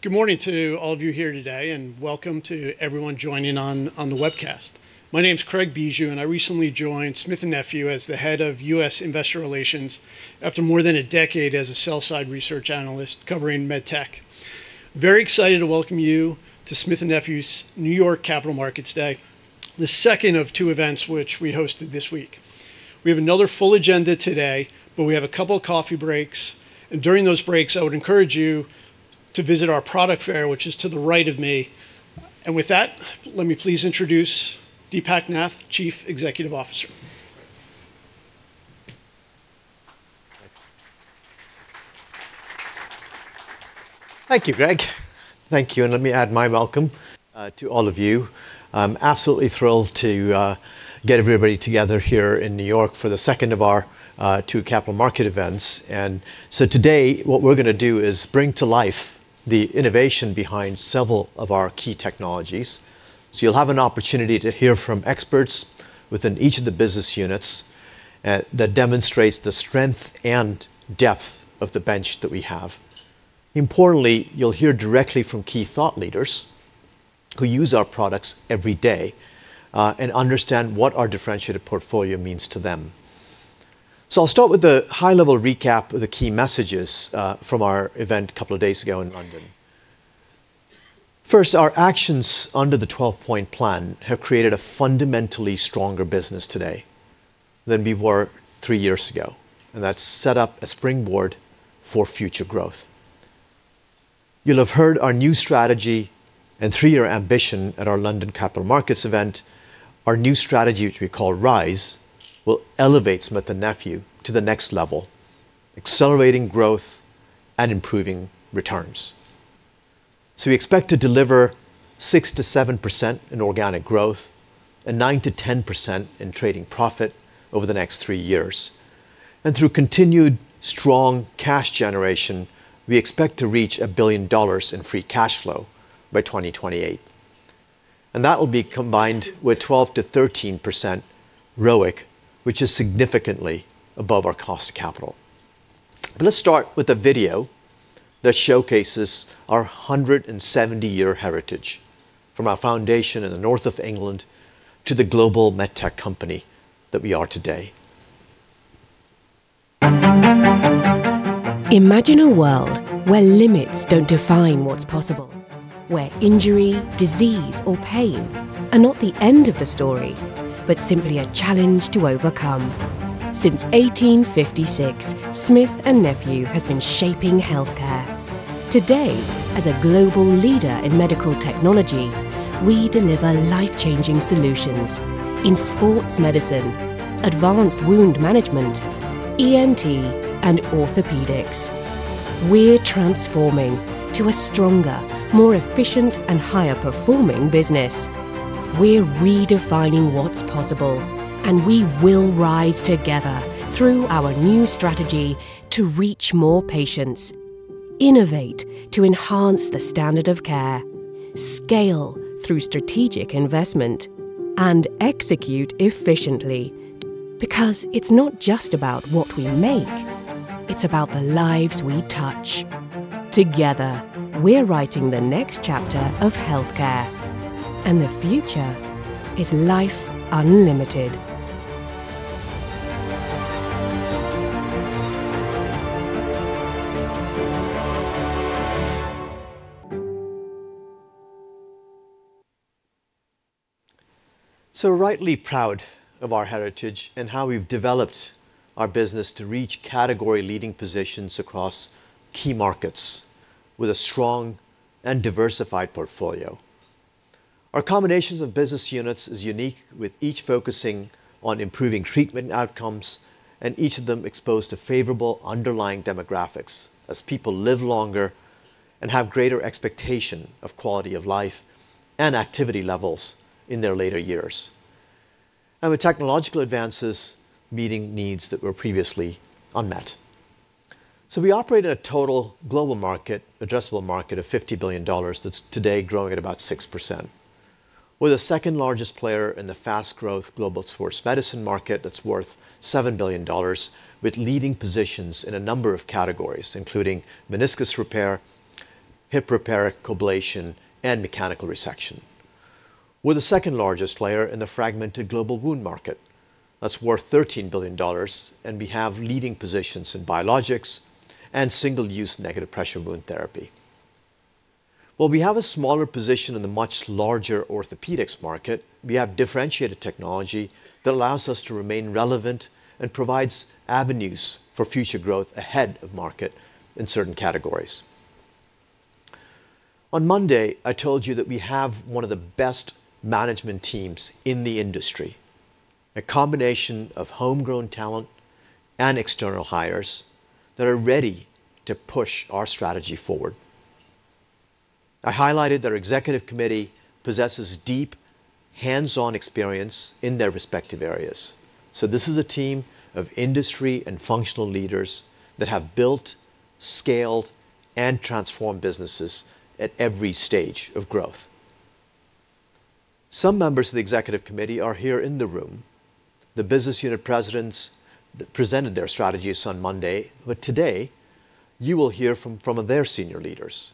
Good morning to all of you here today, and welcome to everyone joining on the webcast. My name is Craig Bijou, and I recently Smith & Nephew as the head of U.S. investor relations after more than a decade as a sell-side research analyst covering MedTech. Very excited to welcome you to Smith & Nephew's New York Capital Markets Day, the second of two events which we hosted this week. We have another full agenda today, but we have a couple of coffee breaks. And during those breaks, I would encourage you to visit our product fair, which is to the right of me. And with that, let me please introduce Deepak Nath, Chief Executive Officer. Thank you, Craig. Thank you. And let me add my welcome to all of you. I'm absolutely thrilled to get everybody together here in New York for the second of our two capital market events. And so today, what we're going to do is bring to life the innovation behind several of our key technologies. So you'll have an opportunity to hear from experts within each of the business units that demonstrates the strength and depth of the bench that we have. Importantly, you'll hear directly from key thought leaders who use our products every day and understand what our differentiated portfolio means to them. So I'll start with a high-level recap of the key messages from our event a couple of days ago in London. First, our actions under the 12-Point Plan have created a fundamentally stronger business today than we were three years ago. That's set up a springboard for future growth. You'll have heard our new strategy and three-year ambition at our London Capital Markets event. Our new strategy, which we call RISE, will elevate Smith & Nephew to the next level, accelerating growth and improving returns. We expect to deliver 6%-7% in organic growth and 9%-10% in trading profit over the next three years. Through continued strong cash generation, we expect to reach $1 billion in free cash flow by 2028. That will be combined with 12%-13% ROIC, which is significantly above our cost capital. Let's start with a video that showcases our 170-year heritage from our foundation in the north of England to the global MedTech company that we are today. Imagine a world where limits don't define what's possible, where injury, disease, or pain are not the end of the story, but simply a challenge to overcome. Since 1856, Smith & Nephew has been shaping healthcare. Today, as a global leader in medical technology, we deliver life-changing solutions in sports medicine, advanced wound management, ENT, and orthopedics. We're transforming to a stronger, more efficient, and higher-performing business. We're redefining what's possible, and we will rise together through our new strategy to reach more patients, innovate to enhance the standard of care, scale through strategic investment, and execute efficiently. Because it's not just about what we make. It's about the lives we touch. Together, we're writing the next chapter of healthcare. And the future is life unlimited. So rightly proud of our heritage and how we've developed our business to reach category-leading positions across key markets with a strong and diversified portfolio. Our combination of business units is unique, with each focusing on improving treatment outcomes, and each of them exposed to favorable underlying demographics, as people live longer and have greater expectation of quality of life and activity levels in their later years. And with technological advances, meeting needs that were previously unmet. So we operate in a total global market, addressable market, of $50 billion that's today growing at about 6%, with a second-largest player in the fast-growth global sports medicine market that's worth $7 billion, with leading positions in a number of categories, including meniscus repair, hip repair, COBLATION, and mechanical resection, with the second-largest player in the fragmented global wound market that's worth $13 billion. We have leading positions in biologics and single-use negative pressure wound therapy. While we have a smaller position in the much larger orthopedics market, we have differentiated technology that allows us to remain relevant and provides avenues for future growth ahead of market in certain categories. On Monday, I told you that we have one of the best management teams in the industry, a combination of homegrown talent and external hires that are ready to push our strategy forward. I highlighted that our executive committee possesses deep hands-on experience in their respective areas. This is a team of industry and functional leaders that have built, scaled, and transformed businesses at every stage of growth. Some members of the executive committee are here in the room. The business unit presidents presented their strategies on Monday. Today, you will hear from some of their senior leaders.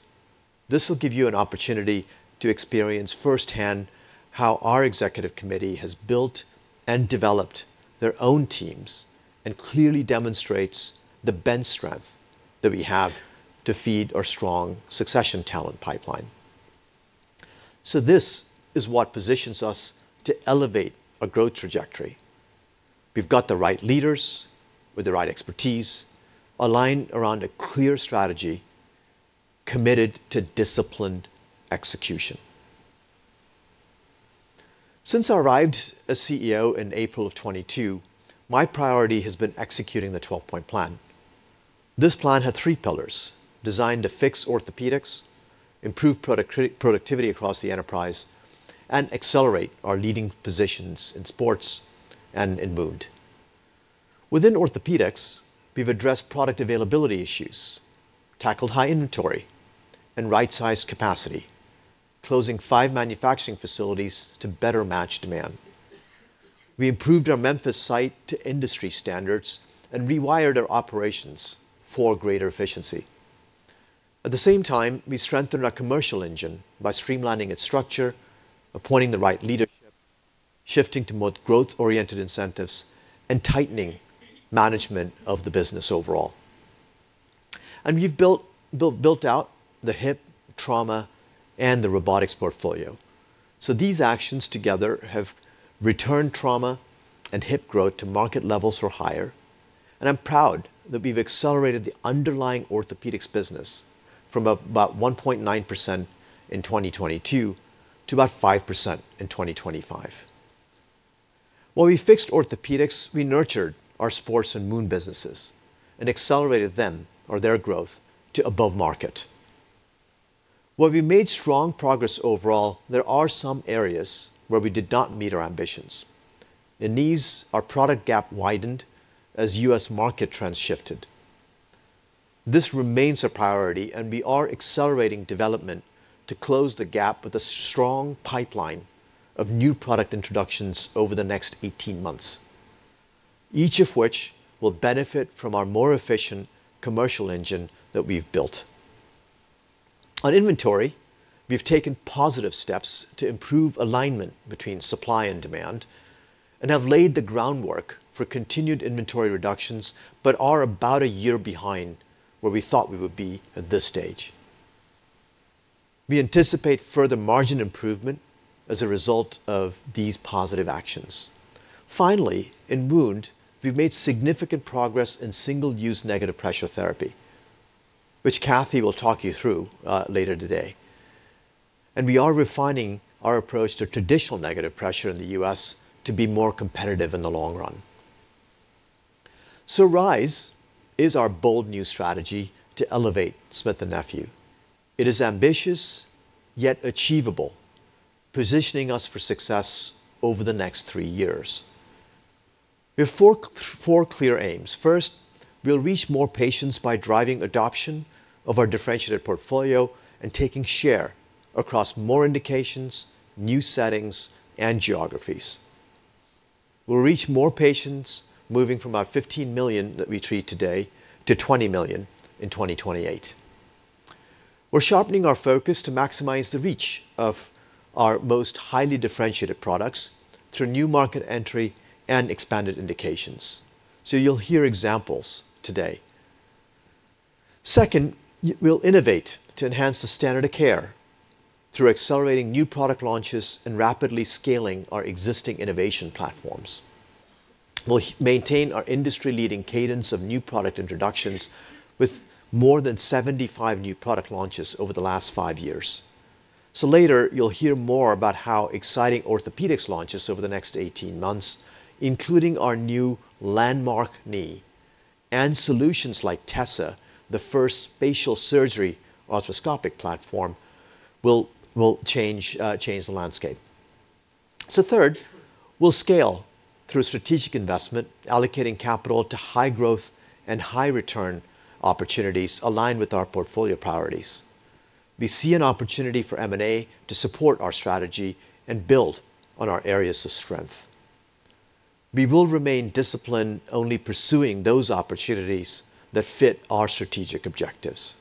This will give you an opportunity to experience firsthand how our executive committee has built and developed their own teams and clearly demonstrates the bench strength that we have to feed our strong succession talent pipeline, so this is what positions us to elevate our growth trajectory. We've got the right leaders with the right expertise aligned around a clear strategy committed to disciplined execution. Since I arrived as CEO in April of 2022, my priority has been executing the 12-Point Plan. This plan had three pillars designed to fix orthopedics, improve productivity across the enterprise, and accelerate our leading positions in sports and in wound. Within orthopedics, we've addressed product availability issues, tackled high inventory, and right-sized capacity, closing five manufacturing facilities to better match demand. We improved our Memphis site to industry standards and rewired our operations for greater efficiency. At the same time, we strengthened our commercial engine by streamlining its structure, appointing the right leadership, shifting to more growth-oriented incentives, and tightening management of the business overall. And we've built out the hip trauma and the robotics portfolio. So these actions together have returned trauma and hip growth to market levels or higher. And I'm proud that we've accelerated the underlying Orthopaedics business from about 1.9% in 2022 to about 5% in 2025. While we fixed Orthopaedics, we nurtured our sports and wound businesses and accelerated them or their growth to above market. While we made strong progress overall, there are some areas where we did not meet our ambitions. In these, our product gap widened as U.S. market trends shifted. This remains a priority, and we are accelerating development to close the gap with a strong pipeline of new product introductions over the next 18 months, each of which will benefit from our more efficient commercial engine that we've built. On inventory, we've taken positive steps to improve alignment between supply and demand and have laid the groundwork for continued inventory reductions, but are about a year behind where we thought we would be at this stage. We anticipate further margin improvement as a result of these positive actions. Finally, in wound, we've made significant progress in single-use negative pressure therapy, which Cathy will talk you through later today. And we are refining our approach to traditional negative pressure in the U.S. to be more competitive in the long run. So RISE is our bold new strategy to elevate Smith & Nephew. It is ambitious, yet achievable, positioning us for success over the next three years. We have four clear aims. First, we'll reach more patients by driving adoption of our differentiated portfolio and taking share across more indications, new settings, and geographies. We'll reach more patients moving from our 15 million that we treat today to 20 million in 2028. We're sharpening our focus to maximize the reach of our most highly differentiated products through new market entry and expanded indications. So you'll hear examples today. Second, we'll innovate to enhance the standard of care through accelerating new product launches and rapidly scaling our existing innovation platforms. We'll maintain our industry-leading cadence of new product introductions with more than 75 new product launches over the last five years. Later, you'll hear more about how exciting orthopedics launches over the next 18 months, including our new landmark knee and solutions like TESSA, the first spatial surgery arthroscopic platform, will change the landscape. Third, we'll scale through strategic investment, allocating capital to high growth and high return opportunities aligned with our portfolio priorities. We see an opportunity for M&A to support our strategy and build on our areas of strength. We will remain disciplined, only pursuing those opportunities that fit our strategic objectives.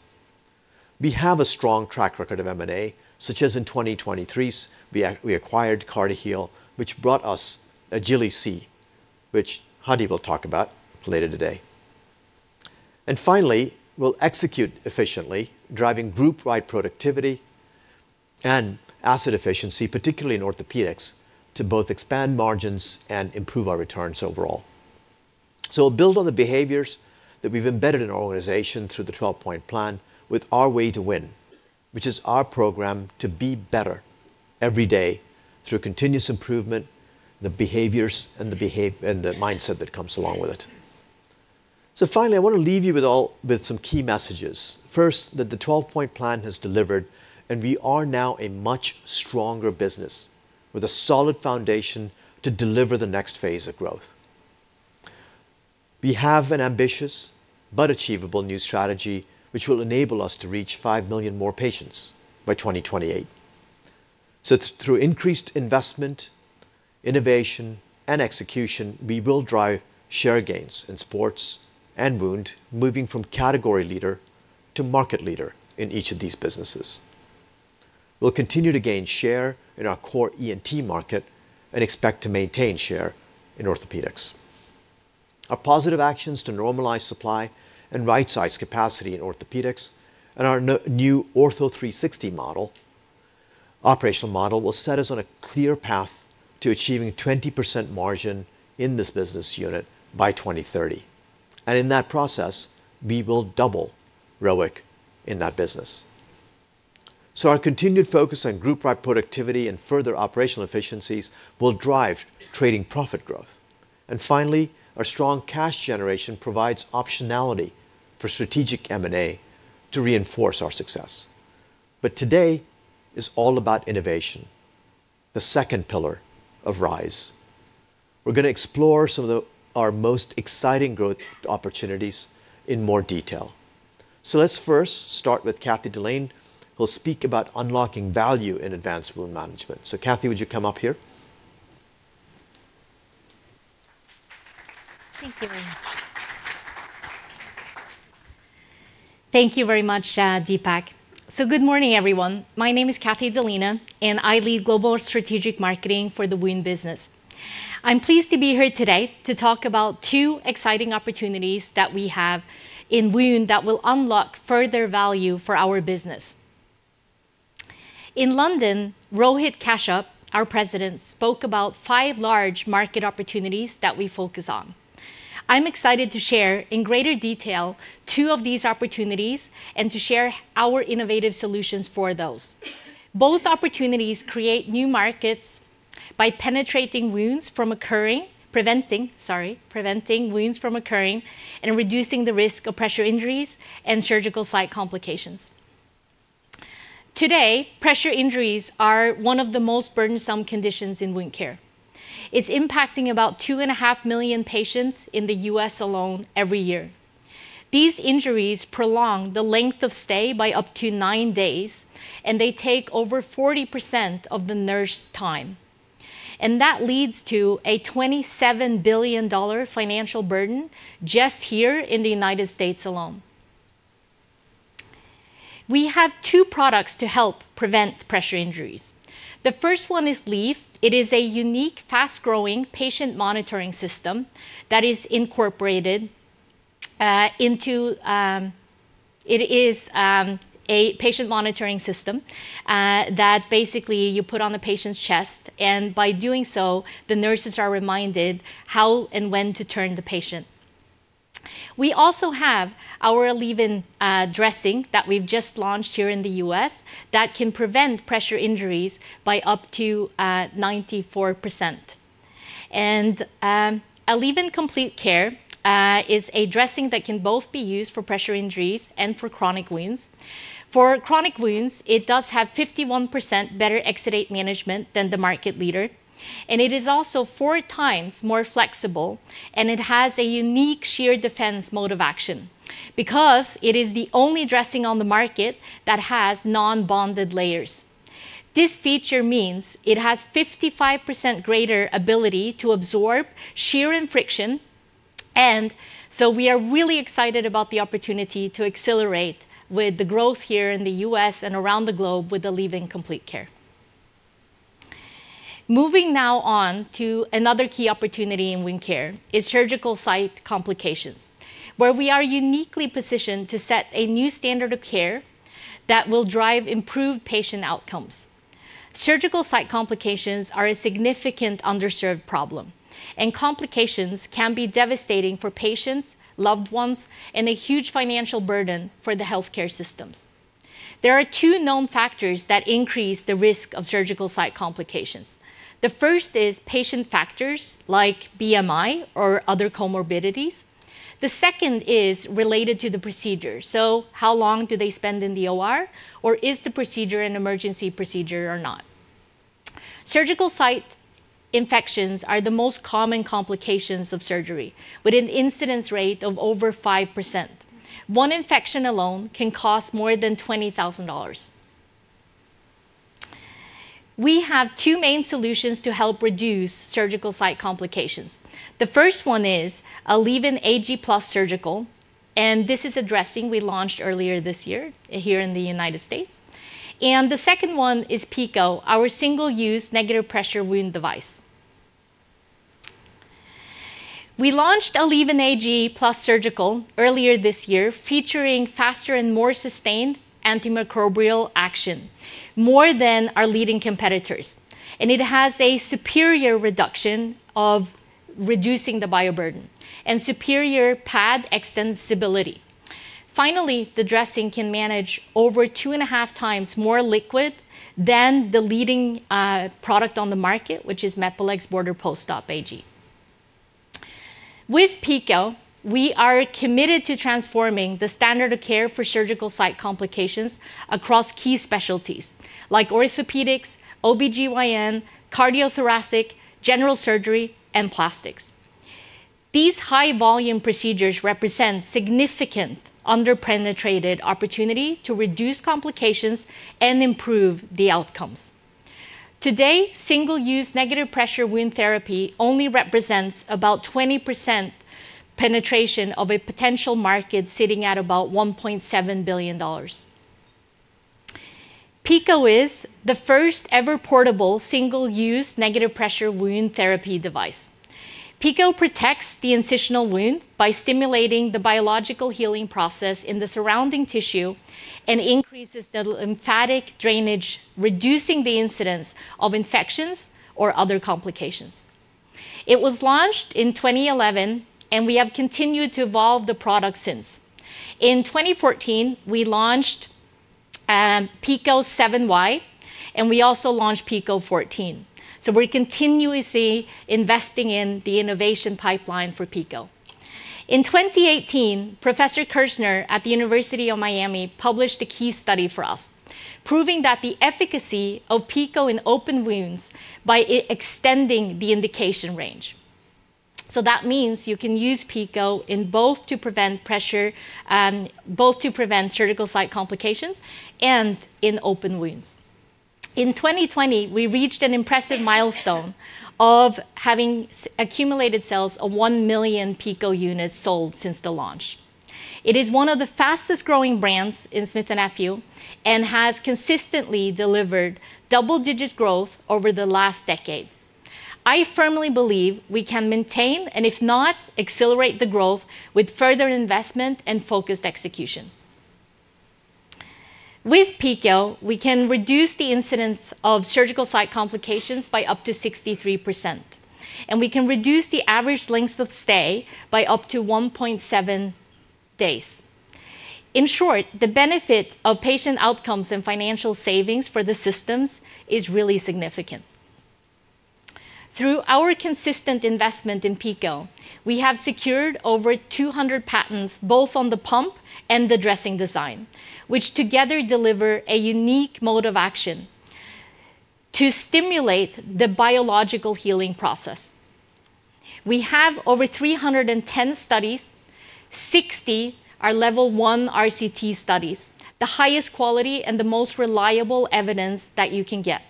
We have a strong track record of M&A, such as in 2023, we acquired CartiHeal, which brought us Agili-C, which Hadi will talk about later today. Finally, we'll execute efficiently, driving group-wide productivity and asset efficiency, particularly in orthopedics, to both expand margins and improve our returns overall. We'll build on the behaviors that we've embedded in our organization through the 12-Point Plan with our Way to Win, which is our program to be better every day through continuous improvement, the behaviors, and the mindset that comes along with it. Finally, I want to leave you with some key messages. First, that the 12-Point Plan has delivered, and we are now a much stronger business with a solid foundation to deliver the next phase of growth. We have an ambitious but achievable new strategy, which will enable us to reach five million more patients by 2028. Through increased investment, innovation, and execution, we will drive share gains in sports and wound, moving from category leader to market leader in each of these businesses. We'll continue to gain share in our core ENT market and expect to maintain share in orthopedics. Our positive actions to normalize supply and right-size capacity in orthopedics and our new Ortho 360 operational model will set us on a clear path to achieving 20% margin in this business unit by 2030, and in that process, we will double ROIC in that business, so our continued focus on group-wide productivity and further operational efficiencies will drive trading profit growth, and finally, our strong cash generation provides optionality for strategic M&A to reinforce our success, but today is all about innovation, the second pillar of RISE. We're going to explore some of our most exciting growth opportunities in more detail, so let's first start with Cathy Dalene, who will speak about unlocking value in advanced wound management. So Cathy, would you come up here? Thank you very much. Thank you very much, Deepak. So good morning, everyone. My name is Cathy Dalene, and I lead global strategic marketing for the wound business. I'm pleased to be here today to talk about two exciting opportunities that we have in wound that will unlock further value for our business. In London, Rohit Kashyap, our president, spoke about five large market opportunities that we focus on. I'm excited to share in greater detail two of these opportunities and to share our innovative solutions for those. Both opportunities create new markets by preventing wounds from occurring and reducing the risk of pressure injuries and surgical site complications. Today, pressure injuries are one of the most burdensome conditions in wound care. It's impacting about 2.5 million patients in the U.S. alone every year. These injuries prolong the length of stay by up to nine days, and they take over 40% of the nurse time. That leads to a $27 billion financial burden just here in the United States alone. We have two products to help prevent pressure injuries. The first one is LEAF. It is a unique, fast-growing patient monitoring system that basically you put on the patient's chest. By doing so, the nurses are reminded how and when to turn the patient. We also have our ALLEVYN dressing that we've just launched here in the U.S. that can prevent pressure injuries by up to 94%. ALLEVYN Life is a dressing that can both be used for pressure injuries and for chronic wounds. For chronic wounds, it does have 51% better exudate management than the market leader. And it is also four times more flexible, and it has a unique shear defense mode of action because it is the only dressing on the market that has non-bonded layers. This feature means it has 55% greater ability to absorb shear and friction. And so we are really excited about the opportunity to accelerate with the growth here in the U.S. and around the globe with ALLEVYN Complete Care. Moving now on to another key opportunity in wound care is surgical site complications, where we are uniquely positioned to set a new standard of care that will drive improved patient outcomes. Surgical site complications are a significant underserved problem, and complications can be devastating for patients, loved ones, and a huge financial burden for the healthcare systems. There are two known factors that increase the risk of surgical site complications. The first is patient factors like BMI or other comorbidities. The second is related to the procedure, so how long do they spend in the OR, or is the procedure an emergency procedure or not? Surgical site infections are the most common complications of surgery, with an incidence rate of over 5%. One infection alone can cost more than $20,000. We have two main solutions to help reduce surgical site complications. The first one is ALLEVYN Ag+ SURGICAL, and this is a dressing we launched earlier this year here in the United States, and the second one is PICO, our single-use negative pressure wound device. We launched ALLEVYN Ag+ SURGICAL earlier this year, featuring faster and more sustained antimicrobial action, more than our leading competitors, and it has a superior reduction of reducing the bioburden and superior pad extensibility. Finally, the dressing can manage over two and a half times more liquid than the leading product on the market, which is Mepilex Border Post-Op Ag. With PICO, we are committed to transforming the standard of care for surgical site complications across key specialties like orthopedics, OB-GYN, cardiothoracic, general surgery, and plastics. These high-volume procedures represent significant under-penetrated opportunity to reduce complications and improve the outcomes. Today, single-use negative pressure wound therapy only represents about 20% penetration of a potential market sitting at about $1.7 billion. PICO is the first ever portable single-use negative pressure wound therapy device. PICO protects the incisional wound by stimulating the biological healing process in the surrounding tissue and increases the lymphatic drainage, reducing the incidence of infections or other complications. It was launched in 2011, and we have continued to evolve the product since. In 2014, we launched PICO 7Y, and we also launched PICO 14. So we're continuously investing in the innovation pipeline for PICO. In 2018, Professor Kirsner at the University of Miami published a key study for us, proving that the efficacy of PICO in open wounds by extending the indication range. So that means you can use PICO in both to prevent pressure, both to prevent surgical site complications, and in open wounds. In 2020, we reached an impressive milestone of having accumulated sales of one million PICO units sold since the launch. It is one of the fastest-growing brands in Smith & Nephew and has consistently delivered double-digit growth over the last decade. I firmly believe we can maintain and, if not, accelerate the growth with further investment and focused execution. With PICO, we can reduce the incidence of surgical site complications by up to 63%, and we can reduce the average length of stay by up to 1.7 days. In short, the benefit of patient outcomes and financial savings for the systems is really significant. Through our consistent investment in PICO, we have secured over 200 patents, both on the pump and the dressing design, which together deliver a unique mode of action to stimulate the biological healing process. We have over 310 studies. 60 are level one RCT studies, the highest quality and the most reliable evidence that you can get.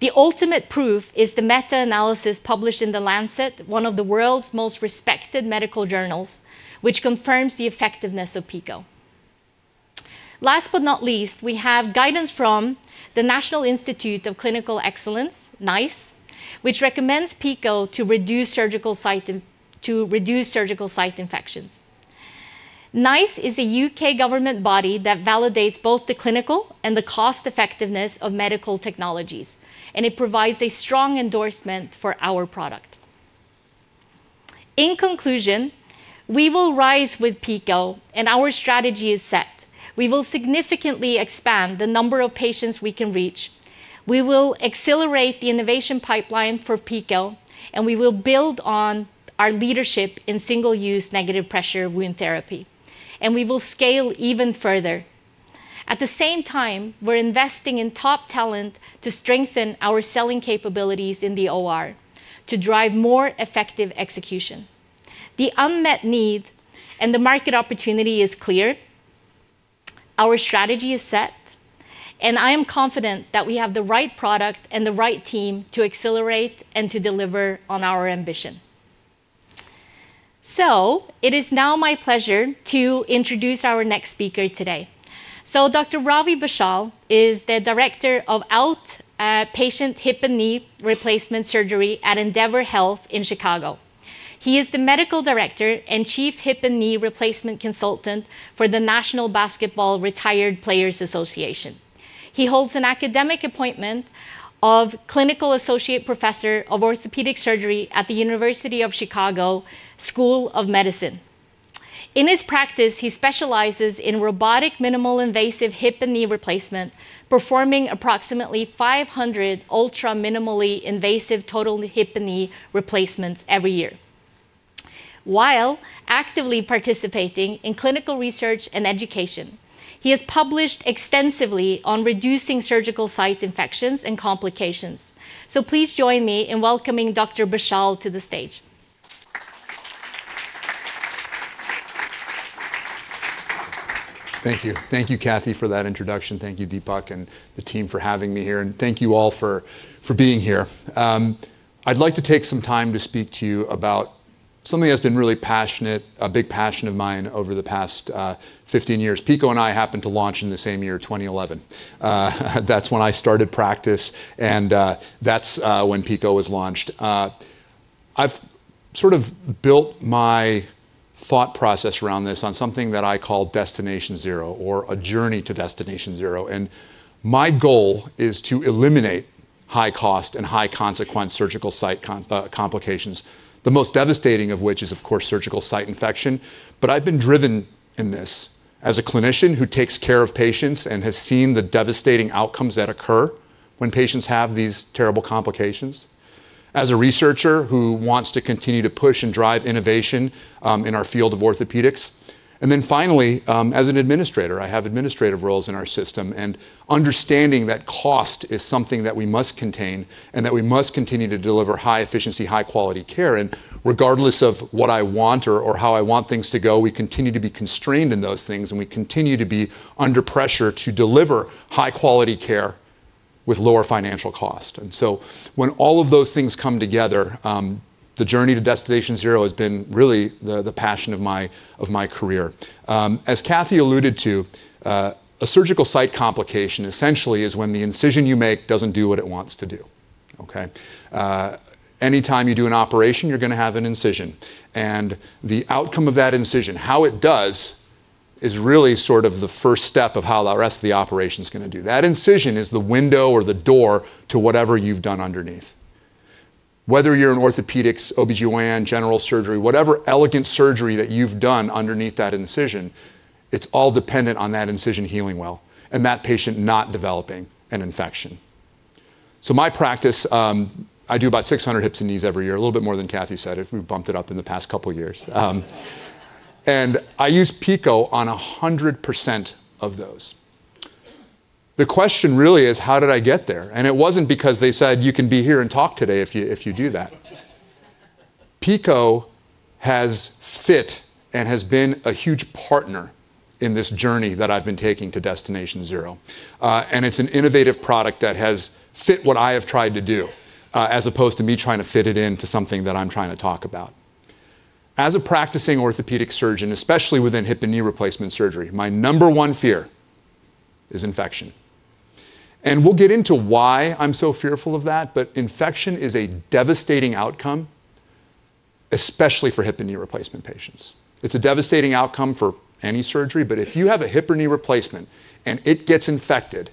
The ultimate proof is the meta-analysis published in The Lancet, one of the world's most respected medical journals, which confirms the effectiveness of PICO. Last but not least, we have guidance from the National Institute for Health and Care Excellence, NICE, which recommends PICO to reduce surgical site infections. NICE is a U.K. government body that validates both the clinical and the cost-effectiveness of medical technologies, and it provides a strong endorsement for our product. In conclusion, we will rise with PICO, and our strategy is set. We will significantly expand the number of patients we can reach. We will accelerate the innovation pipeline for PICO, and we will build on our leadership in single-use negative pressure wound therapy, and we will scale even further. At the same time, we're investing in top talent to strengthen our selling capabilities in the OR to drive more effective execution. The unmet need and the market opportunity is clear. Our strategy is set, and I am confident that we have the right product and the right team to accelerate and to deliver on our ambition, so it is now my pleasure to introduce our next speaker today. So Dr. Ravi Bashyal is the Director of Outpatient Hip and Knee Replacement Surgery at Endeavor Health in Chicago. He is the Medical Director and Chief Hip and Knee Replacement Consultant for the National Basketball Retired Players Association. He holds an academic appointment of Clinical Associate Professor of Orthopedic Surgery at the University of Chicago School of Medicine. In his practice, he specializes in robotic minimally invasive hip and knee replacement, performing approximately 500 ultra minimally invasive total hip and knee replacements every year, while actively participating in clinical research and education. He has published extensively on reducing surgical site infections and complications. So please join me in welcoming Dr. Bashyal to the stage. Thank you. Thank you, Cathy, for that introduction. Thank you, Deepak and the team for having me here, and thank you all for being here. I'd like to take some time to speak to you about something that's been really passionate, a big passion of mine over the past 15 years. PICO and I happened to launch in the same year, 2011. That's when I started practice, and that's when PICO was launched. I've sort of built my thought process around this on something that I call Destination Zero or a JOURNEY to Destination Zero, and my goal is to eliminate high-cost and high-consequence surgical site complications, the most devastating of which is, of course, surgical site infection. But I've been driven in this as a clinician who takes care of patients and has seen the devastating outcomes that occur when patients have these terrible complications, as a researcher who wants to continue to push and drive innovation in our field of orthopedics, and then finally, as an administrator, I have administrative roles in our system, and understanding that cost is something that we must contain and that we must continue to deliver high-efficiency, high-quality care, and regardless of what I want or how I want things to go, we continue to be constrained in those things, and we continue to be under pressure to deliver high-quality care with lower financial cost, and so when all of those things come together, the JOURNEY to Destination Zero has been really the passion of my career. As Cathy alluded to, a surgical site complication essentially is when the incision you make doesn't do what it wants to do. Anytime you do an operation, you're going to have an incision. And the outcome of that incision, how it does, is really sort of the first step of how the rest of the operation is going to do. That incision is the window or the door to whatever you've done underneath. Whether you're in orthopedics, OB-GYN, general surgery, whatever elegant surgery that you've done underneath that incision, it's all dependent on that incision healing well and that patient not developing an infection. So my practice, I do about 600 hips and knees every year, a little bit more than Cathy said. We've bumped it up in the past couple of years. And I use PICO on 100% of those. The question really is, how did I get there? It wasn't because they said, "You can be here and talk today if you do that." PICO has fit and has been a huge partner in this JOURNEY that I've been taking to Destination Zero. It's an innovative product that has fit what I have tried to do as opposed to me trying to fit it into something that I'm trying to talk about. As a practicing orthopedic surgeon, especially within hip and knee replacement surgery, my number one fear is infection. We'll get into why I'm so fearful of that, but infection is a devastating outcome, especially for hip and knee replacement patients. It's a devastating outcome for any surgery, but if you have a hip or knee replacement and it gets infected,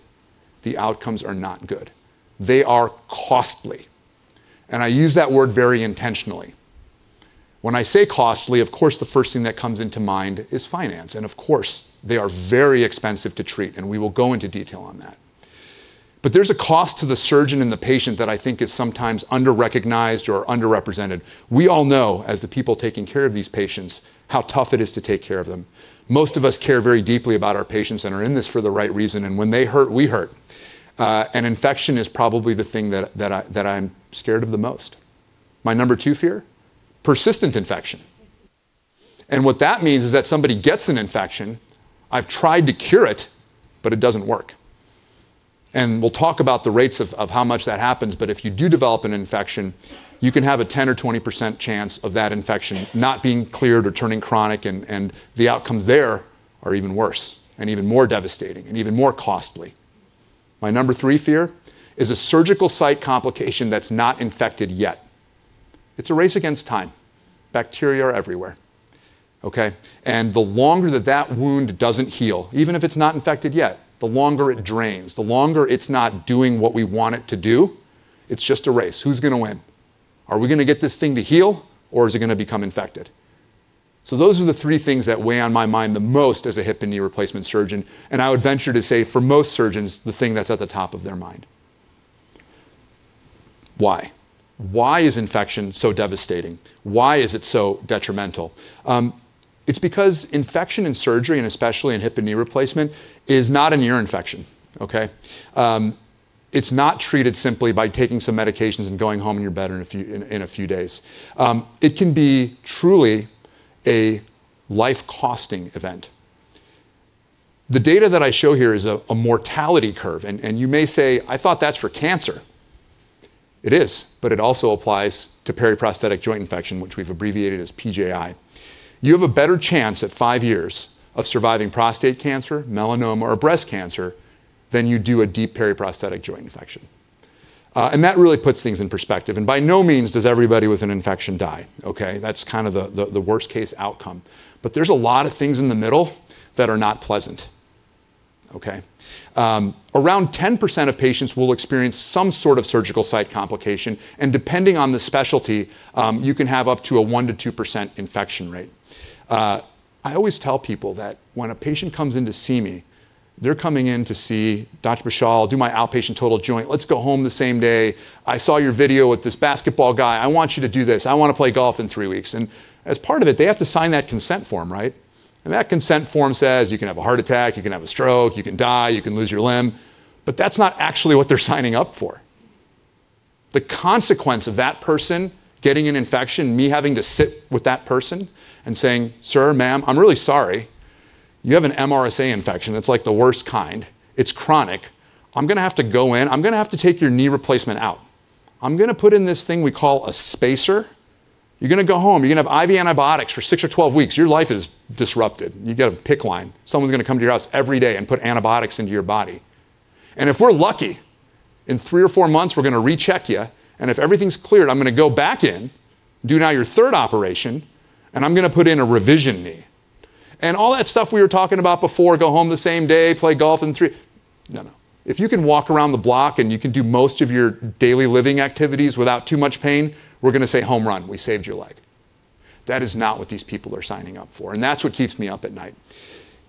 the outcomes are not good. They are costly. I use that word very intentionally. When I say costly, of course, the first thing that comes into mind is finance. And of course, they are very expensive to treat, and we will go into detail on that. But there's a cost to the surgeon and the patient that I think is sometimes under-recognized or underrepresented. We all know, as the people taking care of these patients, how tough it is to take care of them. Most of us care very deeply about our patients and are in this for the right reason. And when they hurt, we hurt. And infection is probably the thing that I'm scared of the most. My number two fear? Persistent infection. And what that means is that somebody gets an infection, I've tried to cure it, but it doesn't work. We'll talk about the rates of how much that happens, but if you do develop an infection, you can have a 10% or 20% chance of that infection not being cleared or turning chronic, and the outcomes there are even worse and even more devastating and even more costly. My number three fear is a surgical site complication that's not infected yet. It's a race against time. Bacteria are everywhere. And the longer that that wound doesn't heal, even if it's not infected yet, the longer it drains, the longer it's not doing what we want it to do, it's just a race. Who's going to win? Are we going to get this thing to heal, or is it going to become infected? So those are the three things that weigh on my mind the most as a hip and knee replacement surgeon. I would venture to say, for most surgeons, the thing that's at the top of their mind. Why? Why is infection so devastating? Why is it so detrimental? It's because infection in surgery, and especially in hip and knee replacement, is not a near infection. It's not treated simply by taking some medications and going home and you're better in a few days. It can be truly a life-costing event. The data that I show here is a mortality curve. You may say, "I thought that's for cancer." It is, but it also applies to periprosthetic joint infection, which we've abbreviated as PJI. You have a better chance at five years of surviving prostate cancer, melanoma, or breast cancer than you do a deep periprosthetic joint infection. That really puts things in perspective. By no means does everybody with an infection die. That's kind of the worst-case outcome. But there's a lot of things in the middle that are not pleasant. Around 10% of patients will experience some sort of surgical site complication. And depending on the specialty, you can have up to a 1%-2% infection rate. I always tell people that when a patient comes in to see me, they're coming in to see Dr. Bashyal, do my outpatient total joint. Let's go home the same day. I saw your video with this basketball guy. I want you to do this. I want to play golf in three weeks. And as part of it, they have to sign that consent form. And that consent form says, "You can have a heart attack. You can have a stroke. You can die. You can lose your limb." But that's not actually what they're signing up for. The consequence of that person getting an infection, me having to sit with that person and saying, "Sir, ma'am, I'm really sorry. You have an MRSA infection. It's like the worst kind. It's chronic. I'm going to have to go in. I'm going to have to take your knee replacement out. I'm going to put in this thing we call a spacer. You're going to go home. You're going to have IV antibiotics for six or 12 weeks. Your life is disrupted. You get a PICC line. Someone's going to come to your house every day and put antibiotics into your body. And if we're lucky, in three or four months, we're going to recheck you. And if everything's cleared, I'm going to go back in, do now your third operation, and I'm going to put in a revision knee." And all that stuff we were talking about before, go home the same day, play golf in three. No, no. If you can walk around the block and you can do most of your daily living activities without too much pain, we're going to say, "Home run. We saved your leg." That is not what these people are signing up for. And that's what keeps me up at night.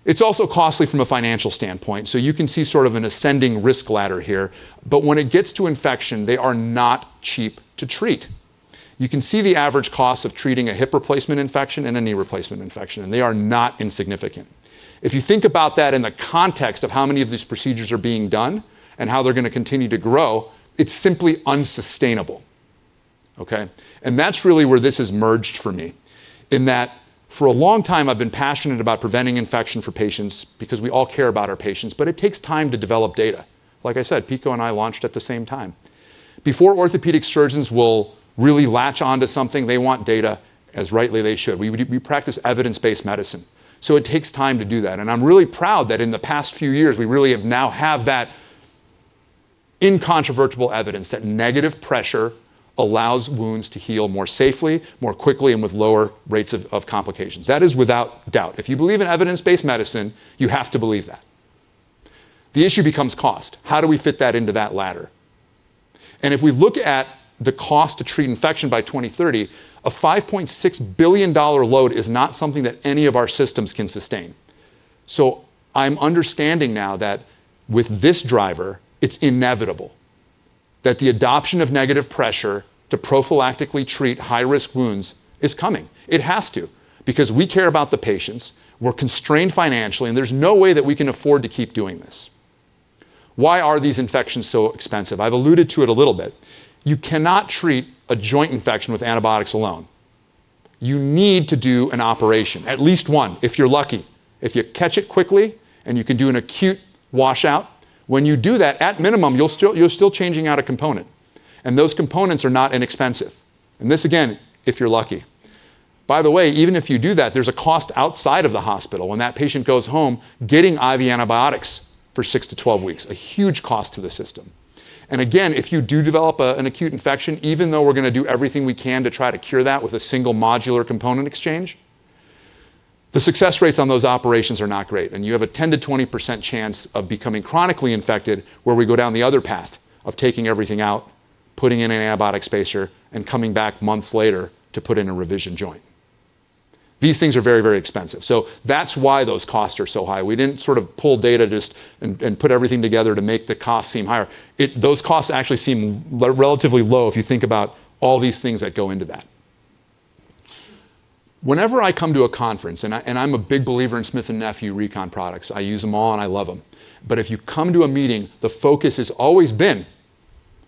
It's also costly from a financial standpoint. So you can see sort of an ascending risk ladder here. But when it gets to infection, they are not cheap to treat. You can see the average cost of treating a hip replacement infection and a knee replacement infection, and they are not insignificant. If you think about that in the context of how many of these procedures are being done and how they're going to continue to grow, it's simply unsustainable, and that's really where this has merged for me in that for a long time, I've been passionate about preventing infection for patients because we all care about our patients, but it takes time to develop data. Like I said, PICO and I launched at the same time. Before orthopedic surgeons will really latch onto something, they want data as rightly they should. We practice evidence-based medicine, so it takes time to do that, and I'm really proud that in the past few years, we really now have that incontrovertible evidence that negative pressure allows wounds to heal more safely, more quickly, and with lower rates of complications. That is without doubt. If you believe in evidence-based medicine, you have to believe that. The issue becomes cost. How do we fit that into that ladder? And if we look at the cost to treat infection by 2030, a $5.6 billion load is not something that any of our systems can sustain. So I'm understanding now that with this driver, it's inevitable that the adoption of negative pressure to prophylactically treat high-risk wounds is coming. It has to because we care about the patients. We're constrained financially, and there's no way that we can afford to keep doing this. Why are these infections so expensive? I've alluded to it a little bit. You cannot treat a joint infection with antibiotics alone. You need to do an operation, at least one, if you're lucky. If you catch it quickly and you can do an acute washout, when you do that, at minimum, you're still changing out a component. And those components are not inexpensive. And this, again, if you're lucky. By the way, even if you do that, there's a cost outside of the hospital when that patient goes home getting IV antibiotics for six to 12 weeks, a huge cost to the system. And again, if you do develop an acute infection, even though we're going to do everything we can to try to cure that with a single modular component exchange, the success rates on those operations are not great. And you have a 10%-20% chance of becoming chronically infected where we go down the other path of taking everything out, putting in an antibiotic spacer, and coming back months later to put in a revision joint. These things are very, very expensive. So that's why those costs are so high. We didn't sort of pull data and put everything together to make the costs seem higher. Those costs actually seem relatively low if you think about all these things that go into that. Whenever I come to a conference, and I'm a big believer in Smith & Nephew Recon products. I use them all, and I love them. But if you come to a meeting, the focus has always been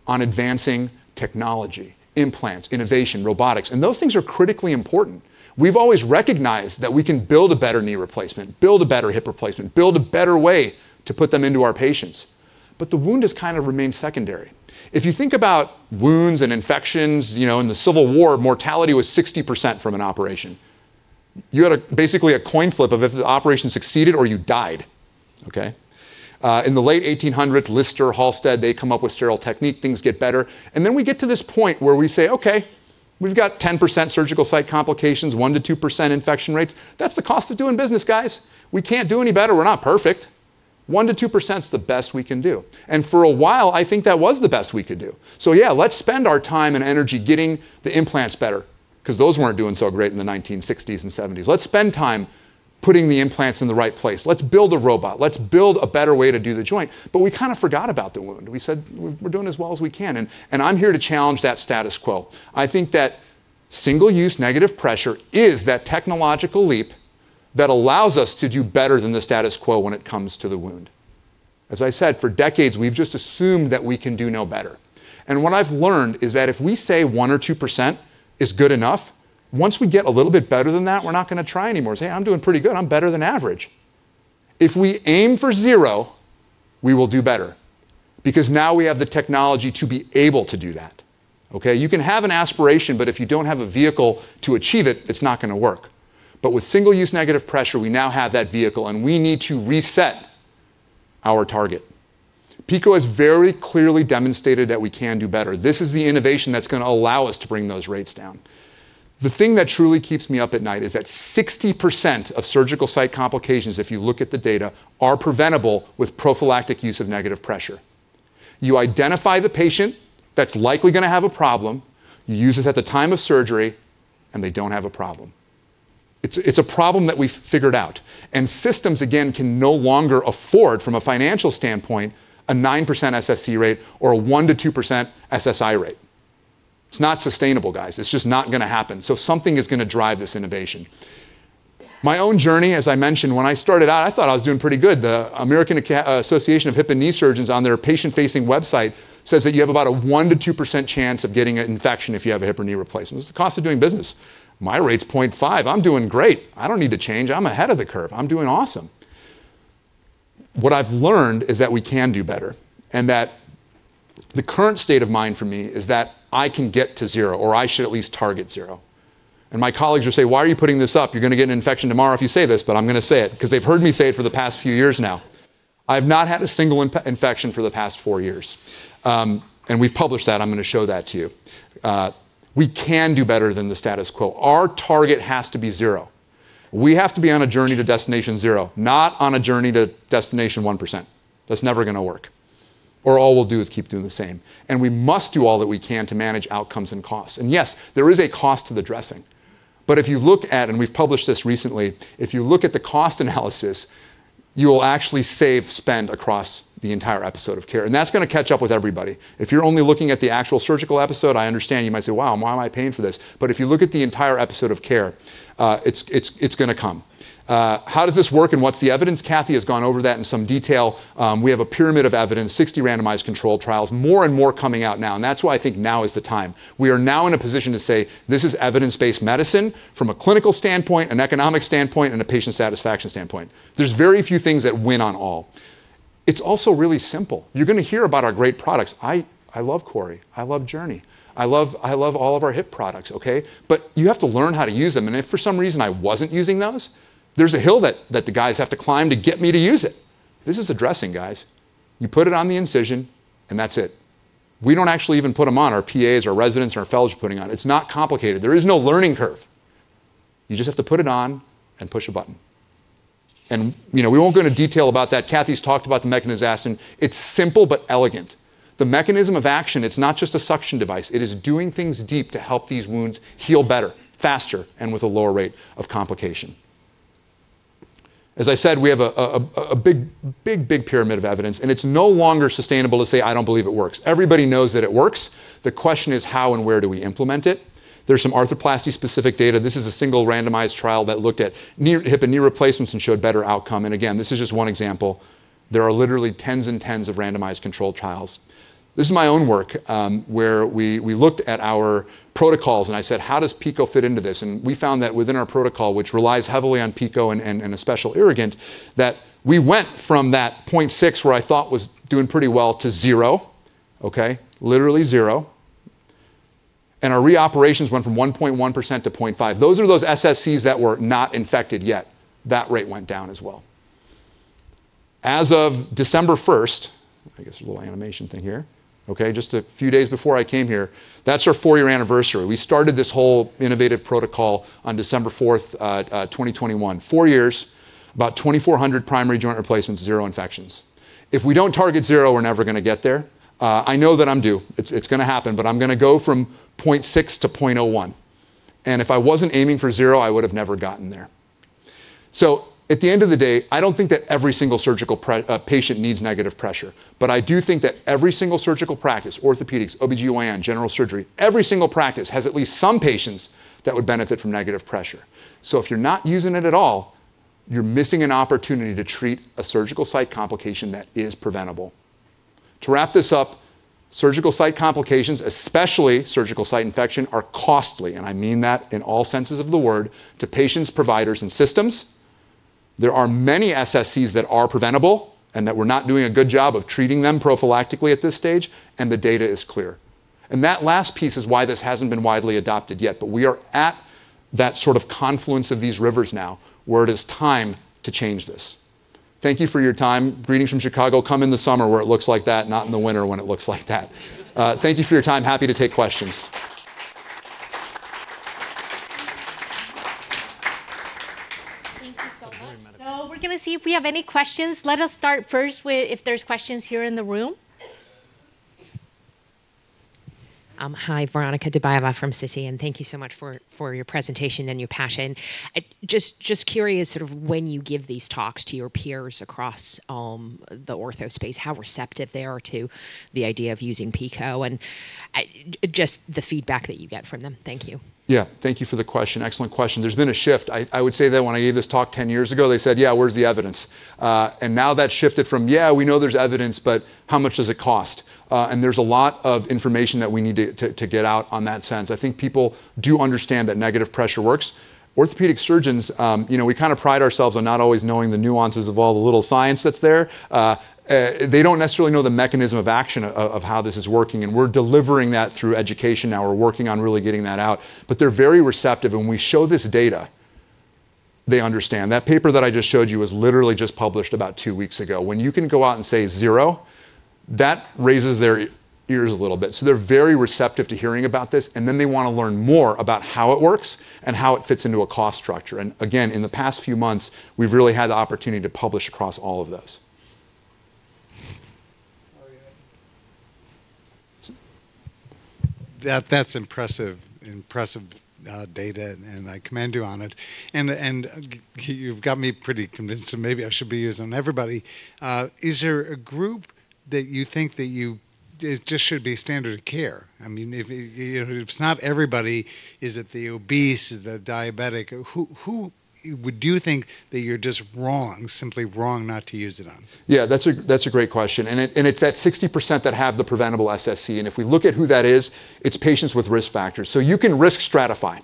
on advancing technology, implants, innovation, robotics. And those things are critically important. We've always recognized that we can build a better knee replacement, build a better hip replacement, build a better way to put them into our patients. But the wound has kind of remained secondary. If you think about wounds and infections in the Civil War, mortality was 60% from an operation. You had basically a coin flip of if the operation succeeded or you died. In the late 1800s, Lister, Halsted, they come up with sterile technique. Things get better, and then we get to this point where we say, "Okay, we've got 10% surgical site complications, 1-2% infection rates. That's the cost of doing business, guys. We can't do any better. We're not perfect. 1-2%'s the best we can do." And for a while, I think that was the best we could do, so yeah, let's spend our time and energy getting the implants better because those weren't doing so great in the 1960s and 1970s. Let's spend time putting the implants in the right place. Let's build a robot. Let's build a better way to do the joint, but we kind of forgot about the wound. We said, "We're doing as well as we can," and I'm here to challenge that status quo. I think that single-use negative pressure is that technological leap that allows us to do better than the status quo when it comes to the wound. As I said, for decades, we've just assumed that we can do no better, and what I've learned is that if we say 1% or 2% is good enough, once we get a little bit better than that, we're not going to try anymore. Say, "I'm doing pretty good. I'm better than average." If we aim for zero, we will do better because now we have the technology to be able to do that. You can have an aspiration, but if you don't have a vehicle to achieve it, it's not going to work. With single-use negative pressure, we now have that vehicle, and we need to reset our target. PICO has very clearly demonstrated that we can do better. This is the innovation that's going to allow us to bring those rates down. The thing that truly keeps me up at night is that 60% of surgical site complications, if you look at the data, are preventable with prophylactic use of negative pressure. You identify the patient that's likely going to have a problem. You use this at the time of surgery, and they don't have a problem. It's a problem that we've figured out. And systems, again, can no longer afford, from a financial standpoint, a 9% SSC rate or a 1%-2% SSI rate. It's not sustainable, guys. It's just not going to happen. So something is going to drive this innovation. My own JOURNEY, as I mentioned, when I started out, I thought I was doing pretty good. The American Association of Hip and Knee Surgeons, on their patient-facing website, says that you have about a 1%-2% chance of getting an infection if you have a hip or knee replacement. It's the cost of doing business. My rate's 0.5%. I'm doing great. I don't need to change. I'm ahead of the curve. I'm doing awesome. What I've learned is that we can do better and that the current state of mind for me is that I can get to zero or I should at least target zero. My colleagues will say, "Why are you putting this up? You're going to get an infection tomorrow if you say this," but I'm going to say it because they've heard me say it for the past few years now. I have not had a single infection for the past four years, and we've published that. I'm going to show that to you. We can do better than the status quo. Our target has to be zero. We have to be on a JOURNEY to destination zero, not on a JOURNEY to destination 1%. That's never going to work, or all we'll do is keep doing the same, and we must do all that we can to manage outcomes and costs, and yes, there is a cost to the dressing. But if you look at, and we've published this recently, if you look at the cost analysis, you will actually save spend across the entire episode of care, and that's going to catch up with everybody. If you're only looking at the actual surgical episode, I understand you might say, "Wow, why am I paying for this?" But if you look at the entire episode of care, it's going to come. How does this work and what's the evidence? Cathy has gone over that in some detail. We have a pyramid of evidence, 60 randomized controlled trials, more and more coming out now. And that's why I think now is the time. We are now in a position to say, "This is evidence-based medicine from a clinical standpoint, an economic standpoint, and a patient satisfaction standpoint." There's very few things that win on all. It's also really simple. You're going to hear about our great products. I love CORI. I love JOURNEY. I love all of our hip products. But you have to learn how to use them. And if for some reason I wasn't using those, there's a hill that the guys have to climb to get me to use it. This is a dressing, guys. You put it on the incision, and that's it. We don't actually even put them on. Our PAs, our residents, and our fellows are putting on. It's not complicated. There is no learning curve. You just have to put it on and push a button. And we won't go into detail about that. Cathy's talked about the mechanism. It's simple but elegant. The mechanism of action, it's not just a suction device. It is doing things deep to help these wounds heal better, faster, and with a lower rate of complication. As I said, we have a big, big, big pyramid of evidence, and it's no longer sustainable to say, "I don't believe it works." Everybody knows that it works. The question is, how and where do we implement it? There's some arthroplasty-specific data. This is a single randomized trial that looked at hip and knee replacements and showed better outcome. And again, this is just one example. There are literally tens and tens of randomized controlled trials. This is my own work where we looked at our protocols, and I said, "How does PICO fit into this?" And we found that within our protocol, which relies heavily on PICO and a special irrigant, that we went from that 0.6 where I thought was doing pretty well to zero, literally zero. And our re-operations went from 1.1% to 0.5%. Those are those SSCs that were not infected yet. That rate went down as well. As of December first I guess a little animation thing here, just a few days before I came here, that's our four-year anniversary. We started this whole innovative protocol on December fourth, 2021. Four years, about 2,400 primary joint replacements, zero infections. If we don't target zero, we're never going to get there. I know that I'm due. It's going to happen, but I'm going to go from 0.6 to 0.01. And if I wasn't aiming for zero, I would have never gotten there. So at the end of the day, I don't think that every single surgical patient needs negative pressure. But I do think that every single surgical practice, orthopedics, OB-GYN, general surgery, every single practice has at least some patients that would benefit from negative pressure. So if you're not using it at all, you're missing an opportunity to treat a surgical site complication that is preventable. To wrap this up, surgical site complications, especially surgical site infection, are costly. And I mean that in all senses of the word to patients, providers, and systems. There are many SSCs that are preventable and that we're not doing a good job of treating them prophylactically at this stage, and the data is clear. And that last piece is why this hasn't been widely adopted yet. But we are at that sort of confluence of these rivers now where it is time to change this. Thank you for your time. Greetings from Chicago. Come in the summer where it looks like that, not in the winter when it looks like that. Thank you for your time. Happy to take questions. Thank you so much. So we're going to see if we have any questions. Let us start first with if there's questions here in the room. Hi, Veronika Dubajova from Citi. And thank you so much for your presentation and your passion. Just curious sort of when you give these talks to your peers across the Ortho space, how receptive they are to the idea of using PICO and just the feedback that you get from them. Thank you. Yeah, thank you for the question. Excellent question. There's been a shift. I would say that when I gave this talk 10 years ago, they said, "Yeah, where's the evidence?" And now that's shifted from, "Yeah, we know there's evidence, but how much does it cost?" And there's a lot of information that we need to get out on that sense. I think people do understand that negative pressure works. Orthopedic surgeons, we kind of pride ourselves on not always knowing the nuances of all the little science that's there. They don't necessarily know the mechanism of action of how this is working. And we're delivering that through education now. We're working on really getting that out. But they're very receptive. And when we show this data, they understand. That paper that I just showed you was literally just published about two weeks ago. When you can go out and say zero, that raises their ears a little bit. So they're very receptive to hearing about this. And then they want to learn more about how it works and how it fits into a cost structure. And again, in the past few months, we've really had the opportunity to publish across all of those. That's impressive data, and I commend you on it. And you've got me pretty convinced that maybe I should be using everybody. Is there a group that you think that you just should be standard of care? I mean, if not everybody is it the obese, the diabetic, who would you think that you're just wrong, simply wrong not to use it on? Yeah, that's a great question. And it's that 60% that have the preventable SSC. And if we look at who that is, it's patients with risk factors. So you can risk stratify.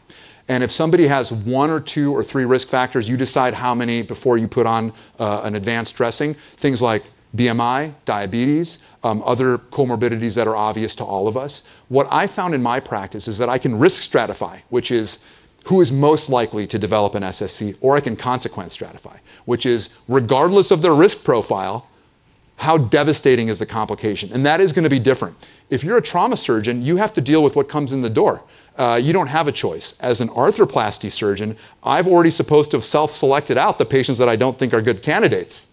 And if somebody has one or two or three risk factors, you decide how many before you put on an advanced dressing, things like BMI, diabetes, other comorbidities that are obvious to all of us. What I found in my practice is that I can risk stratify, which is who is most likely to develop an SSC, or I can consequence stratify, which is regardless of their risk profile, how devastating is the complication. And that is going to be different. If you're a trauma surgeon, you have to deal with what comes in the door. You don't have a choice. As an arthroplasty surgeon, I'm already supposed to have self-selected out the patients that I don't think are good candidates.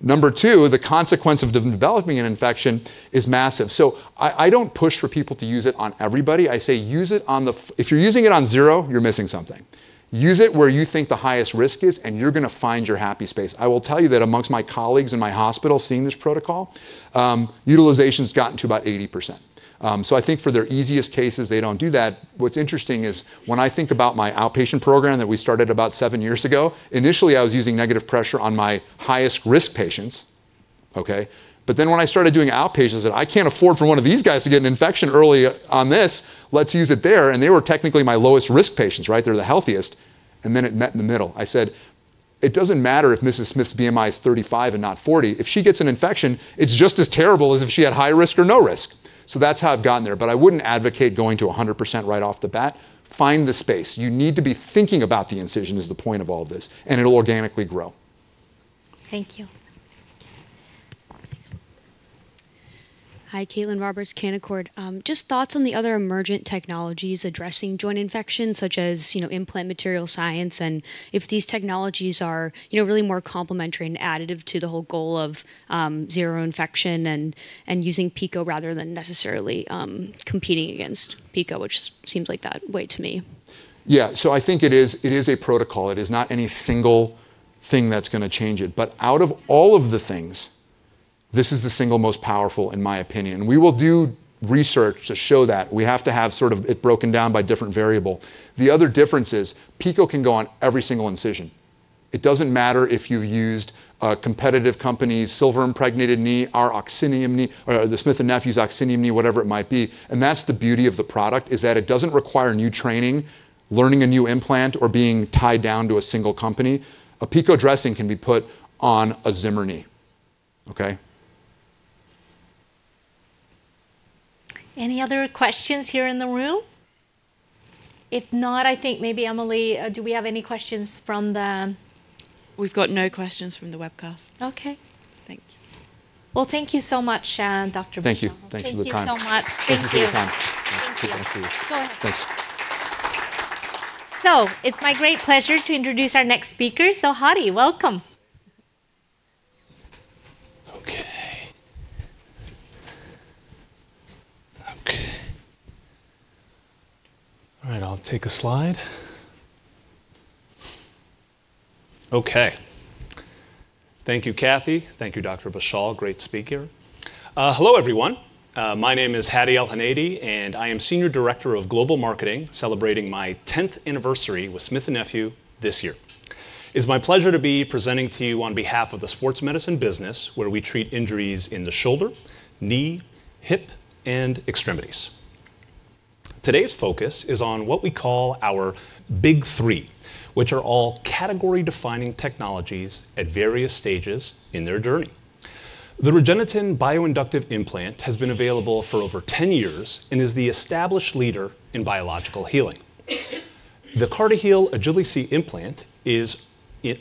Number two, the consequence of developing an infection is massive. So I don't push for people to use it on everybody. I say use it on them. If you're using it on zero, you're missing something. Use it where you think the highest risk is, and you're going to find your happy space. I will tell you that amongst my colleagues in my hospital seeing this protocol, utilization has gotten to about 80%. So I think for their easiest cases, they don't do that. What's interesting is when I think about my outpatient program that we started about seven years ago, initially, I was using negative pressure on my highest risk patients. But then when I started doing outpatient, I said, "I can't afford for one of these guys to get an infection early on this. Let's use it there." And they were technically my lowest risk patients. They're the healthiest. And then it met in the middle. I said, "It doesn't matter if Mrs. Smith's BMI is 35 and not 40. If she gets an infection, it's just as terrible as if she had high risk or no risk." So that's how I've gotten there. But I wouldn't advocate going to 100% right off the bat. Find the space. You need to be thinking about the incision is the point of all this, and it'll organically grow. Thank you. Hi, Caitlin Roberts, Canaccord. Just thoughts on the other emergent technologies addressing joint infection, such as implant material science, and if these technologies are really more complementary and additive to the whole goal of zero infection and using PICO rather than necessarily competing against PICO, which seems like that way to me. Yeah, so I think it is a protocol. It is not any single thing that's going to change it. But out of all of the things, this is the single most powerful, in my opinion. And we will do research to show that. We have to have sort of it broken down by different variable. The other difference is PICO can go on every single incision. It doesn't matter if you've used a competitive company's silver-impregnated knee or the Smith & Nephew's OXINIUM knee, whatever it might be. And that's the beauty of the product is that it doesn't require new training, learning a new implant, or being tied down to a single company. A PICO dressing can be put on a Zimmer knee. Any other questions here in the room? If not, I think maybe Emily, do we have any questions from the? We've got no questions from the webcast. Okay. Thank you. Well, thank you so much, Dr. Bashyal Thank you. Thank you for the time. Thank you so much. Thank you for your time. Thank you. Thank you. Go ahead. Thanks. It's my great pleasure to introduce our next speaker. Hadi, welcome. Okay. All right, I'll take a slide. Okay. Thank you, Cathy. Thank you, Dr. Bashyal, great speaker. Hello, everyone. My name is Hadi El-Heneidi, and I am Senior Director of Global Marketing, celebrating my 10th anniversary with Smith & Nephew this year. It's my pleasure to be presenting to you on behalf of the sports medicine business, where we treat injuries in the shoulder, knee, hip, and extremities. Today's focus is on what we call our Big Three, which are all category-defining technologies at various stages in their JOURNEY. The REGENETEN Bioinductive Implant has been available for over 10 years and is the established leader in biological healing. The CartiHeal Agili-C implant is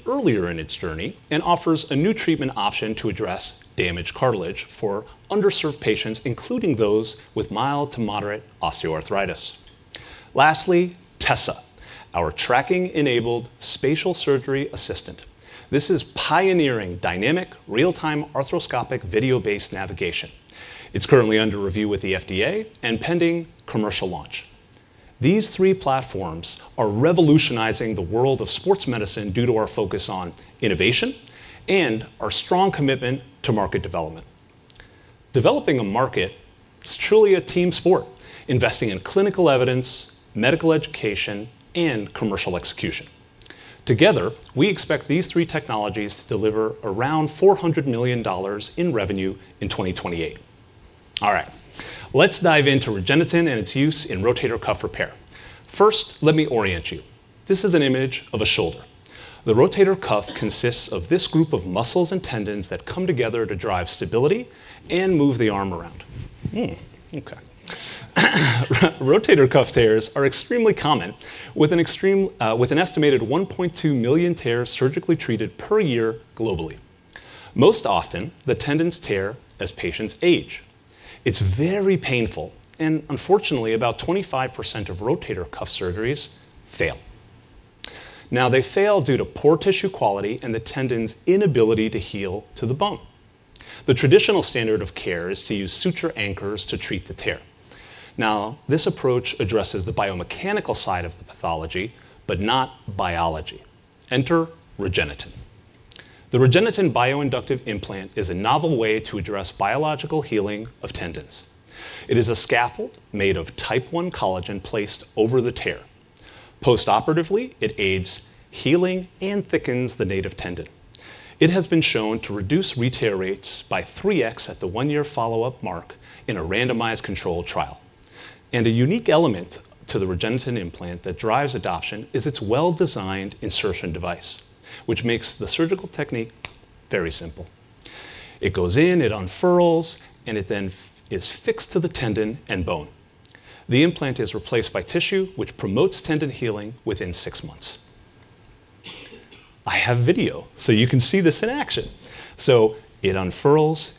earlier in its JOURNEY and offers a new treatment option to address damaged cartilage for underserved patients, including those with mild to moderate osteoarthritis. Lastly, TESSA, our Tracking Enabled Spatial Surgery assistant. This is pioneering dynamic, real-time arthroscopic video-based navigation. It's currently under review with the FDA and pending commercial launch. These three platforms are revolutionizing the world of sports medicine due to our focus on innovation and our strong commitment to market development. Developing a market is truly a team sport, investing in clinical evidence, medical education, and commercial execution. Together, we expect these three technologies to deliver around $400 million in revenue in 2028. All right, let's dive into REGENETEN and its use in rotator cuff repair. First, let me orient you. This is an image of a shoulder. The rotator cuff consists of this group of muscles and tendons that come together to drive stability and move the arm around. Rotator cuff tears are extremely common, with an estimated 1.2 million tears surgically treated per year globally. Most often, the tendons tear as patients age. It's very painful. Unfortunately, about 25% of rotator cuff surgeries fail. Now, they fail due to poor tissue quality and the tendon's inability to heal to the bone. The traditional standard of care is to use suture anchors to treat the tear. Now, this approach addresses the biomechanical side of the pathology, but not biology. Enter REGENETEN. The REGENETEN Bioinductive Implant is a novel way to address biological healing of tendons. It is a scaffold made of type 1 collagen placed over the tear. Postoperatively, it aids healing and thickens the native tendon. It has been shown to reduce re-tear rates by 3x at the one-year follow-up mark in a randomized controlled trial. And a unique element to the REGENETEN implant that drives adoption is its well-designed insertion device, which makes the surgical technique very simple. It goes in, it unfurls, and it then is fixed to the tendon and bone. The implant is replaced by tissue, which promotes tendon healing within six months. I have video, so you can see this in action, so it unfurls,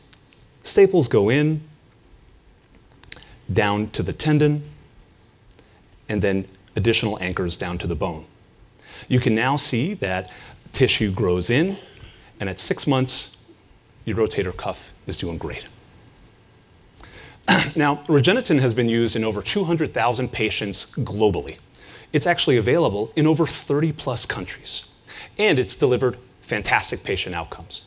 staples go in, down to the tendon, and then additional anchors down to the bone. You can now see that tissue grows in, and at six months, your rotator cuff is doing great. Now, REGENETEN has been used in over 200,000 patients globally. It's actually available in over 30-plus countries, and it's delivered fantastic patient outcomes.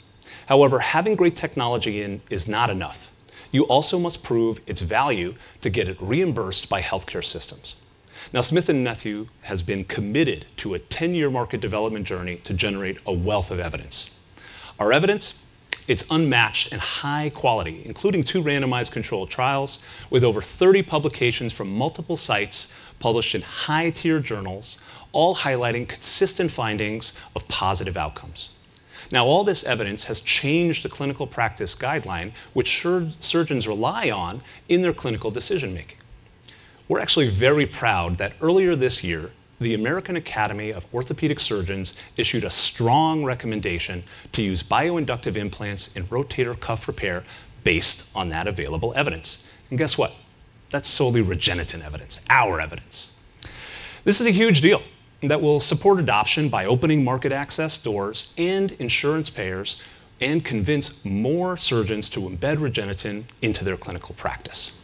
However, having great technology in is not enough. You also must prove its value to get it reimbursed by healthcare systems. Now, Smith & Nephew has been committed to a 10-year market development JOURNEY to generate a wealth of evidence. Our evidence? It's unmatched and high quality, including two randomized controlled trials with over 30 publications from multiple sites published in high-tier journals, all highlighting consistent findings of positive outcomes. Now, all this evidence has changed the clinical practice guideline, which surgeons rely on in their clinical decision-making. We're actually very proud that earlier this year, the American Academy of Orthopaedic Surgeons issued a strong recommendation to use bioinductive implants in rotator cuff repair based on that available evidence. And guess what? That's solely REGENETEN evidence, our evidence. This is a huge deal that will support adoption by opening market access doors and insurance payers and convince more surgeons to embed REGENETEN into their clinical practice.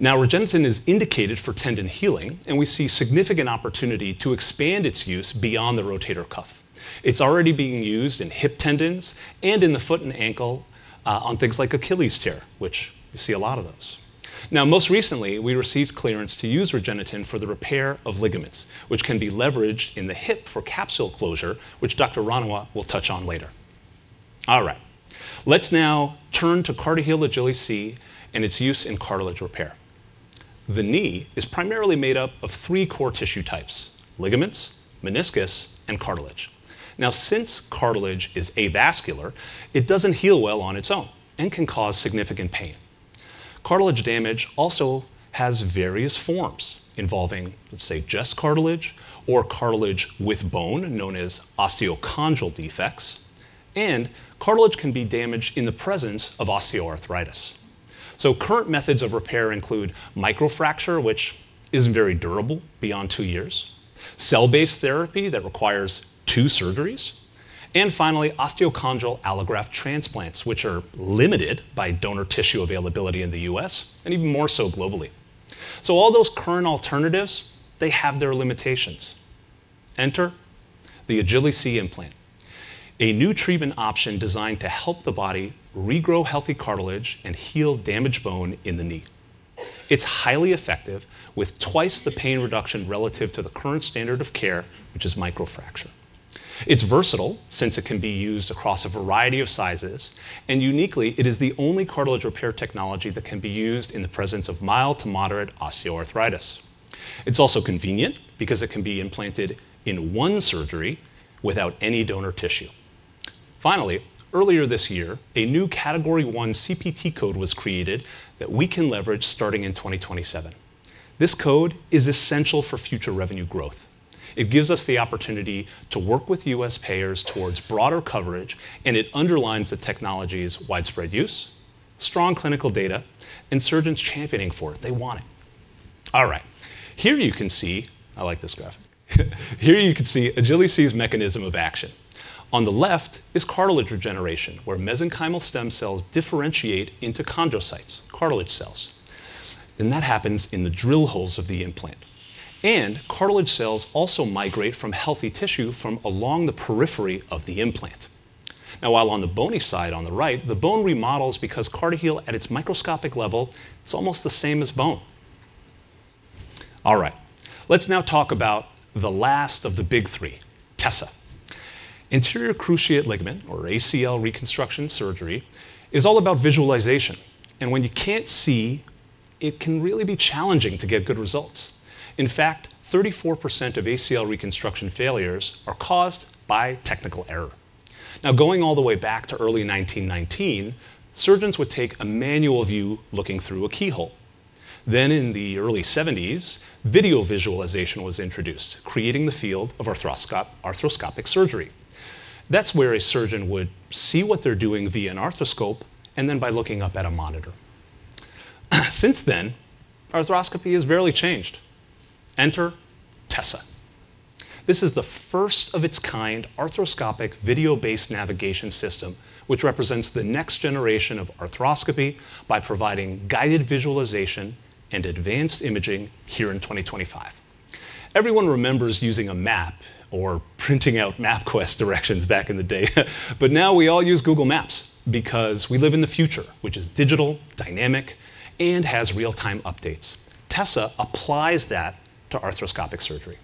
Now, REGENETEN is indicated for tendon healing, and we see significant opportunity to expand its use beyond the rotator cuff. It's already being used in hip tendons and in the foot and ankle on things like Achilles tear, which we see a lot of those. Now, most recently, we received clearance to use REGENETEN for the repair of ligaments, which can be leveraged in the hip for capsule closure, which Dr. Ranawat will touch on later. All right, let's now turn to CartiHeal Agili-C and its use in cartilage repair. The knee is primarily made up of three core tissue types: ligaments, meniscus, and cartilage. Now, since cartilage is avascular, it doesn't heal well on its own and can cause significant pain. Cartilage damage also has various forms involving, let's say, just cartilage or cartilage with bone, known as osteochondral defects, and cartilage can be damaged in the presence of osteoarthritis. Current methods of repair include microfracture, which isn't very durable beyond two years, cell-based therapy that requires two surgeries, and finally, osteochondral allograft transplants, which are limited by donor tissue availability in the U.S. and even more so globally. So all those current alternatives, they have their limitations. Enter the Agili-C implant, a new treatment option designed to help the body regrow healthy cartilage and heal damaged bone in the knee. It's highly effective, with twice the pain reduction relative to the current standard of care, which is microfracture. It's versatile since it can be used across a variety of sizes. And uniquely, it is the only cartilage repair technology that can be used in the presence of mild to moderate osteoarthritis. It's also convenient because it can be implanted in one surgery without any donor tissue. Finally, earlier this year, a new Category I CPT code was created that we can leverage starting in 2027. This code is essential for future revenue growth. It gives us the opportunity to work with U.S. payers towards broader coverage, and it underlines the technology's widespread use, strong clinical data, and surgeons championing for it. They want it. All right, here you can see I like this graphic. Here you can see Agili-C's mechanism of action. On the left is cartilage regeneration, where mesenchymal stem cells differentiate into chondrocytes, cartilage cells, and that happens in the drill holes of the implant, and cartilage cells also migrate from healthy tissue along the periphery of the implant. Now, while on the bony side on the right, the bone remodels because CartiHeal, at its microscopic level, it's almost the same as bone. All right, let's now talk about the last of the Big Three, TESSA. Anterior Cruciate Ligament, or ACL reconstruction surgery, is all about visualization, and when you can't see, it can really be challenging to get good results. In fact, 34% of ACL reconstruction failures are caused by technical error. Now, going all the way back to early 1919, surgeons would take a manual view looking through a keyhole. Then, in the early 1970s, video visualization was introduced, creating the field of arthroscopic surgery. That's where a surgeon would see what they're doing via an arthroscope and then by looking up at a monitor. Since then, arthroscopy has barely changed. Enter TESSA. This is the first of its kind arthroscopic video-based navigation system, which represents the next generation of arthroscopy by providing guided visualization and advanced imaging here in 2025. Everyone remembers using a map or printing out MapQuest directions back in the day. But now we all use Google Maps because we live in the future, which is digital, dynamic, and has real-time updates. TESSA applies that to arthroscopic surgery.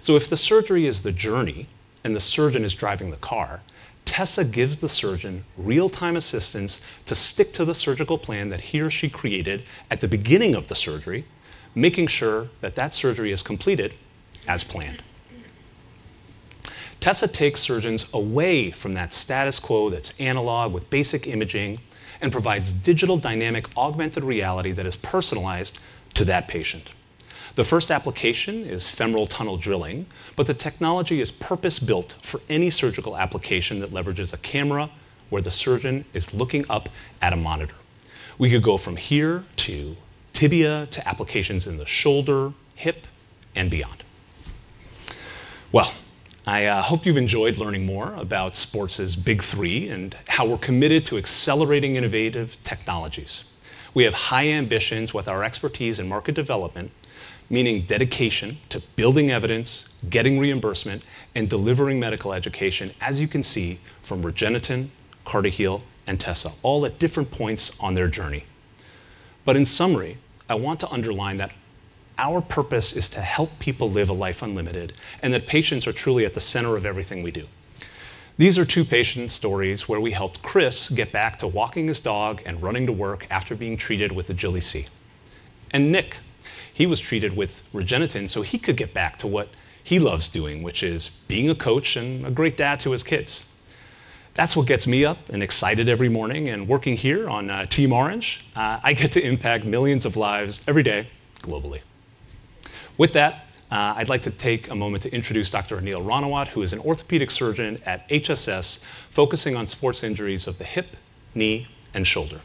So if the surgery is the JOURNEY and the surgeon is driving the car, TESSA gives the surgeon real-time assistance to stick to the surgical plan that he or she created at the beginning of the surgery, making sure that that surgery is completed as planned. TESSA takes surgeons away from that status quo that's analog with basic imaging and provides digital dynamic augmented reality that is personalized to that patient. The first application is femoral tunnel drilling, but the technology is purpose-built for any surgical application that leverages a camera where the surgeon is looking up at a monitor. We could go from here to tibia to applications in the shoulder, hip, and beyond. I hope you've enjoyed learning more about sports' Big Three and how we're committed to accelerating innovative technologies. We have high ambitions with our expertise in market development, meaning dedication to building evidence, getting reimbursement, and delivering medical education, as you can see from REGENETEN, CartiHeal, and TESSA, all at different points on their JOURNEY. In summary, I want to underline that our purpose is to help people live a life unlimited and that patients are truly at the center of everything we do. These are two patient stories where we helped Chris get back to walking his dog and running to work after being treated with Agili-C. Nick, he was treated with REGENETEN so he could get back to what he loves doing, which is being a coach and a great dad to his kids. That's what gets me up and excited every morning. Working here on Team Orange, I get to impact millions of lives every day globally. With that, I'd like to take a moment to introduce Dr. Anil Ranawat, who is an orthopedic surgeon at HSS focusing on sports injuries of the hip, knee, and shoulder.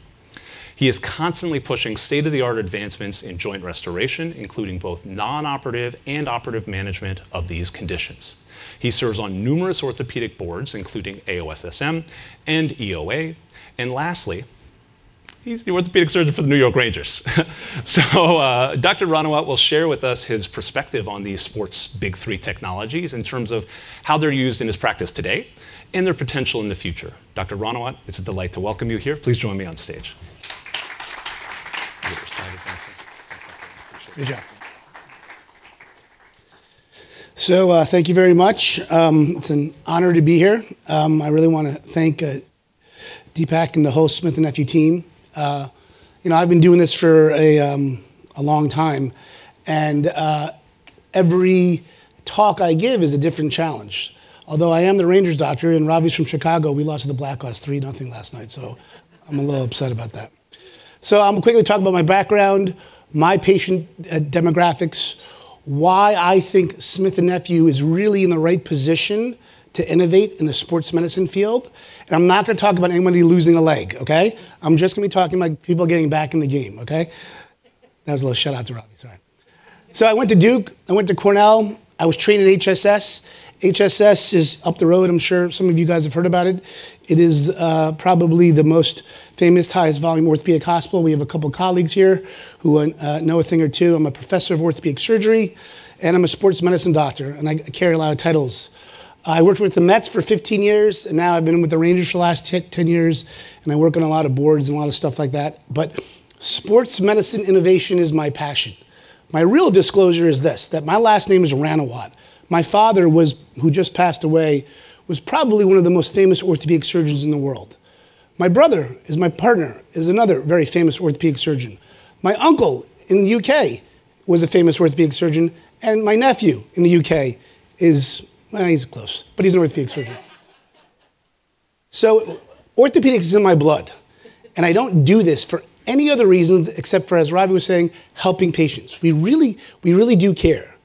He is constantly pushing state-of-the-art advancements in joint restoration, including both non-operative and operative management of these conditions. He serves on numerous orthopedic boards, including AOSSM and EOA. Lastly, he's the orthopedic surgeon for the New York Rangers. Dr. Ranawat will share with us his perspective on these sports' Big Three technologies in terms of how they're used in his practice today and their potential in the future. Dr. Ranawat, it's a delight to welcome you here. Please join me on stage. Good job. So, thank you very much. It's an honor to be here. I really want to thank Deepak and the whole Smith & Nephew team. You know, I've been doing this for a long time, and every talk I give is a different challenge. Although I am the Rangers' doctor, and Ravi's from Chicago, we lost the Blackhawks three-zero last night. So, I'm a little upset about that. I'm going to quickly talk about my background, my patient demographics, why I think Smith & Nephew is really in the right position to innovate in the sports medicine field. And I'm not going to talk about anybody losing a leg, OK? I'm just going to be talking about people getting back in the game, OK? That was a little shout-out to Ravi, sorry. So I went to Duke. I went to Cornell. I was trained at HSS. HSS is up the road. I'm sure some of you guys have heard about it. It is probably the most famous, highest volume orthopedic hospital. We have a couple of colleagues here who know a thing or two. I'm a professor of orthopedic surgery, and I'm a sports medicine doctor. And I carry a lot of titles. I worked with the Mets for 15 years. And now I've been with the Rangers for the last 10 years. And I work on a lot of boards and a lot of stuff like that. But sports medicine innovation is my passion. My real disclosure is this: that my last name is Ranawat. My father, who just passed away, was probably one of the most famous orthopedic surgeons in the world. My brother, my partner, is another very famous orthopedic surgeon. My uncle in the U.K. was a famous orthopedic surgeon. And my nephew in the U.K. is, he's close, but he's an orthopedic surgeon. So orthopedics is in my blood. And I don't do this for any other reasons except for, as Ravi was saying, helping patients. We really do care.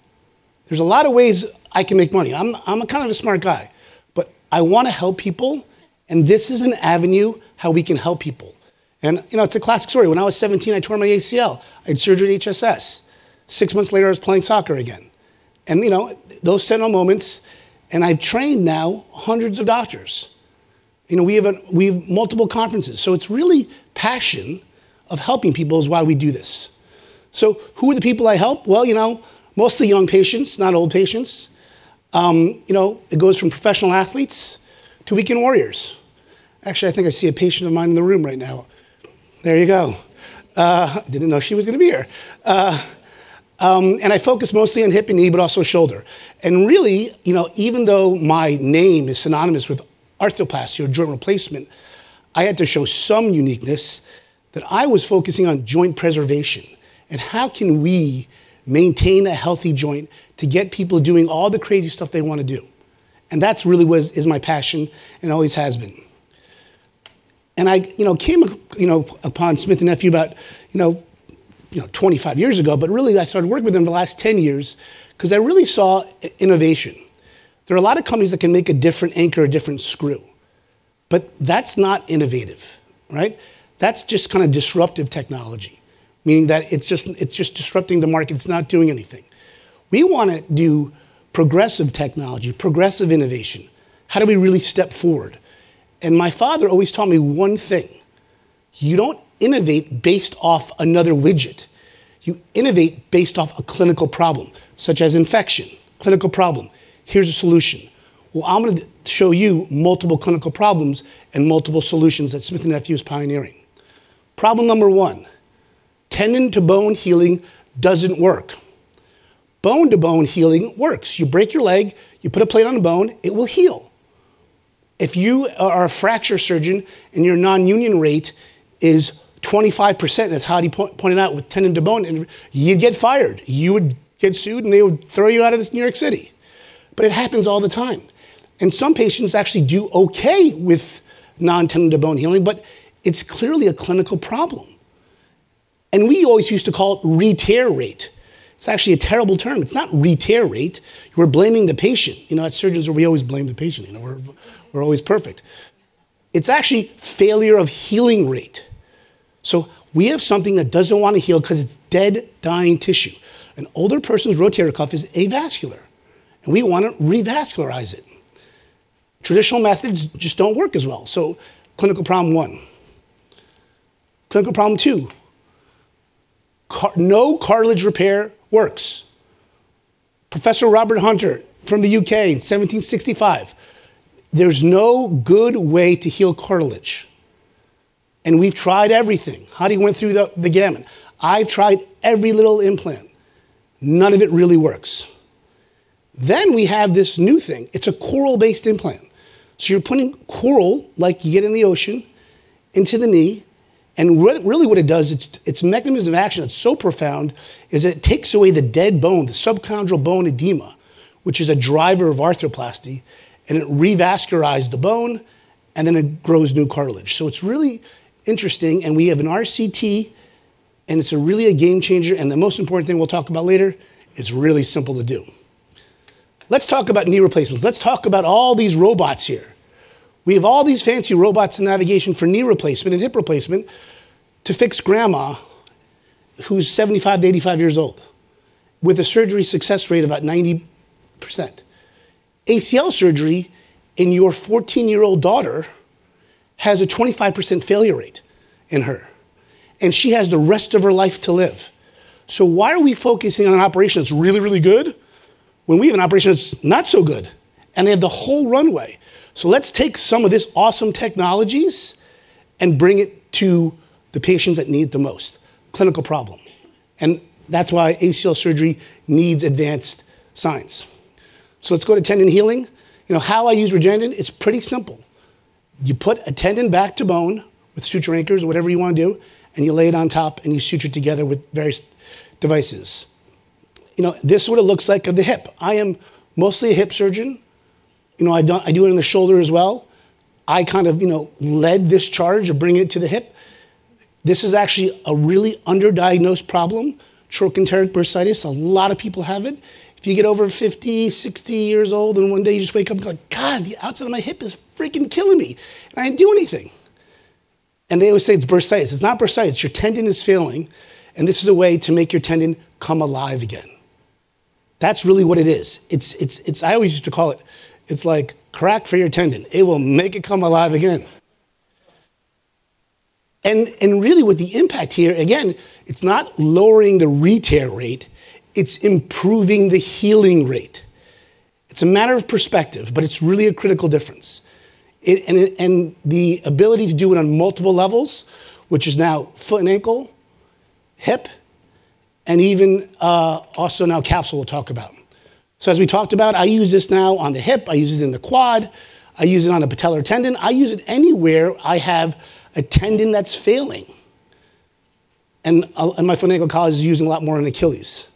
There's a lot of ways I can make money. I'm kind of a smart guy. But I want to help people. And this is an avenue how we can help people. And it's a classic story. When I was 17, I tore my ACL. I had surgery at HSS. Six months later, I was playing soccer again. And those send-on moments. And I've trained now hundreds of doctors. We have multiple conferences. So it's really passion of helping people is why we do this. So who are the people I help? Well, you know, mostly young patients, not old patients. It goes from professional athletes to weekend warriors. Actually, I think I see a patient of mine in the room right now. There you go. I didn't know she was going to be here. And I focus mostly on hip and knee, but also shoulder. And really, even though my name is synonymous with arthroplasty or joint replacement, I had to show some uniqueness that I was focusing on joint preservation and how can we maintain a healthy joint to get people doing all the crazy stuff they want to do. And that really is my passion and always has been. I came upon Smith & Nephew about 25 years ago. But really, I started working with them the last 10 years because I really saw innovation. There are a lot of companies that can make a different anchor, a different screw. But that's not innovative, right? That's just kind of disruptive technology, meaning that it's just disrupting the market. It's not doing anything. We want to do progressive technology, progressive innovation. How do we really step forward? And my father always taught me one thing. You don't innovate based off another widget. You innovate based off a clinical problem, such as infection, clinical problem. Here's a solution. Well, I'm going to show you multiple clinical problems and multiple solutions that Smith & Nephew is pioneering. Problem number one: tendon-to-bone healing doesn't work. Bone-to-bone healing works. You break your leg, you put a plate on a bone, it will heal. If you are a fracture surgeon and your non-union rate is 25%, as Hadi pointed out with tendon-to-bone, you'd get fired. You would get sued, and they would throw you out of New York City. But it happens all the time. And some patients actually do ok with non-tendon-to-bone healing, but it's clearly a clinical problem. And we always used to call it retear rate. It's actually a terrible term. It's not retear rate. We're blaming the patient. You know, at surgeons, we always blame the patient. We're always perfect. It's actually failure of healing rate. So we have something that doesn't want to heal because it's dead, dying tissue. An older person's rotator cuff is avascular. And we want to revascularize it. Traditional methods just don't work as well. So clinical problem one. Clinical problem two. No cartilage repair works. Professor Robert Hunter from the U.K., 1765. There's no good way to heal cartilage, and we've tried everything. Hadi went through the gamut. I've tried every little implant. None of it really works. Then we have this new thing. It's a coral-based implant. So you're putting coral, like you get in the ocean, into the knee. And really, what it does, its mechanism of action that's so profound is it takes away the dead bone, the subchondral bone edema, which is a driver of arthroplasty. And it revascularizes the bone, and then it grows new cartilage. So it's really interesting, and we have an RCT. And it's really a game changer. And the most important thing we'll talk about later is really simple to do. Let's talk about knee replacements. Let's talk about all these robots here. We have all these fancy robots and navigation for knee replacement and hip replacement to fix grandma who's 75-85 years old with a surgery success rate of about 90%. ACL surgery in your 14-year-old daughter has a 25% failure rate in her. And she has the rest of her life to live. So why are we focusing on an operation that's really, really good when we have an operation that's not so good? And they have the whole runway. So let's take some of these awesome technologies and bring it to the patients that need the most clinical problem. And that's why ACL surgery needs advanced science. So let's go to tendon healing. How I use REGENETEN? It's pretty simple. You put a tendon back to bone with suture anchors or whatever you want to do. You lay it on top, and you suture it together with various devices. This is what it looks like of the hip. I am mostly a hip surgeon. I do it on the shoulder as well. I kind of led this charge of bringing it to the hip. This is actually a really underdiagnosed problem, trochanteric bursitis. A lot of people have it. If you get over 50, 60 years old, and one day you just wake up and go, "God, the outside of my hip is freaking killing me. And I didn't do anything." And they always say it's bursitis. It's not bursitis. Your tendon is failing. And this is a way to make your tendon come alive again. That's really what it is. I always used to call it, it's like crack for your tendon. It will make it come alive again. Really, with the impact here, again, it's not lowering the retear rate. It's improving the healing rate. It's a matter of perspective, but it's really a critical difference. The ability to do it on multiple levels, which is now foot and ankle, hip, and even also now capsule, we'll talk about. As we talked about, I use this now on the hip. I use it in the quad. I use it on the patellar tendon. I use it anywhere I have a tendon that's failing. My foot and ankle collar is using a lot more in Achilles.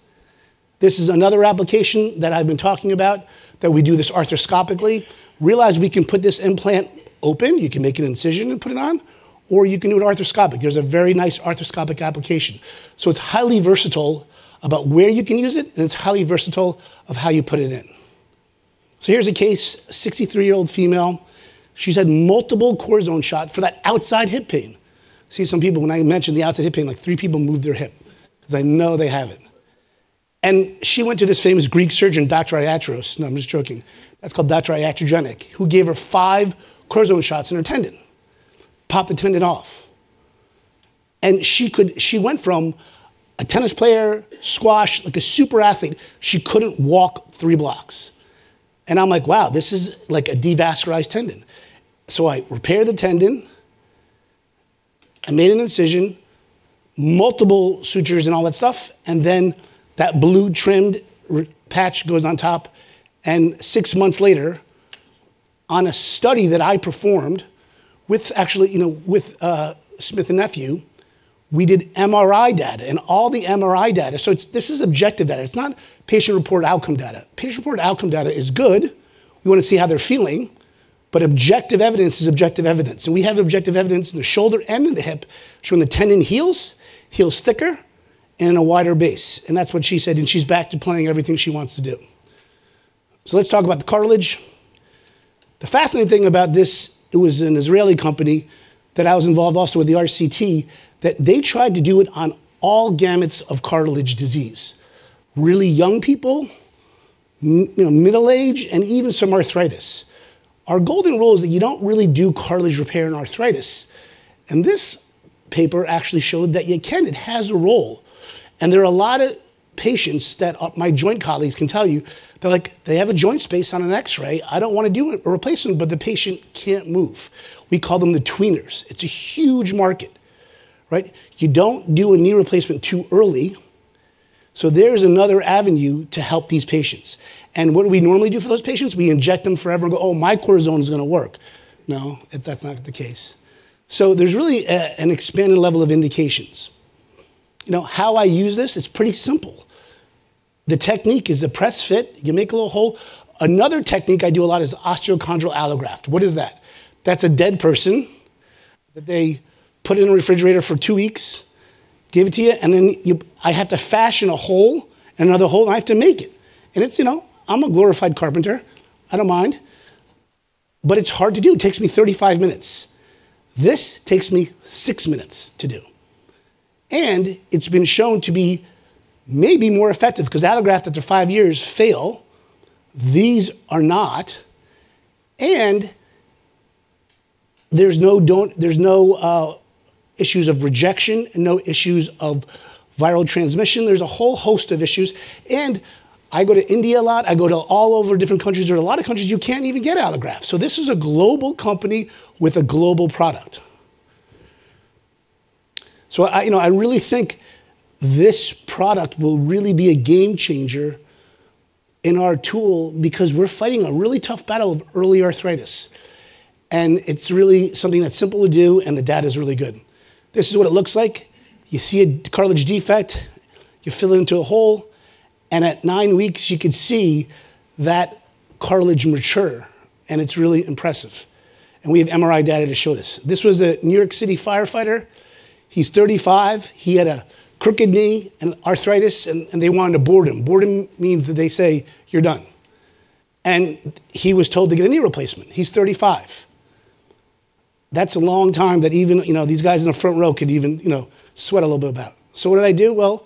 This is another application that I've been talking about that we do this arthroscopically. Realize we can put this implant open. You can make an incision and put it on. Or you can do it arthroscopically. There's a very nice arthroscopic application. So it's highly versatile about where you can use it. And it's highly versatile of how you put it in. So here's a case, a 63-year-old female. She's had multiple cortisone shots for that outside hip pain. See some people, when I mention the outside hip pain, like three people move their hip because I know they have it. And she went to this famous Greek surgeon, Dr. latros. No, I'm just joking. That's called Dr. latrogenic, who gave her five cortisone shots in her tendon. Pop the tendon off. And she went from a tennis player, squash, like a super athlete. She couldn't walk three blocks. And I'm like, wow, this is like a devascularized tendon. So I repaired the tendon. I made an incision, multiple sutures and all that stuff. And then that blue trimmed patch goes on top. Six months later, on a study that I performed with actually with Smith & Nephew, we did MRI data. All the MRI data, so this is objective data. It's not patient-reported outcome data. Patient-reported outcome data is good. We want to see how they're feeling. Objective evidence is objective evidence. We have objective evidence in the shoulder and in the hip showing the tendon heals, heals thicker, and in a wider base. That's what she said. She's back to playing everything she wants to do. Let's talk about the cartilage. The fascinating thing about this, it was an Israeli company that I was involved also with the RCT, that they tried to do it on all gamuts of cartilage disease. Really young people, middle age, and even some arthritis. Our golden rule is that you don't really do cartilage repair in arthritis. This paper actually showed that you can. It has a role. There are a lot of patients that my joint colleagues can tell you. They're like, they have a joint space on an X-ray. I don't want to do a replacement, but the patient can't move. We call them the tweeners. It's a huge market, right? You don't do a knee replacement too early. So there's another avenue to help these patients. What do we normally do for those patients? We inject them forever and go, oh, my cortisone is going to work. No, that's not the case. So there's really an expanded level of indications. How I use this? It's pretty simple. The technique is a press fit. You make a little hole. Another technique I do a lot is osteochondral allograft. What is that? That's a dead person that they put in a refrigerator for two weeks, give it to you. And then I have to fashion a hole and another hole. And I have to make it. And I'm a glorified carpenter. I don't mind. But it's hard to do. It takes me 35 minutes. This takes me six minutes to do. And it's been shown to be maybe more effective because allografts after five years fail. These are not. And there's no issues of rejection and no issues of viral transmission. There's a whole host of issues. And I go to India a lot. I go to all over different countries. There are a lot of countries you can't even get allografts. So this is a global company with a global product. So I really think this product will really be a game changer in our tool because we're fighting a really tough battle of early arthritis. And it's really something that's simple to do. And the data is really good. This is what it looks like. You see a cartilage defect. You fill it into a hole. And at nine weeks, you could see that cartilage mature. And it's really impressive. And we have MRI data to show this. This was a New York City firefighter. He's 35. He had a crooked knee and arthritis. And they wanted to board him. Board him means that they say, you're done. And he was told to get a knee replacement. He's 35. That's a long time that even these guys in the front row could even sweat a little bit about. So what did I do?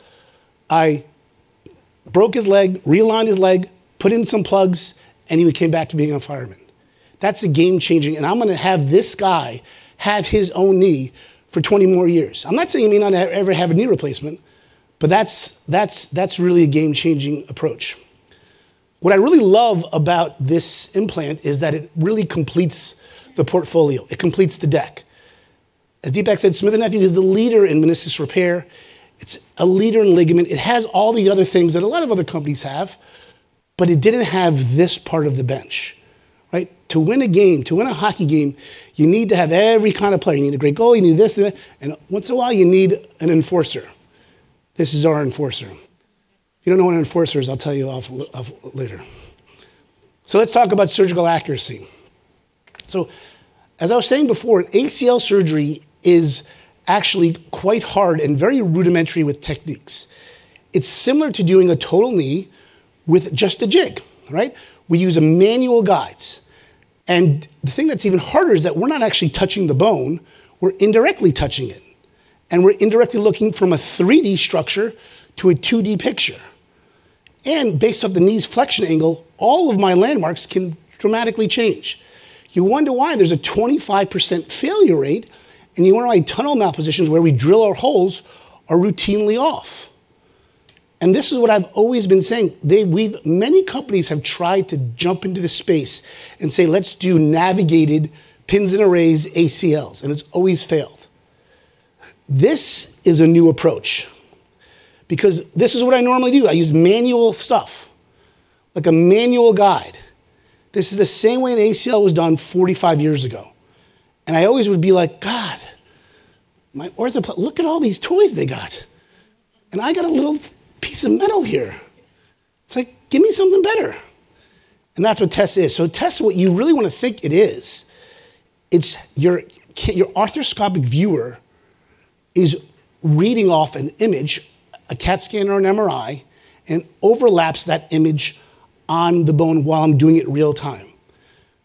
I broke his leg, realigned his leg, put in some plugs. He came back to being a fireman. That's a game-changer. I'm going to have this guy have his own knee for 20 more years. I'm not saying he may not ever have a knee replacement, but that's really a game-changing approach. What I really love about this implant is that it really completes the portfolio. It completes the deck. As Deepak said, Smith & Nephew is the leader in meniscus repair. It's a leader in ligament. It has all the other things that a lot of other companies have. But it didn't have this part of the bench. To win a game, to win a hockey game, you need to have every kind of player. You need a great goalie. You need this. Once in a while, you need an enforcer. This is our enforcer. If you don't know what an enforcer is, I'll tell you later, so let's talk about surgical accuracy, so as I was saying before, ACL surgery is actually quite hard and very rudimentary with techniques. It's similar to doing a total knee with just a jig, right? We use manual guides, and the thing that's even harder is that we're not actually touching the bone. We're indirectly touching it, and we're indirectly looking from a 3D structure to a 2D picture, and based off the knee's flexion angle, all of my landmarks can dramatically change. You wonder why there's a 25% failure rate, and you wonder why tunnel malpositions, where we drill our holes, are routinely off, and this is what I've always been saying. Many companies have tried to jump into the space and say, let's do navigated pins and arrays, ACLs. It's always failed. This is a new approach because this is what I normally do. I use manual stuff, like a manual guide. This is the same way an ACL was done 45 years ago. I always would be like, God, my orthopedist, look at all these toys they got. I got a little piece of metal here. It's like, give me something better. That's what TESSA is. So, TESSA, what you really want to think it is. Your arthroscopic viewer is reading off an image, a CT scan or an MRI, and overlaps that image on the bone while I'm doing it real time.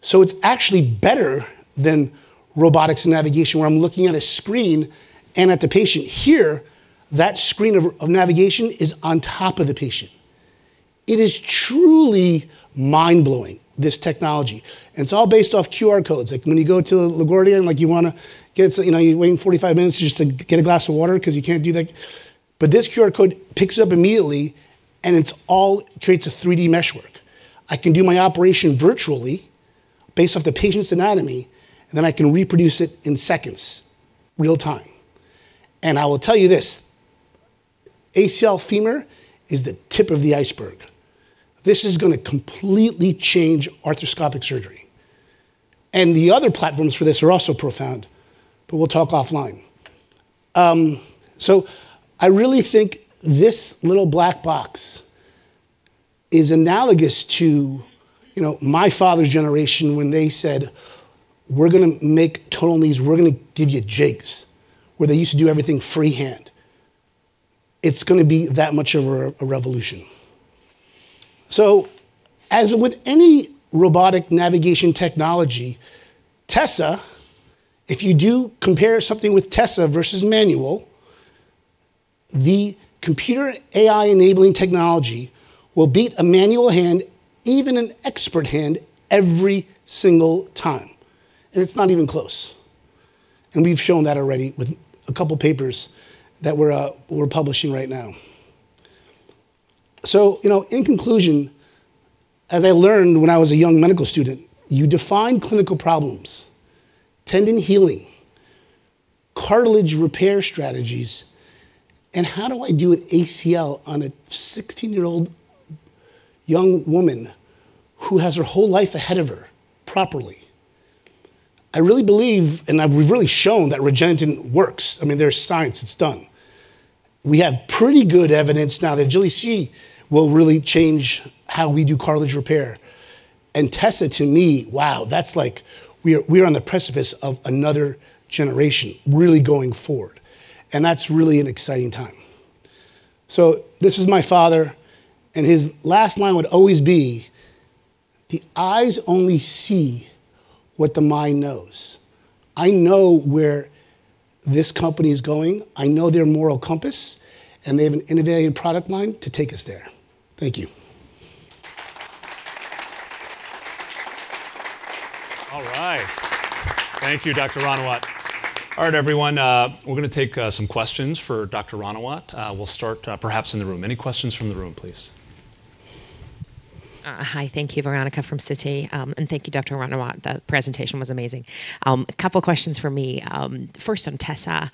It's actually better than robotics and navigation, where I'm looking at a screen and at the patient. Here, that screen of navigation is on top of the patient. It is truly mind-blowing, this technology. It's all based off QR codes. Like when you go to LaGuardia, like you want to get some, you're waiting 45 minutes just to get a glass of water because you can't do that. But this QR code picks it up immediately. And it all creates a 3D meshwork. I can do my operation virtually based off the patient's anatomy. And then I can reproduce it in seconds, real time. And I will tell you this. ACL femur is the tip of the iceberg. This is going to completely change arthroscopic surgery. And the other platforms for this are also profound, but we'll talk offline. So I really think this little black box is analogous to my father's generation when they said, we're going to make total knees. We're going to give you jigs, where they used to do everything freehand. It's going to be that much of a revolution. As with any robotic navigation technology, TESSA, if you do compare something with TESSA versus manual, the computer AI-enabling technology will beat a manual hand, even an expert hand, every single time. It's not even close. We've shown that already with a couple of papers that we're publishing right now. In conclusion, as I learned when I was a young medical student, you define clinical problems, tendon healing, cartilage repair strategies, and how do I do an ACL on a 16-year-old young woman who has her whole life ahead of her properly? I really believe, and we've really shown that REGENETEN works. I mean, there's science. It's done. We have pretty good evidence now that Agili-C will really change how we do cartilage repair. And TESSA, to me, wow, that's like we are on the precipice of another generation really going forward. And that's really an exciting time. So this is my father. And his last line would always be, the eyes only see what the mind knows. I know where this company is going. I know their moral compass. And they have an innovative product line to take us there. Thank you. All right. Thank you, Dr. Ranawat. All right, everyone. We're going to take some questions for Dr. Ranawat. We'll start perhaps in the room. Any questions from the room, please? Hi. Thank you, Veronica from Citi. And thank you, Dr. Ranawat. The presentation was amazing. A couple of questions for me. First, on TESSA,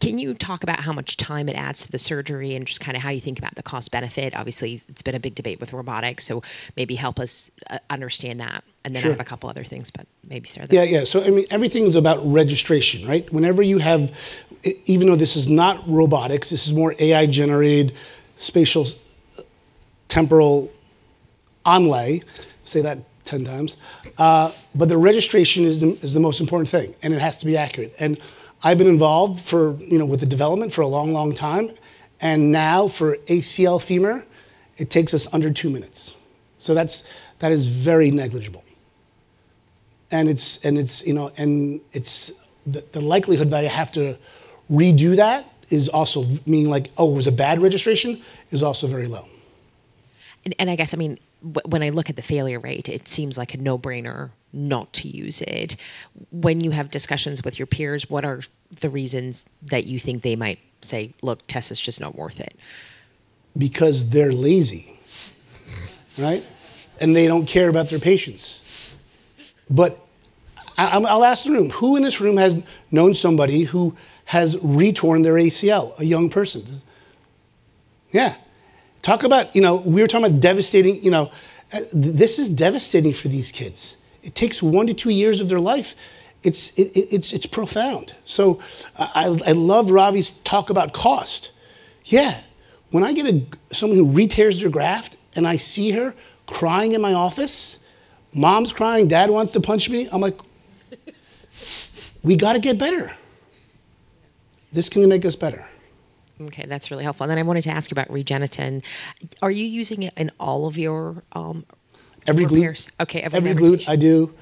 can you talk about how much time it adds to the surgery and just kind of how you think about the cost-benefit? Obviously, it's been a big debate with robotics. So maybe help us understand that. And then I have a couple of other things, but maybe start there. Yeah, yeah. So I mean, everything's about registration, right? Whenever you have, even though this is not robotics, this is more AI-generated spatial temporal onlay, say that 10 times. But the registration is the most important thing. And it has to be accurate. And I've been involved with the development for a long, long time. And now for ACL femur, it takes us under two minutes. So that is very negligible. And the likelihood that I have to redo that is also meaning like, oh, it was a bad registration, is also very low. And I guess, I mean, when I look at the failure rate, it seems like a no-brainer not to use it. When you have discussions with your peers, what are the reasons that you think they might say, look, TESSA's just not worth it? Because they're lazy, right? And they don't care about their patients. But I'll ask the room. Who in this room has known somebody who has torn their ACL, a young person? Yeah. Talk about, we were talking about devastating. This is devastating for these kids. It takes one to two years of their life. It's profound. So I love Ravi's talk about cost. Yeah. When I get someone who re-tears their graft and I see her crying in my office, mom's crying, dad wants to punch me. I'm like, we got to get better. This can make us better. Okay. That's really helpful. And then I wanted to ask about REGENETEN. Are you using it in all of your? Every glute. Okay. Every glute, I do.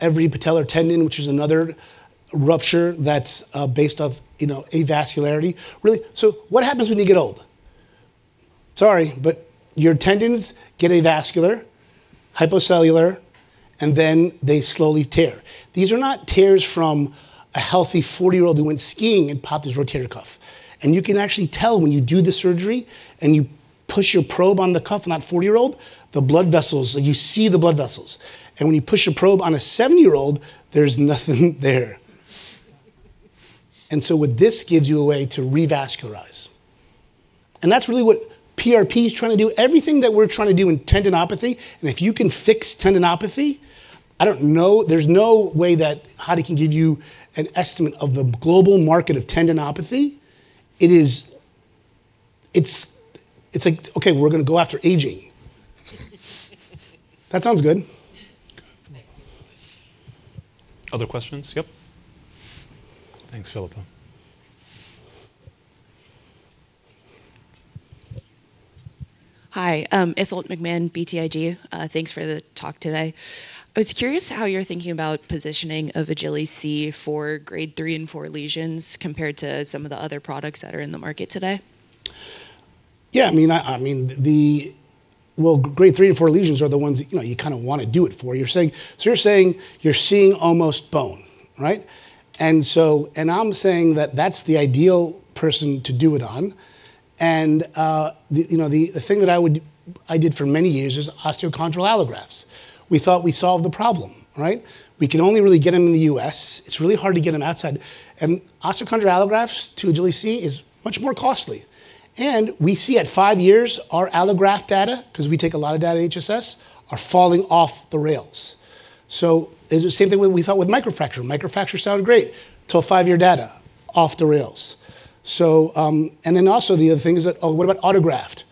Every patellar tendon, which is another rupture that's based off avascularity. So what happens when you get old? Sorry, but your tendons get avascular, hypocellular, and then they slowly tear. These are not tears from a healthy 40-year-old who went skiing and popped his rotator cuff. And you can actually tell when you do the surgery and you push your probe on the cuff on that 40-year-old, the blood vessels, you see the blood vessels. And when you push your probe on a 70-year-old, there's nothing there. And so with this, gives you a way to revascularize. And that's really what PRP is trying to do. Everything that we're trying to do in tendinopathy. And if you can fix tendinopathy, I don't know. There's no way that Hadi can give you an estimate of the global market of tendinopathy. It's like, okay, we're going to go after aging. That sounds good. Other questions? Yep. Thanks, Philipp. Hi. Iseult McMahon, BTIG. Thanks for the talk today. I was curious how you're thinking about positioning of an Agili-C for grade three and four lesions compared to some of the other products that are in the market today. Yeah. I mean, well, grade three and four lesions are the ones you kind of want to do it for. So you're saying you're seeing almost bone, right? And I'm saying that that's the ideal person to do it on. And the thing that I did for many years is osteochondral allografts. We thought we solved the problem, right? We can only really get them in the U.S. It's really hard to get them outside. And osteochondral allografts to an Agili-C is much more costly. We see at five years, our allograft data, because we take a lot of data at HSS, are falling off the rails. So it's the same thing we thought with microfracture. Microfracture sounded great until five-year data, off the rails. And then also the other thing is that, oh, what about autograft?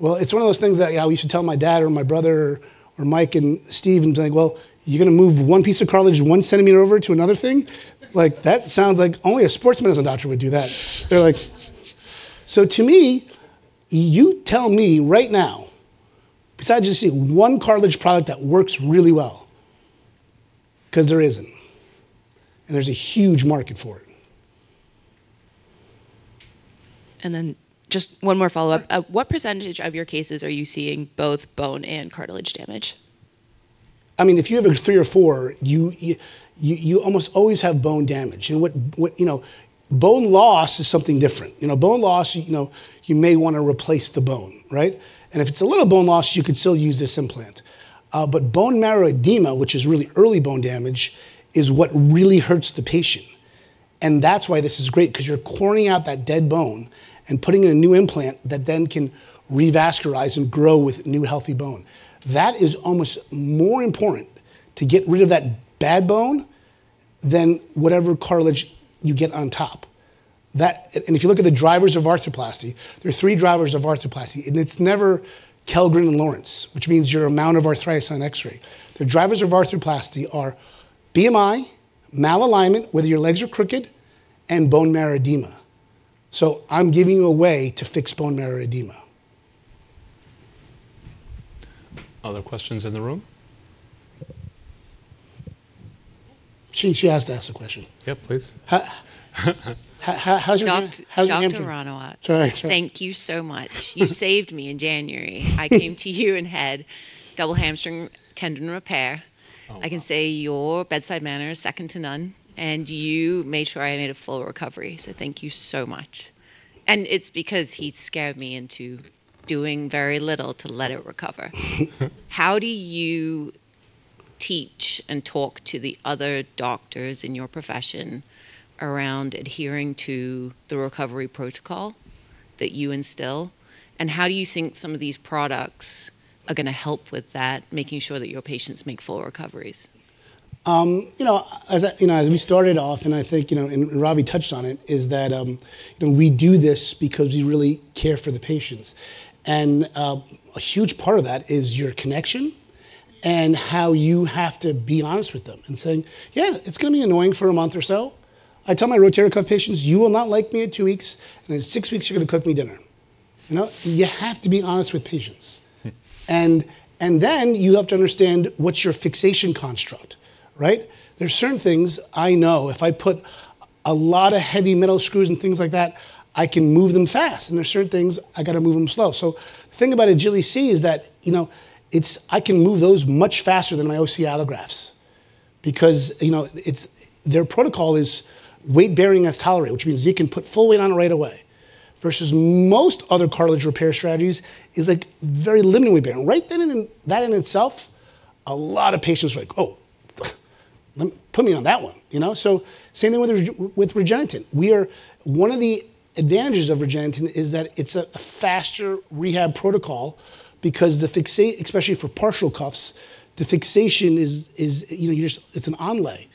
Well, it's one of those things that, yeah, we should tell my dad or my brother or Mayank and Steve and be like, well, you're going to move one piece of cartilage one centimeter over to another thing? That sounds like only a sports medicine doctor would do that. They're like. So to me, you tell me right now, besides just one cartilage product that works really well, because there isn't. And there's a huge market for it. And then just one more follow-up. What percentage of your cases are you seeing both bone and cartilage damage? I mean, if you have a three or four, you almost always have bone damage. Bone loss is something different. Bone loss, you may want to replace the bone, right? And if it's a little bone loss, you could still use this implant. But bone marrow edema, which is really early bone damage, is what really hurts the patient. And that's why this is great, because you're coring out that dead bone and putting in a new implant that then can revascularize and grow with new healthy bone. That is almost more important to get rid of that bad bone than whatever cartilage you get on top. And if you look at the drivers of arthroplasty, there are three drivers of arthroplasty. And it's never Kellgren-Lawrence, which means your amount of arthritis on X-ray. The drivers of arthroplasty are BMI, malalignment, whether your legs are crooked, and bone marrow edema. So I'm giving you a way to fix bone marrow edema. Other questions in the room? She has to ask a question. Yep, please. How's your hamstring? I'm Dr. Ranawat. Thank you so much. You saved me in January. I came to you and had double hamstring tendon repair. I can say your bedside manner is second to none. You made sure I made a full recovery. So thank you so much. It's because he scared me into doing very little to let it recover. How do you teach and talk to the other doctors in your profession around adhering to the recovery protocol that you instill? How do you think some of these products are going to help with that, making sure that your patients make full recoveries? As we started off, and I think Ravi touched on it, is that we do this because we really care for the patients. And a huge part of that is your connection and how you have to be honest with them and say, yeah, it's going to be annoying for a month or so. I tell my rotator cuff patients, you will not like me in two weeks. And in six weeks, you're going to cook me dinner. You have to be honest with patients. And then you have to understand what's your fixation construct, right? There's certain things I know. If I put a lot of heavy metal screws and things like that, I can move them fast. And there's certain things I got to move them slow. So the thing about an Agili-C is that I can move those much faster than my OC allografts because their protocol is weight-bearing as tolerated, which means you can put full weight on it right away. Versus most other cartilage repair strategies is like very limited weight-bearing. Right? And that in itself, a lot of patients are like, oh, put me on that one. So same thing with REGENETEN. One of the advantages of REGENETEN is that it's a faster rehab protocol because the fixation, especially for partial cuffs, the fixation is an onlay.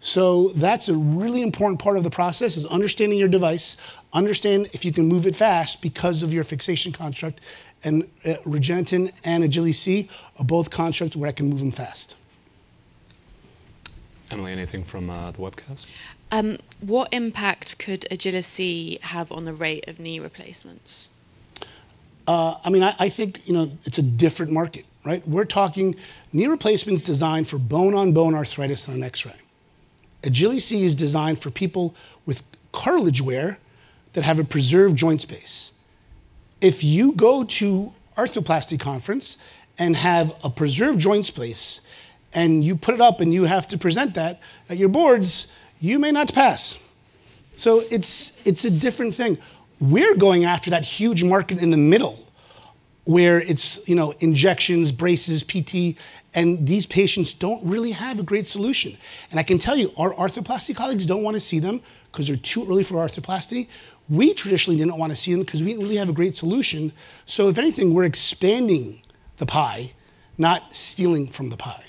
So that's a really important part of the process is understanding your device, understand if you can move it fast because of your fixation construct. And REGENETEN and an Agili-C are both constructs where I can move them fast. Emily, anything from the webcast? What impact could an Agili-C have on the rate of knee replacements? I mean, I think it's a different market, right? We're talking knee replacements designed for bone-on-bone arthritis on an X-ray. An Agili-C is designed for people with cartilage wear that have a preserved joint space. If you go to an arthroplasty conference and have a preserved joint space and you put it up and you have to present that at your boards, you may not pass. So it's a different thing. We're going after that huge market in the middle where it's injections, braces, PT. And these patients don't really have a great solution. And I can tell you, our arthroplasty colleagues don't want to see them because they're too early for arthroplasty. We traditionally didn't want to see them because we didn't really have a great solution. So if anything, we're expanding the pie, not stealing from the pie.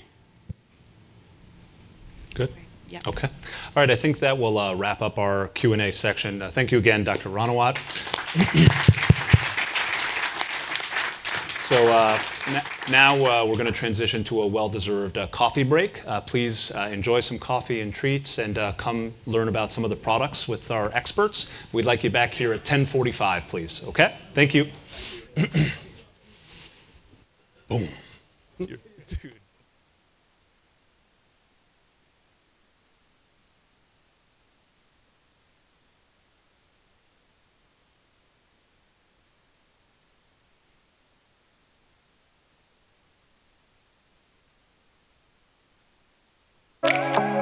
Good? Yeah. Okay. All right. I think that will wrap up our Q&A section. Thank you again, Dr. Ranawat. So now we're going to transition to a well-deserved coffee break. Please enjoy some coffee and treats and come learn about some of the products with our experts. We'd like you back here at 10:45 A.M., please. Okay? Thank you. Boom. All right, well,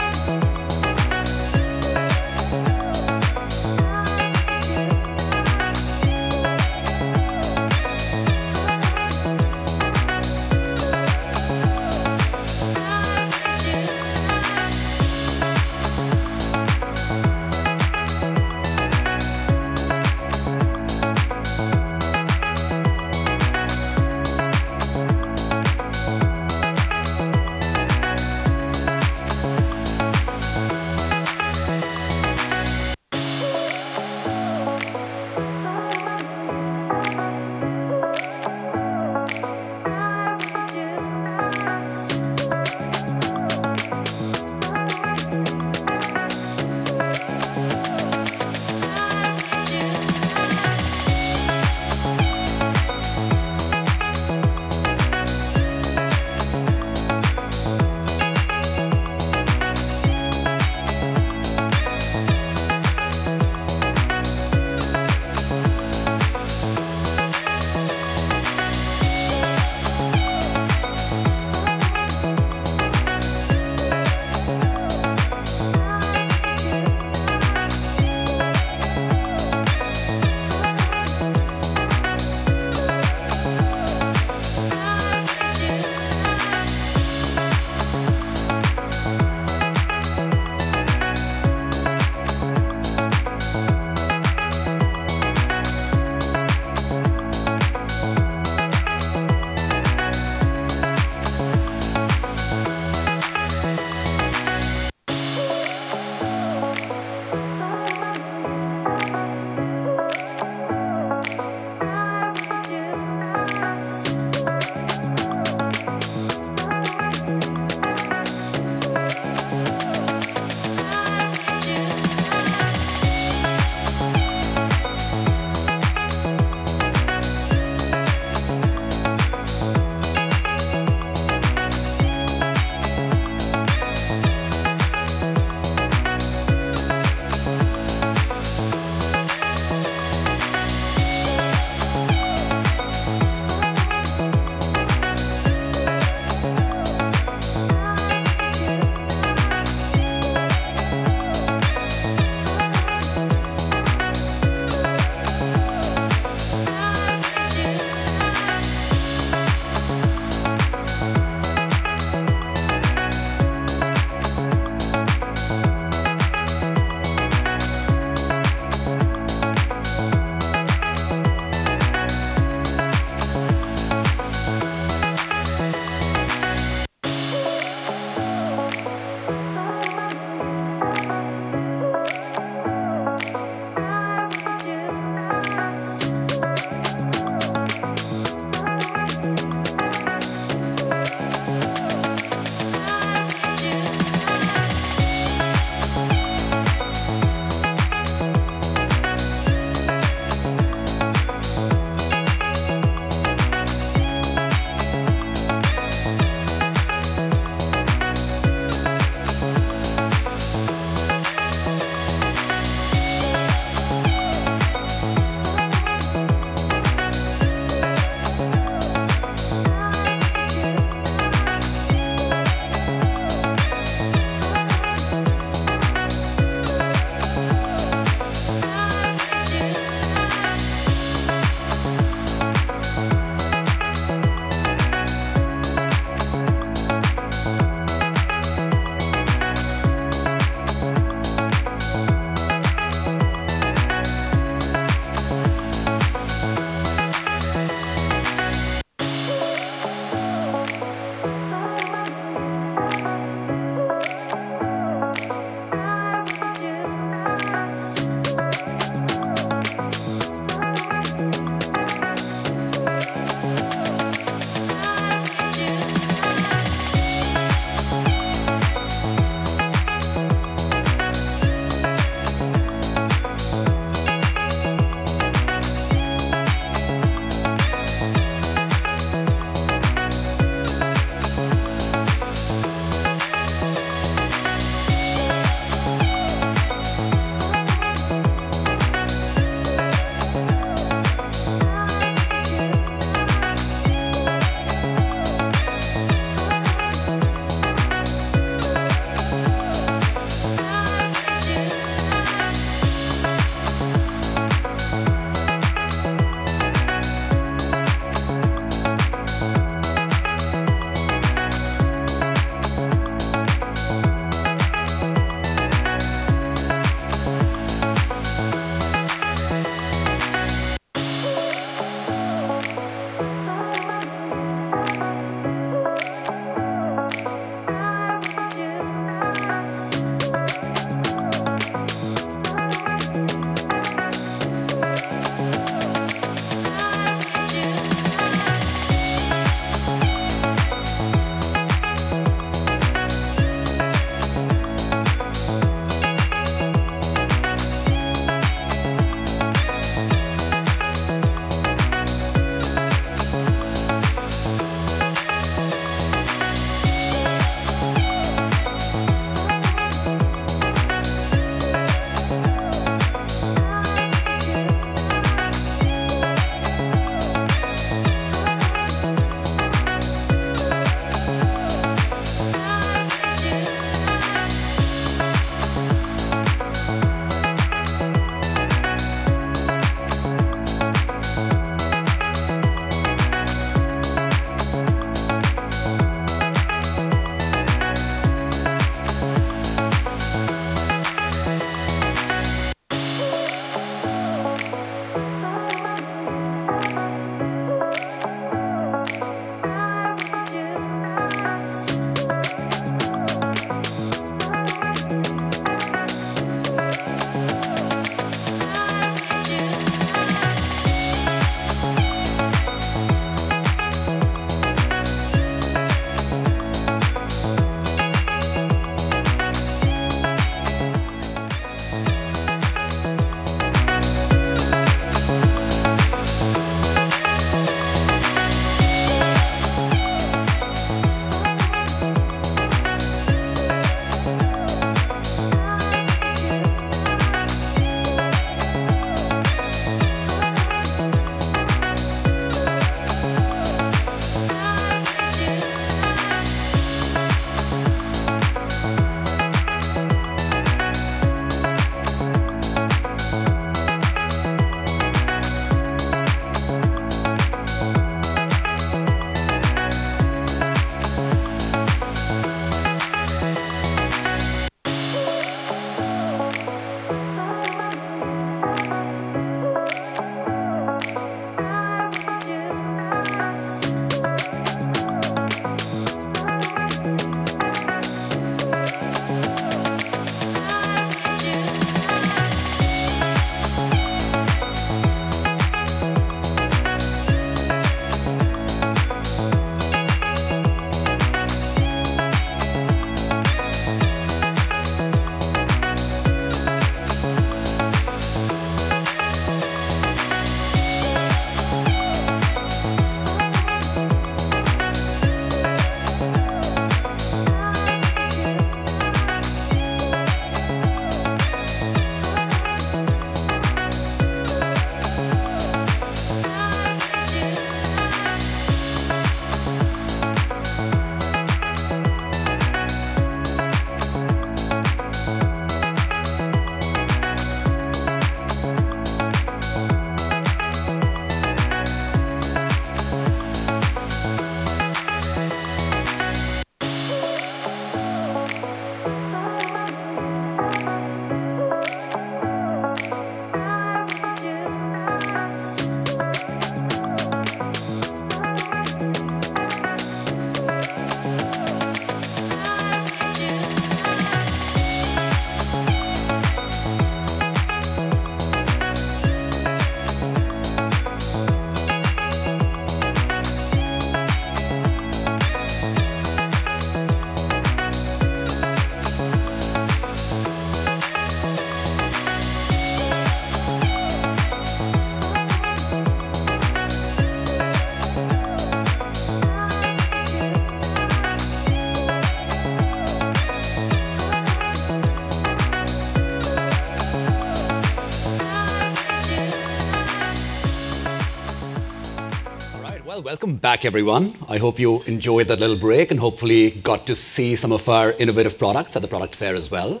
welcome back, everyone. I hope you enjoyed that little break and hopefully got to see some of our innovative products at the product fair as well.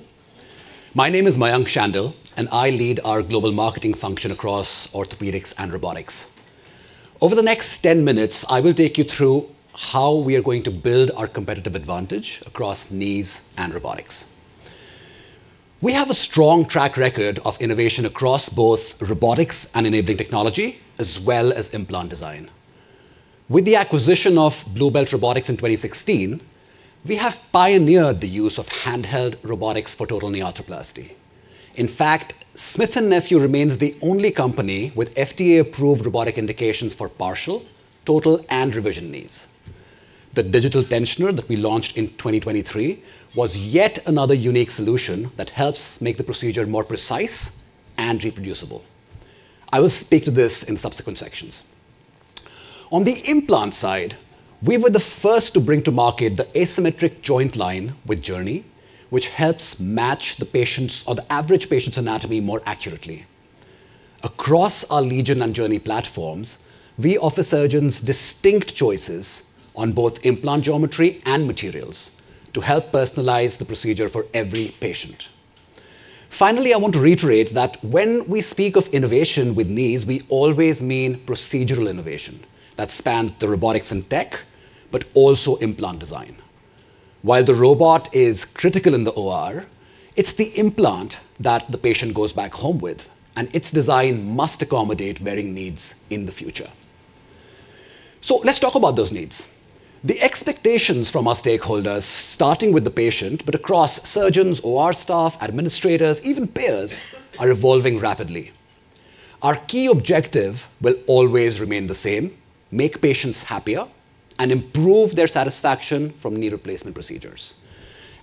My name is Mayank Shandil and I lead our global marketing function across orthopedics and robotics. Over the next 10 minutes, I will take you through how we are going to build our competitive advantage across knees and robotics. We have a strong track record of innovation across both robotics and enabling technology, as well as implant design. With the acquisition of Blue Belt Robotics in 2016, we have pioneered the use of handheld robotics for total knee arthroplasty. In fact, Smith & Nephew remains the only company with FDA-approved robotic indications for partial, total, and revision knees. The digital tensioner that we launched in 2023 was yet another unique solution that helps make the procedure more precise and reproducible. I will speak to this in subsequent sections. On the implant side, we were the first to bring to market the asymmetric joint line with JOURNEY, which helps match the patient's or the average patient's anatomy more accurately. Across our LEGION and JOURNEY platforms, we offer surgeons distinct choices on both implant geometry and materials to help personalize the procedure for every patient. Finally, I want to reiterate that when we speak of innovation with knees, we always mean procedural innovation that spans the robotics and tech, but also implant design. While the robot is critical in the OR, it's the implant that the patient goes back home with, and its design must accommodate varying needs in the future, so let's talk about those needs. The expectations from our stakeholders, starting with the patient, but across surgeons, OR staff, administrators, even payers, are evolving rapidly. Our key objective will always remain the same: make patients happier and improve their satisfaction from knee replacement procedures,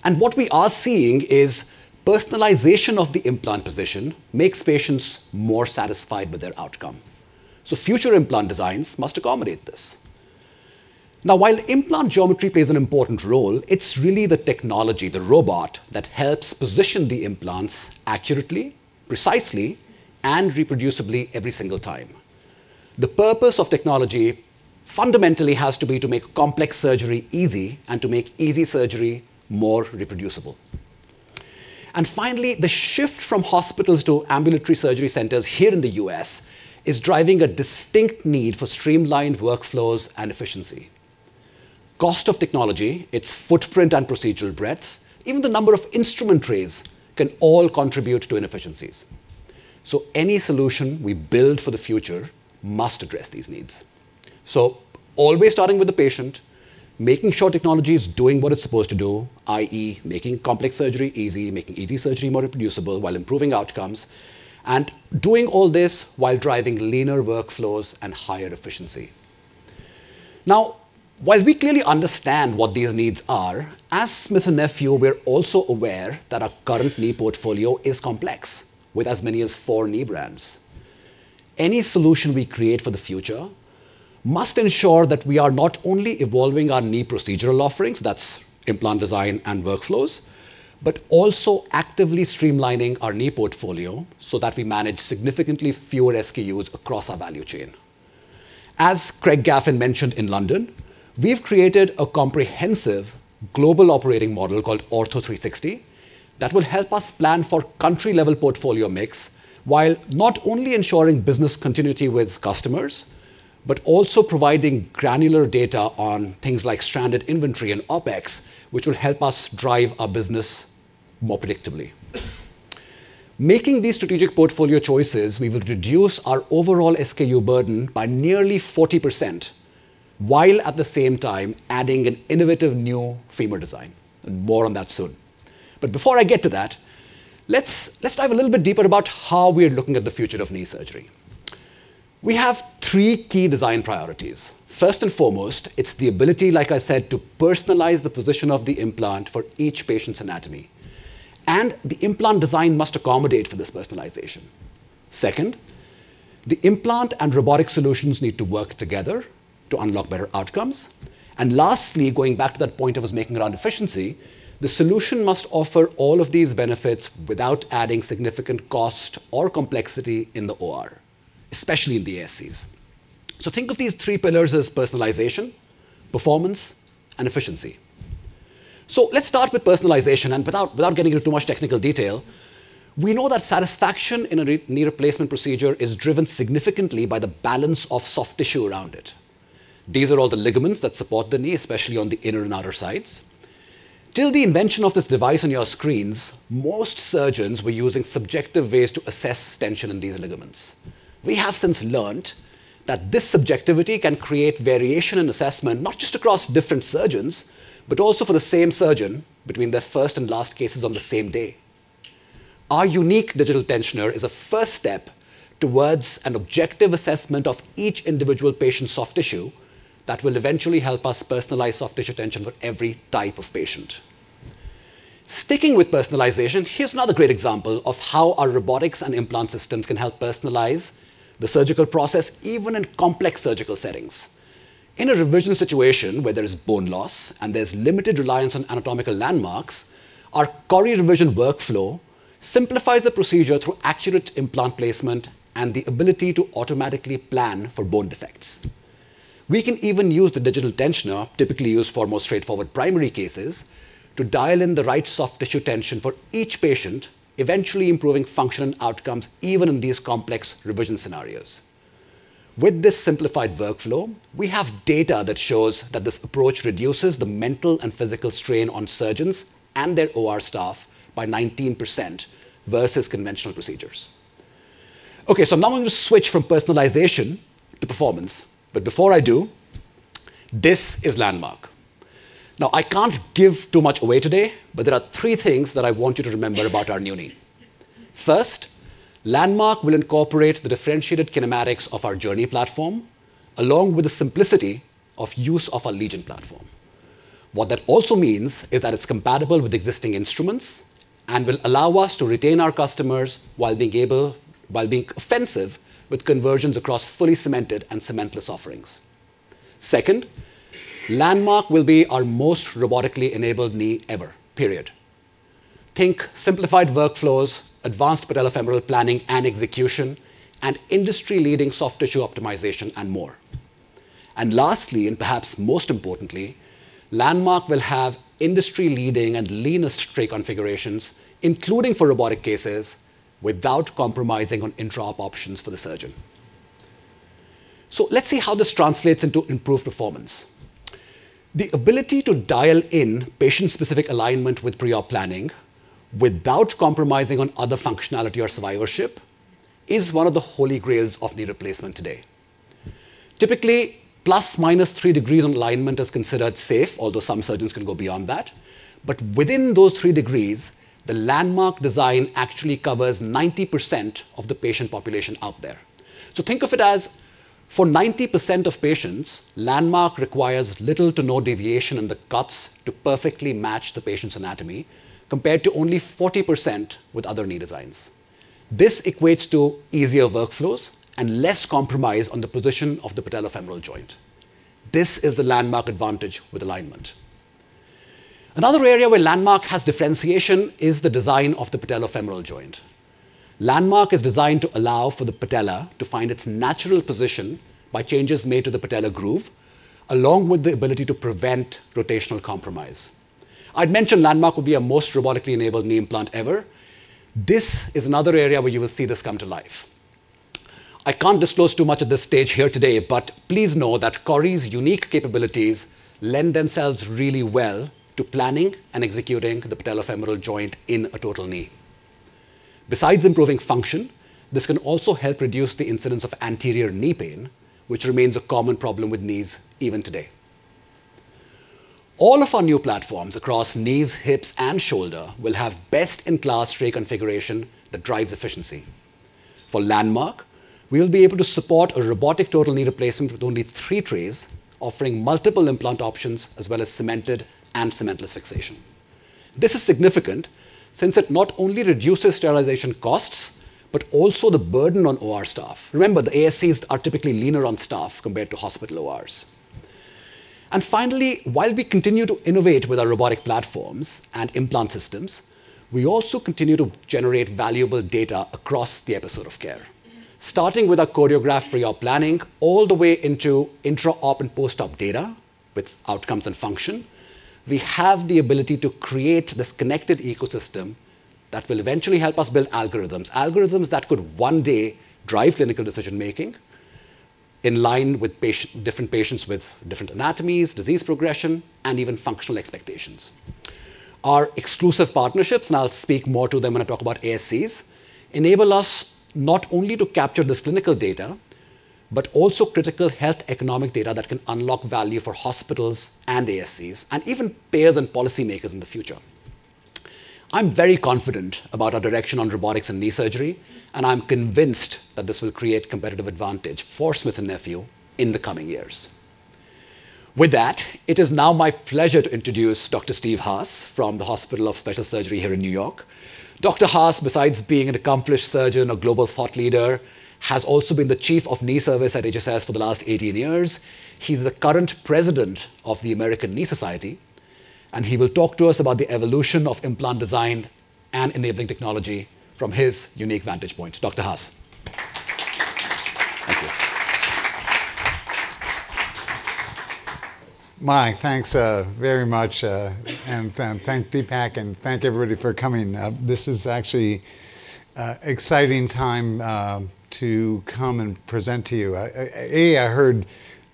and what we are seeing is personalization of the implant position makes patients more satisfied with their outcome, so future implant designs must accommodate this. Now, while implant geometry plays an important role, it's really the technology, the robot, that helps position the implants accurately, precisely, and reproducibly every single time. The purpose of technology fundamentally has to be to make complex surgery easy and to make easy surgery more reproducible. And finally, the shift from hospitals to ambulatory surgery centers here in the U.S. is driving a distinct need for streamlined workflows and efficiency. Cost of technology, its footprint and procedural breadth, even the number of instrument trays can all contribute to inefficiencies. So any solution we build for the future must address these needs. So always starting with the patient, making sure technology is doing what it's supposed to do, i.e., making complex surgery easy, making easy surgery more reproducible while improving outcomes, and doing all this while driving leaner workflows and higher efficiency. Now, while we clearly understand what these needs are, as Smith & Nephew, we're also aware that our current knee portfolio is complex, with as many as four knee brands. Any solution we create for the future must ensure that we are not only evolving our knee procedural offerings, that's implant design and workflows, but also actively streamlining our knee portfolio so that we manage significantly fewer SKUs across our value chain. As Craig Gaffin mentioned in London, we've created a comprehensive global operating model called Ortho 360 that will help us plan for country-level portfolio mix while not only ensuring business continuity with customers, but also providing granular data on things like stranded inventory and OpEx, which will help us drive our business more predictably. Making these strategic portfolio choices, we will reduce our overall SKU burden by nearly 40%, while at the same time adding an innovative new femur design. More on that soon. But before I get to that, let's dive a little bit deeper about how we are looking at the future of knee surgery. We have three key design priorities. First and foremost, it's the ability, like I said, to personalize the position of the implant for each patient's anatomy. And the implant design must accommodate for this personalization. Second, the implant and robotic solutions need to work together to unlock better outcomes. And lastly, going back to that point I was making around efficiency, the solution must offer all of these benefits without adding significant cost or complexity in the OR, especially in the ASCs. So think of these three pillars as personalization, performance, and efficiency. Let's start with personalization. Without getting into too much technical detail, we know that satisfaction in a knee replacement procedure is driven significantly by the balance of soft tissue around it. These are all the ligaments that support the knee, especially on the inner and outer sides. Till the invention of this device on your screens, most surgeons were using subjective ways to assess tension in these ligaments. We have since learned that this subjectivity can create variation in assessment, not just across different surgeons, but also for the same surgeon between their first and last cases on the same day. Our unique digital tensioner is a first step towards an objective assessment of each individual patient's soft tissue that will eventually help us personalize soft tissue tension for every type of patient. Sticking with personalization, here's another great example of how our robotics and implant systems can help personalize the surgical process, even in complex surgical settings. In a revision situation where there is bone loss and there's limited reliance on anatomical landmarks, our CORI revision workflow simplifies the procedure through accurate implant placement and the ability to automatically plan for bone defects. We can even use the digital tensioner, typically used for more straightforward primary cases, to dial in the right soft tissue tension for each patient, eventually improving function and outcomes even in these complex revision scenarios. With this simplified workflow, we have data that shows that this approach reduces the mental and physical strain on surgeons and their OR staff by 19% versus conventional procedures. Okay, so now I'm going to switch from personalization to performance. But before I do, this is landmark. Now, I can't give too much away today, but there are three things that I want you to remember about our new knee. First, landmark will incorporate the differentiated kinematics of our JOURNEY platform along with the simplicity of use of our LEGION platform. What that also means is that it's compatible with existing instruments and will allow us to retain our customers while being effective with conversions across fully cemented and cementless offerings. Second, landmark will be our most robotically enabled knee ever, period. Think simplified workflows, advanced patellofemoral planning and execution, and industry-leading soft tissue optimization and more. And lastly, and perhaps most importantly, landmark will have industry-leading and leanest tray configurations, including for robotic cases, without compromising on intra-op options for the surgeon. So let's see how this translates into improved performance. The ability to dial in patient-specific alignment with pre-op planning without compromising on other functionality or survivorship is one of the holy grails of knee replacement today. Typically, plus minus three degrees on alignment is considered safe, although some surgeons can go beyond that. But within those three degrees, the landmark design actually covers 90% of the patient population out there. So think of it as for 90% of patients, landmark requires little to no deviation in the cuts to perfectly match the patient's anatomy compared to only 40% with other knee designs. This equates to easier workflows and less compromise on the position of the patellofemoral joint. This is the landmark advantage with alignment. Another area where landmark has differentiation is the design of the patellofemoral joint. landmark is designed to allow for the patella to find its natural position by changes made to the patella groove, along with the ability to prevent rotational compromise. I'd mentioned landmark would be our most robotically enabled knee implant ever. This is another area where you will see this come to life. I can't disclose too much at this stage here today, but please know that CORI's unique capabilities lend themselves really well to planning and executing the patellofemoral joint in a total knee. Besides improving function, this can also help reduce the incidence of anterior knee pain, which remains a common problem with knees even today. All of our new platforms across knees, hips, and shoulder will have best-in-class tray configuration that drives efficiency. For landmark, we will be able to support a robotic total knee replacement with only three trays, offering multiple implant options as well as cemented and cementless fixation. This is significant since it not only reduces sterilization costs, but also the burden on OR staff. Remember, the ASCs are typically leaner on staff compared to hospital ORs. And finally, while we continue to innovate with our robotic platforms and implant systems, we also continue to generate valuable data across the episode of care. Starting with our CORIOGRAPH Pre-Op Planning all the way into intra-op and post-op data with outcomes and function, we have the ability to create this connected ecosystem that will eventually help us build algorithms, algorithms that could one day drive clinical decision-making in line with different patients with different anatomies, disease progression, and even functional expectations. Our exclusive partnerships, and I'll speak more to them when I talk about ASCs, enable us not only to capture this clinical data, but also critical health economic data that can unlock value for hospitals and ASCs and even payers and policymakers in the future. I'm very confident about our direction on robotics and knee surgery, and I'm convinced that this will create competitive advantage for Smith & Nephew in the coming years. With that, it is now my pleasure to introduce Dr. Steven Haas from the Hospital for Special Surgery here in New York. Dr. Haas, besides being an accomplished surgeon, a global thought leader, has also been the chief of knee service at HSS for the last 18 years. He's the current president of the American Knee Society, and he will talk to us about the evolution of implant design and enabling technology from his unique vantage point. Thank you. Mayank, thanks very much. And thank Deepak and thank everybody for coming. This is actually an exciting time to come and present to you. I heard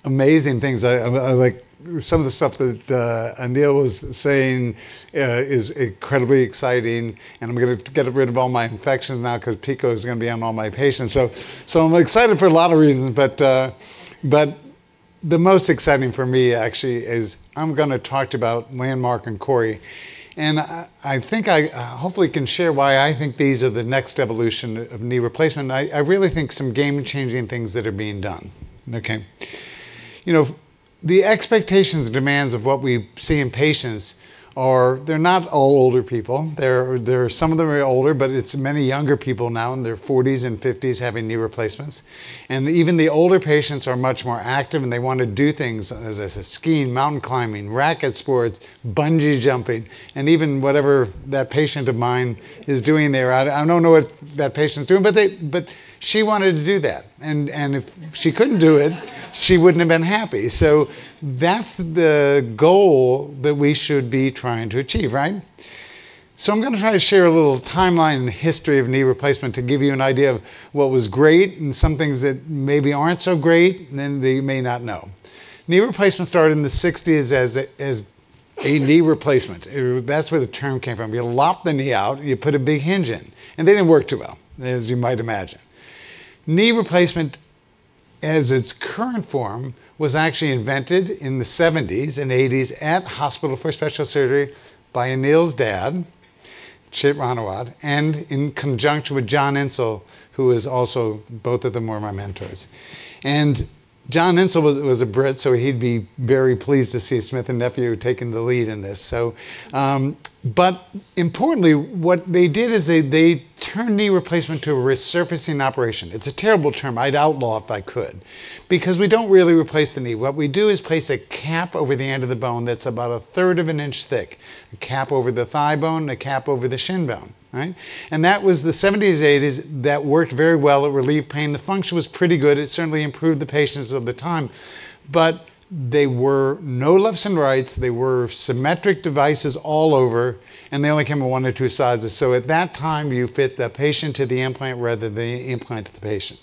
amazing things. Some of the stuff that Anil was saying is incredibly exciting. And I'm going to get rid of all my infections now because PICO is going to be on all my patients. So I'm excited for a lot of reasons. But the most exciting for me, actually, is I'm going to talk to you about landmark and CORI. And I think I hopefully can share why I think these are the next evolution of knee replacement. I really think some game-changing things that are being done. Okay. The expectations and demands of what we see in patients are they're not all older people. Some of them are older, but it's many younger people now in their 40s and 50s having knee replacements. And even the older patients are much more active, and they want to do things such as skiing, mountain climbing, racket sports, bungee jumping, and even whatever that patient of mine is doing there. I don't know what that patient's doing, but she wanted to do that. And if she couldn't do it, she wouldn't have been happy. So that's the goal that we should be trying to achieve, right? So I'm going to try to share a little timeline and history of knee replacement to give you an idea of what was great and some things that maybe aren't so great, and then you may not know. Knee replacement started in the 1960s as a knee replacement. That's where the term came from. You lopped the knee out, and you put a big hinge in. They didn't work too well, as you might imagine. Knee replacement, as its current form, was actually invented in the 70s and 80s at Hospital for Special Surgery by Anil's dad, Chit Ranawat, and in conjunction with John Insall, who is also both of them were my mentors. John Insall was a Brit, so he'd be very pleased to see Smith & Nephew taking the lead in this. Importantly, what they did is they turned knee replacement to a resurfacing operation. It's a terrible term. I'd outlaw it if I could, because we don't really replace the knee. What we do is place a cap over the end of the bone that's about a third of an inch thick, a cap over the thigh bone, a cap over the shin bone. That was the 1970s and 1980s. That worked very well. It relieved pain. The function was pretty good. It certainly improved the patients of the time. There were no left and rights. They were symmetric devices all over, and they only came in one or two sizes. So at that time, you fit the patient to the implant rather than the implant to the patient.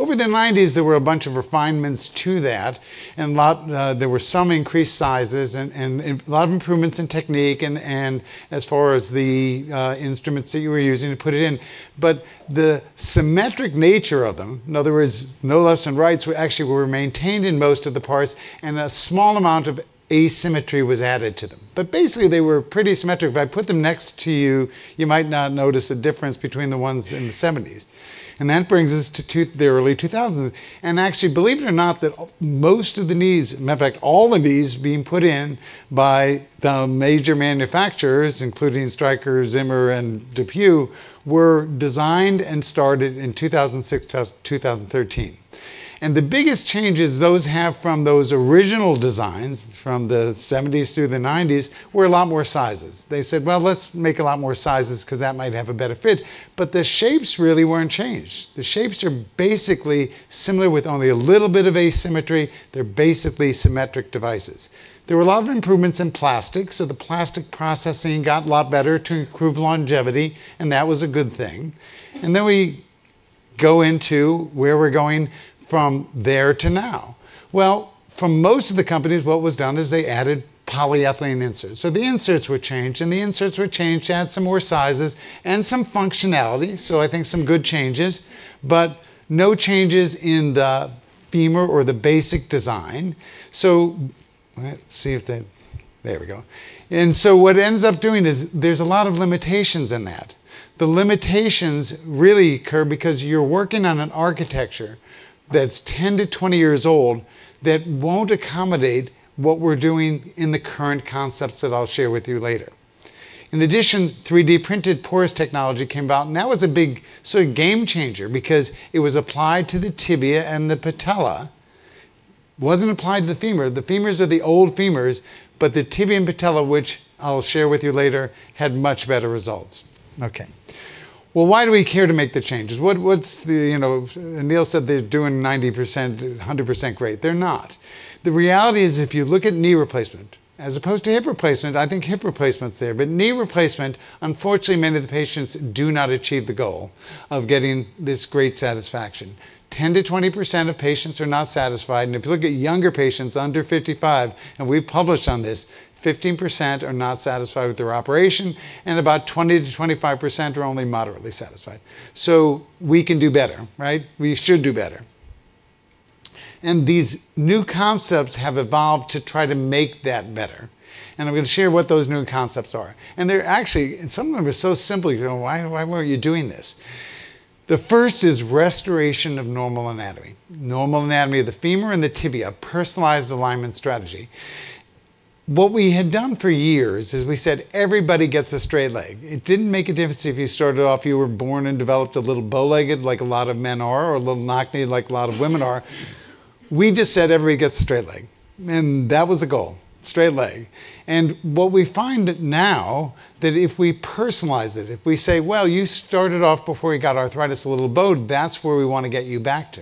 Over the 1990s, there were a bunch of refinements to that. There were some increased sizes and a lot of improvements in technique and as far as the instruments that you were using to put it in. The symmetric nature of them, in other words, no left and rights, actually were maintained in most of the parts, and a small amount of asymmetry was added to them. Basically, they were pretty symmetric. If I put them next to you, you might not notice a difference between the ones in the 70s. And that brings us to the early 2000s. And actually, believe it or not, that most of the knees, in fact, all the knees being put in by the major manufacturers, including Stryker, Zimmer, and DePuy, were designed and started in 2006 to 2013. And the biggest changes those have from those original designs from the 70s through the 90s were a lot more sizes. They said, "Well, let's make a lot more sizes because that might have a better fit." But the shapes really weren't changed. The shapes are basically similar with only a little bit of asymmetry. They're basically symmetric devices. There were a lot of improvements in plastic. So the plastic processing got a lot better to improve longevity, and that was a good thing. Then we go into where we're going from there to now. For most of the companies, what was done is they added polyethylene inserts. So the inserts were changed, and the inserts were changed to add some more sizes and some functionality. So I think some good changes, but no changes in the femur or the basic design. So let's see if there we go. And so what it ends up doing is there's a lot of limitations in that. The limitations really occur because you're working on an architecture that's 10 to 20 years old that won't accommodate what we're doing in the current concepts that I'll share with you later. In addition, 3D printed porous technology came about, and that was a big sort of game changer because it was applied to the tibia and the patella. It wasn't applied to the femur. The femurs are the old femurs, but the tibia and patella, which I'll share with you later, had much better results. Okay, well, why do we care to make the changes? Anil said they're doing 90%, 100% great. They're not. The reality is if you look at knee replacement as opposed to hip replacement, I think hip replacement's there, but knee replacement, unfortunately, many of the patients do not achieve the goal of getting this great satisfaction. 10%-20% of patients are not satisfied, and if you look at younger patients under 55, and we've published on this, 15% are not satisfied with their operation, and about 20%-25% are only moderately satisfied, so we can do better, right? We should do better, and these new concepts have evolved to try to make that better, and I'm going to share what those new concepts are. There are actually some of them are so simple. You go, "Why weren't you doing this?" The first is restoration of normal anatomy. Normal anatomy of the femur and the tibia, personalized alignment strategy. What we had done for years is we said, "Everybody gets a straight leg." It didn't make a difference if you started off, you were born and developed a little bow-legged like a lot of men are or a little knock-kneed like a lot of women are. We just said, "Everybody gets a straight leg." That was the goal, straight leg. What we find now that if we personalize it, if we say, "Well, you started off before you got arthritis, a little bow, that's where we want to get you back to,"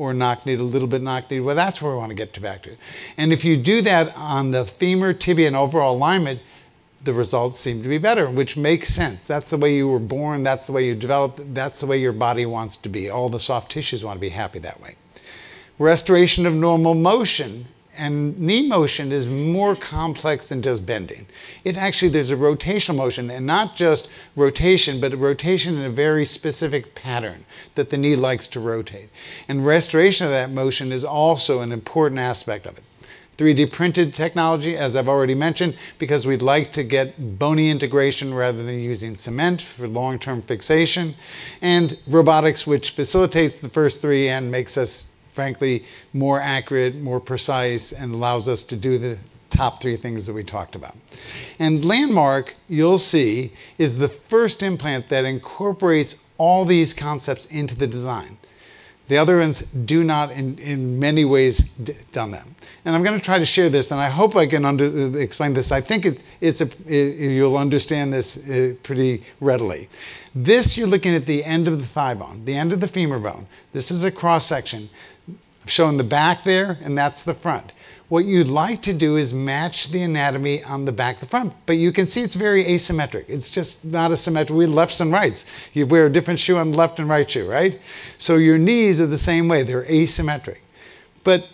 or knock-kneed, a little bit knock-kneed, "Well, that's where we want to get you back to." If you do that on the femur, tibia, and overall alignment, the results seem to be better, which makes sense. That's the way you were born. That's the way you developed. That's the way your body wants to be. All the soft tissues want to be happy that way. Restoration of normal motion and knee motion is more complex than just bending. Actually, there's a rotational motion and not just rotation, but rotation in a very specific pattern that the knee likes to rotate. Restoration of that motion is also an important aspect of it. 3D printed technology, as I've already mentioned, because we'd like to get bony integration rather than using cement for long-term fixation, and robotics, which facilitates the first three and makes us, frankly, more accurate, more precise, and allows us to do the top three things that we talked about. And landmark, you'll see, is the first implant that incorporates all these concepts into the design. The other ones do not, in many ways, done that. And I'm going to try to share this, and I hope I can explain this. I think you'll understand this pretty readily. This, you're looking at the end of the thigh bone, the end of the femur bone. This is a cross-section. I'm showing the back there, and that's the front. What you'd like to do is match the anatomy on the back of the front. But you can see it's very asymmetric. It's just not as symmetric. We have left and rights. You wear a different shoe on the left and right shoe, right? So your knees are the same way. They're asymmetric. But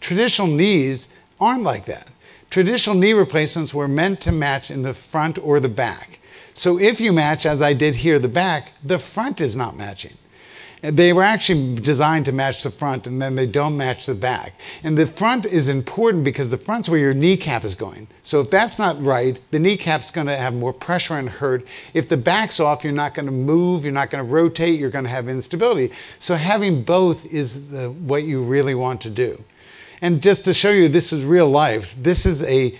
traditional knees aren't like that. Traditional knee replacements were meant to match in the front or the back. So if you match, as I did here, the back, the front is not matching. They were actually designed to match the front, and then they don't match the back. And the front is important because the front's where your kneecap is going. So if that's not right, the kneecap's going to have more pressure and hurt. If the back's off, you're not going to move. You're not going to rotate. You're going to have instability. So having both is what you really want to do. And just to show you, this is real life. This is a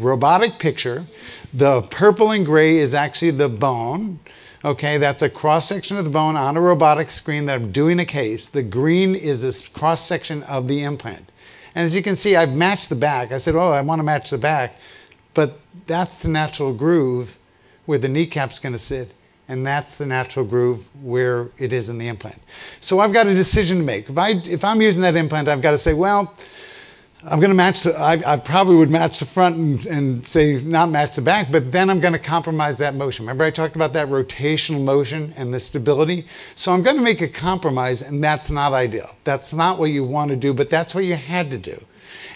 robotic picture. The purple and gray is actually the bone. Okay? That's a cross-section of the bone on a robotic screen that I'm doing a case. The green is a cross-section of the implant. And as you can see, I've matched the back. I said, "Oh, I want to match the back." But that's the natural groove where the kneecap's going to sit, and that's the natural groove where it is in the implant. So I've got a decision to make. If I'm using that implant, I've got to say, "Well, I'm going to match the " I probably would match the front and say, "Not match the back," but then I'm going to compromise that motion. Remember I talked about that rotational motion and the stability? So I'm going to make a compromise, and that's not ideal. That's not what you want to do, but that's what you had to do.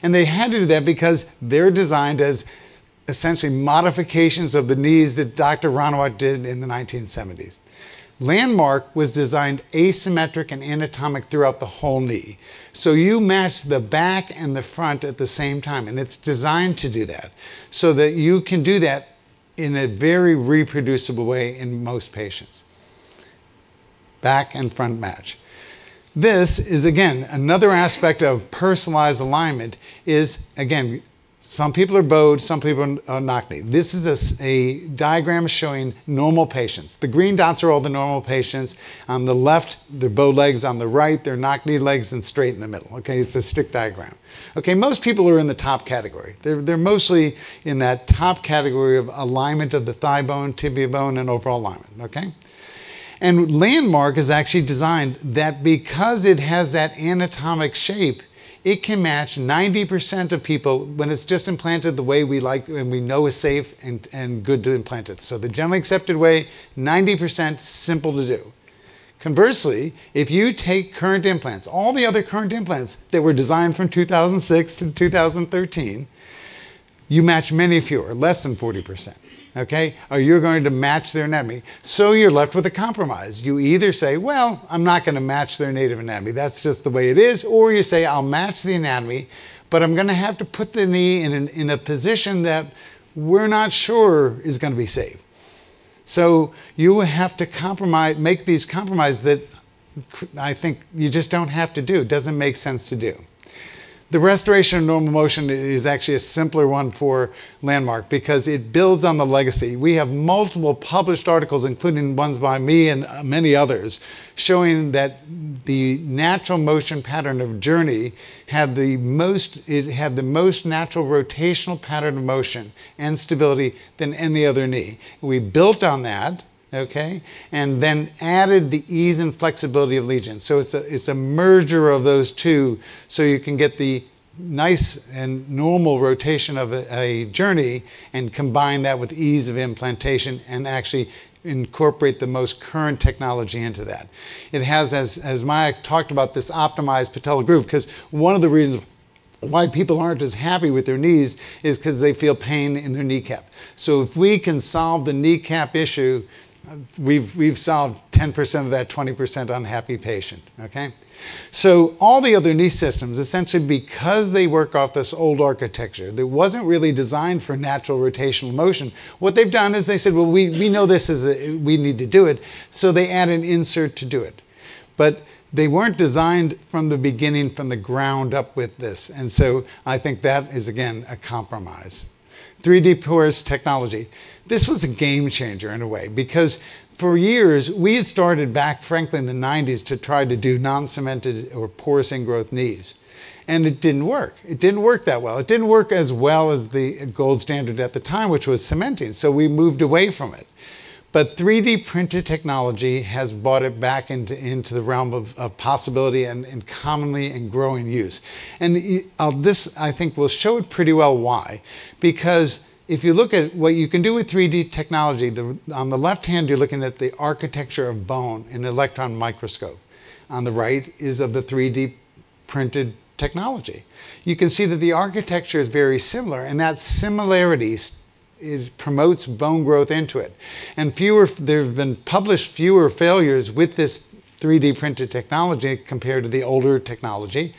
They had to do that because they're designed as essentially modifications of the knees that Dr. Ranawat did in the 1970s. landmark was designed asymmetric and anatomic throughout the whole knee. So you match the back and the front at the same time, and it's designed to do that so that you can do that in a very reproducible way in most patients. Back and front match. This is, again, another aspect of personalized alignment is, again, some people are bowed. Some people are knock-kneed. This is a diagram showing normal patients. The green dots are all the normal patients. On the left, they're bowed legs. On the right, they're knock-kneed legs and straight in the middle. Okay? It's a stick diagram. Okay? Most people are in the top category. They're mostly in that top category of alignment of the thigh bone, tibia bone, and overall alignment. Okay? And landmark is actually designed that because it has that anatomic shape, it can match 90% of people when it's just implanted the way we like and we know is safe and good to implant it. So the generally accepted way, 90% simple to do. Conversely, if you take current implants, all the other current implants that were designed from 2006 to 2013, you match many fewer, less than 40%. Okay? Or you're going to match their anatomy. So you're left with a compromise. You either say, "Well, I'm not going to match their native anatomy. That's just the way it is," or you say, "I'll match the anatomy, but I'm going to have to put the knee in a position that we're not sure is going to be safe." So you will have to make these compromises that I think you just don't have to do. It doesn't make sense to do. The restoration of normal motion is actually a simpler one for landmark because it builds on the legacy. We have multiple published articles, including ones by me and many others, showing that the natural motion pattern of JOURNEY had the most natural rotational pattern of motion and stability than any other knee. We built on that, okay, and then added the ease and flexibility of LEGION. So it's a merger of those two so you can get the nice and normal rotation of a JOURNEY and combine that with ease of implantation and actually incorporate the most current technology into that. It has, as Mayank talked about, this optimized patella groove because one of the reasons why people aren't as happy with their knees is because they feel pain in their kneecap. If we can solve the kneecap issue, we've solved 10% of that 20% unhappy patient. Okay? All the other knee systems, essentially because they work off this old architecture that wasn't really designed for natural rotational motion, what they've done is they said, "Well, we know this is we need to do it." So they add an insert to do it. But they weren't designed from the beginning, from the ground up with this. And so I think that is, again, a compromise. 3D porous technology. This was a game changer in a way because for years, we had started back, frankly, in the 1990s to try to do non-cemented or porous ingrowth knees. And it didn't work. It didn't work that well. It didn't work as well as the gold standard at the time, which was cementing. So we moved away from it. But 3D printed technology has brought it back into the realm of possibility and commonly in growing use. And this, I think, will show it pretty well why. Because if you look at what you can do with 3D technology, on the left hand, you're looking at the architecture of bone in an electron microscope. On the right is of the 3D printed technology. You can see that the architecture is very similar, and that similarity promotes bone growth into it. And there have been published fewer failures with this 3D printed technology compared to the older technology.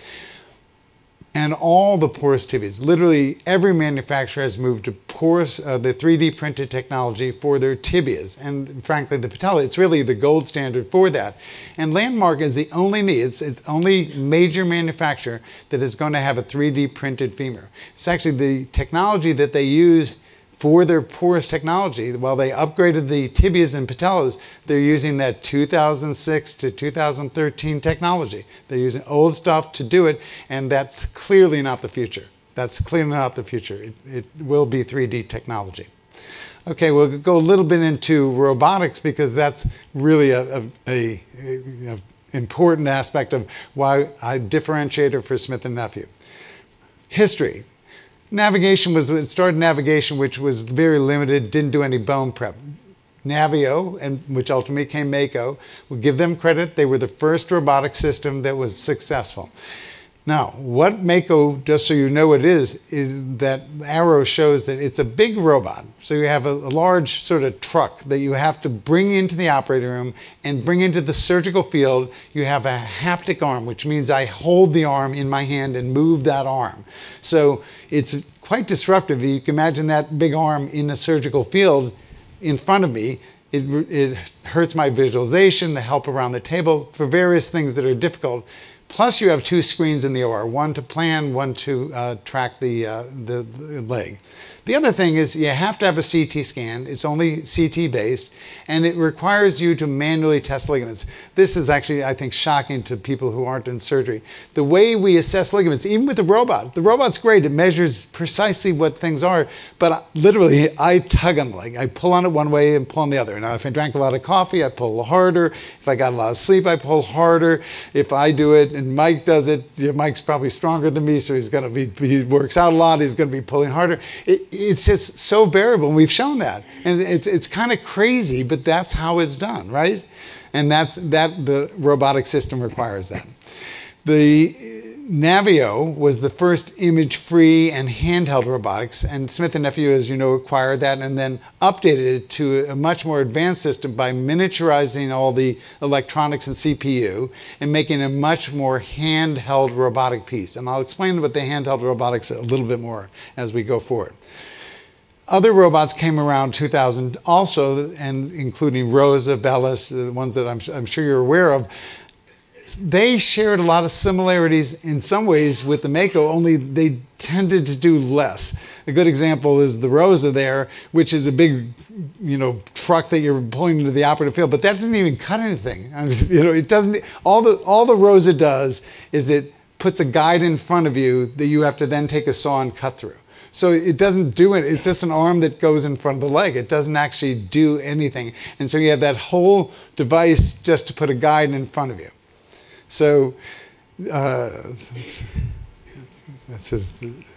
And all the porous tibias, literally every manufacturer has moved to porous 3D printed technology for their tibias. And frankly, the patella, it's really the gold standard for that. And landmark is the only knee. It's the only major manufacturer that is going to have a 3D printed femur. It's actually the technology that they use for their porous technology. While they upgraded the tibias and patellas, they're using that 2006 to 2013 technology. They're using old stuff to do it, and that's clearly not the future. That's clearly not the future. It will be 3D technology. Okay. We'll go a little bit into robotics because that's really an important aspect of why I differentiate here for Smith & Nephew. History. It started with navigation, which was very limited, didn't do any bone prep. NAVIO, which ultimately became Mako, we'll give them credit. They were the first robotic system that was successful. Now, what Mako, just so you know what it is, is that arrow shows that it's a big robot. So you have a large sort of truck that you have to bring into the operating room and bring into the surgical field. You have a haptic arm, which means I hold the arm in my hand and move that arm. So it's quite disruptive. You can imagine that big arm in a surgical field in front of me. It hurts my visualization, the help around the table for various things that are difficult. Plus, you have two screens in the OR, one to plan, one to track the leg. The other thing is you have to have a CT scan. It's only CT-based, and it requires you to manually test ligaments. This is actually, I think, shocking to people who aren't in surgery. The way we assess ligaments, even with the robot, the robot's great. It measures precisely what things are, but literally, I tug on the leg. I pull on it one way and pull on the other. Now, if I drank a lot of coffee, I pull harder. If I got a lot of sleep, I pull harder. If I do it and Mayank does it, Mayank's probably stronger than me, so he's going to be. He works out a lot. He's going to be pulling harder. It's just so bearable, and we've shown that. And it's kind of crazy, but that's how it's done, right? And the robotic system requires that. The NAVIO was the first image-free and handheld robotics, and Smith & Nephew, as you know, acquired that and then updated it to a much more advanced system by miniaturizing all the electronics and CPU and making a much more handheld robotic piece. And I'll explain what the handheld robotics is a little bit more as we go forward. Other robots came around 2000 also, including ROSA, VELYS, the ones that I'm sure you're aware of. They shared a lot of similarities in some ways with the Mako, only they tended to do less. A good example is the ROSA there, which is a big truck that you're pulling into the operative field, but that doesn't even cut anything. All the ROSA does is it puts a guide in front of you that you have to then take a saw and cut through. So it doesn't do it. It's just an arm that goes in front of the leg. It doesn't actually do anything. And so you have that whole device just to put a guide in front of you. So that's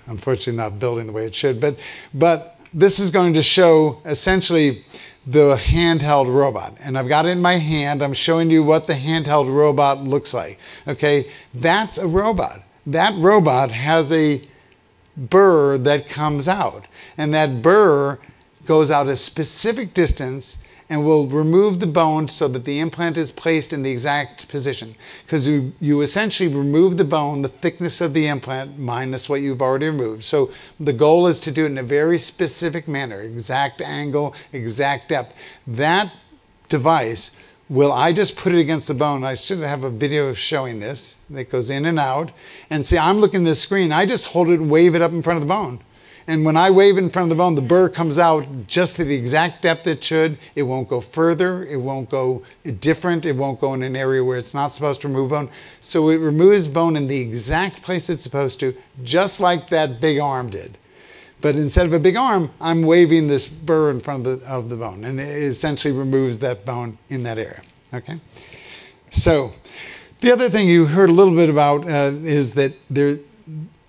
unfortunately not building the way it should. But this is going to show essentially the handheld robot. And I've got it in my hand. I'm showing you what the handheld robot looks like. Okay? That's a robot. That robot has a burr that comes out, and that burr goes out a specific distance and will remove the bone so that the implant is placed in the exact position because you essentially remove the bone, the thickness of the implant minus what you've already removed. So the goal is to do it in a very specific manner, exact angle, exact depth. That device, will I just put it against the bone? I should have a video showing this that goes in and out. And see, I'm looking at this screen. I just hold it and wave it up in front of the bone. And when I wave in front of the bone, the burr comes out just at the exact depth it should. It won't go further. It won't go different. It won't go in an area where it's not supposed to remove bone. So it removes bone in the exact place it's supposed to, just like that big arm did. But instead of a big arm, I'm waving this burr in front of the bone, and it essentially removes that bone in that area. Okay? So the other thing you heard a little bit about is that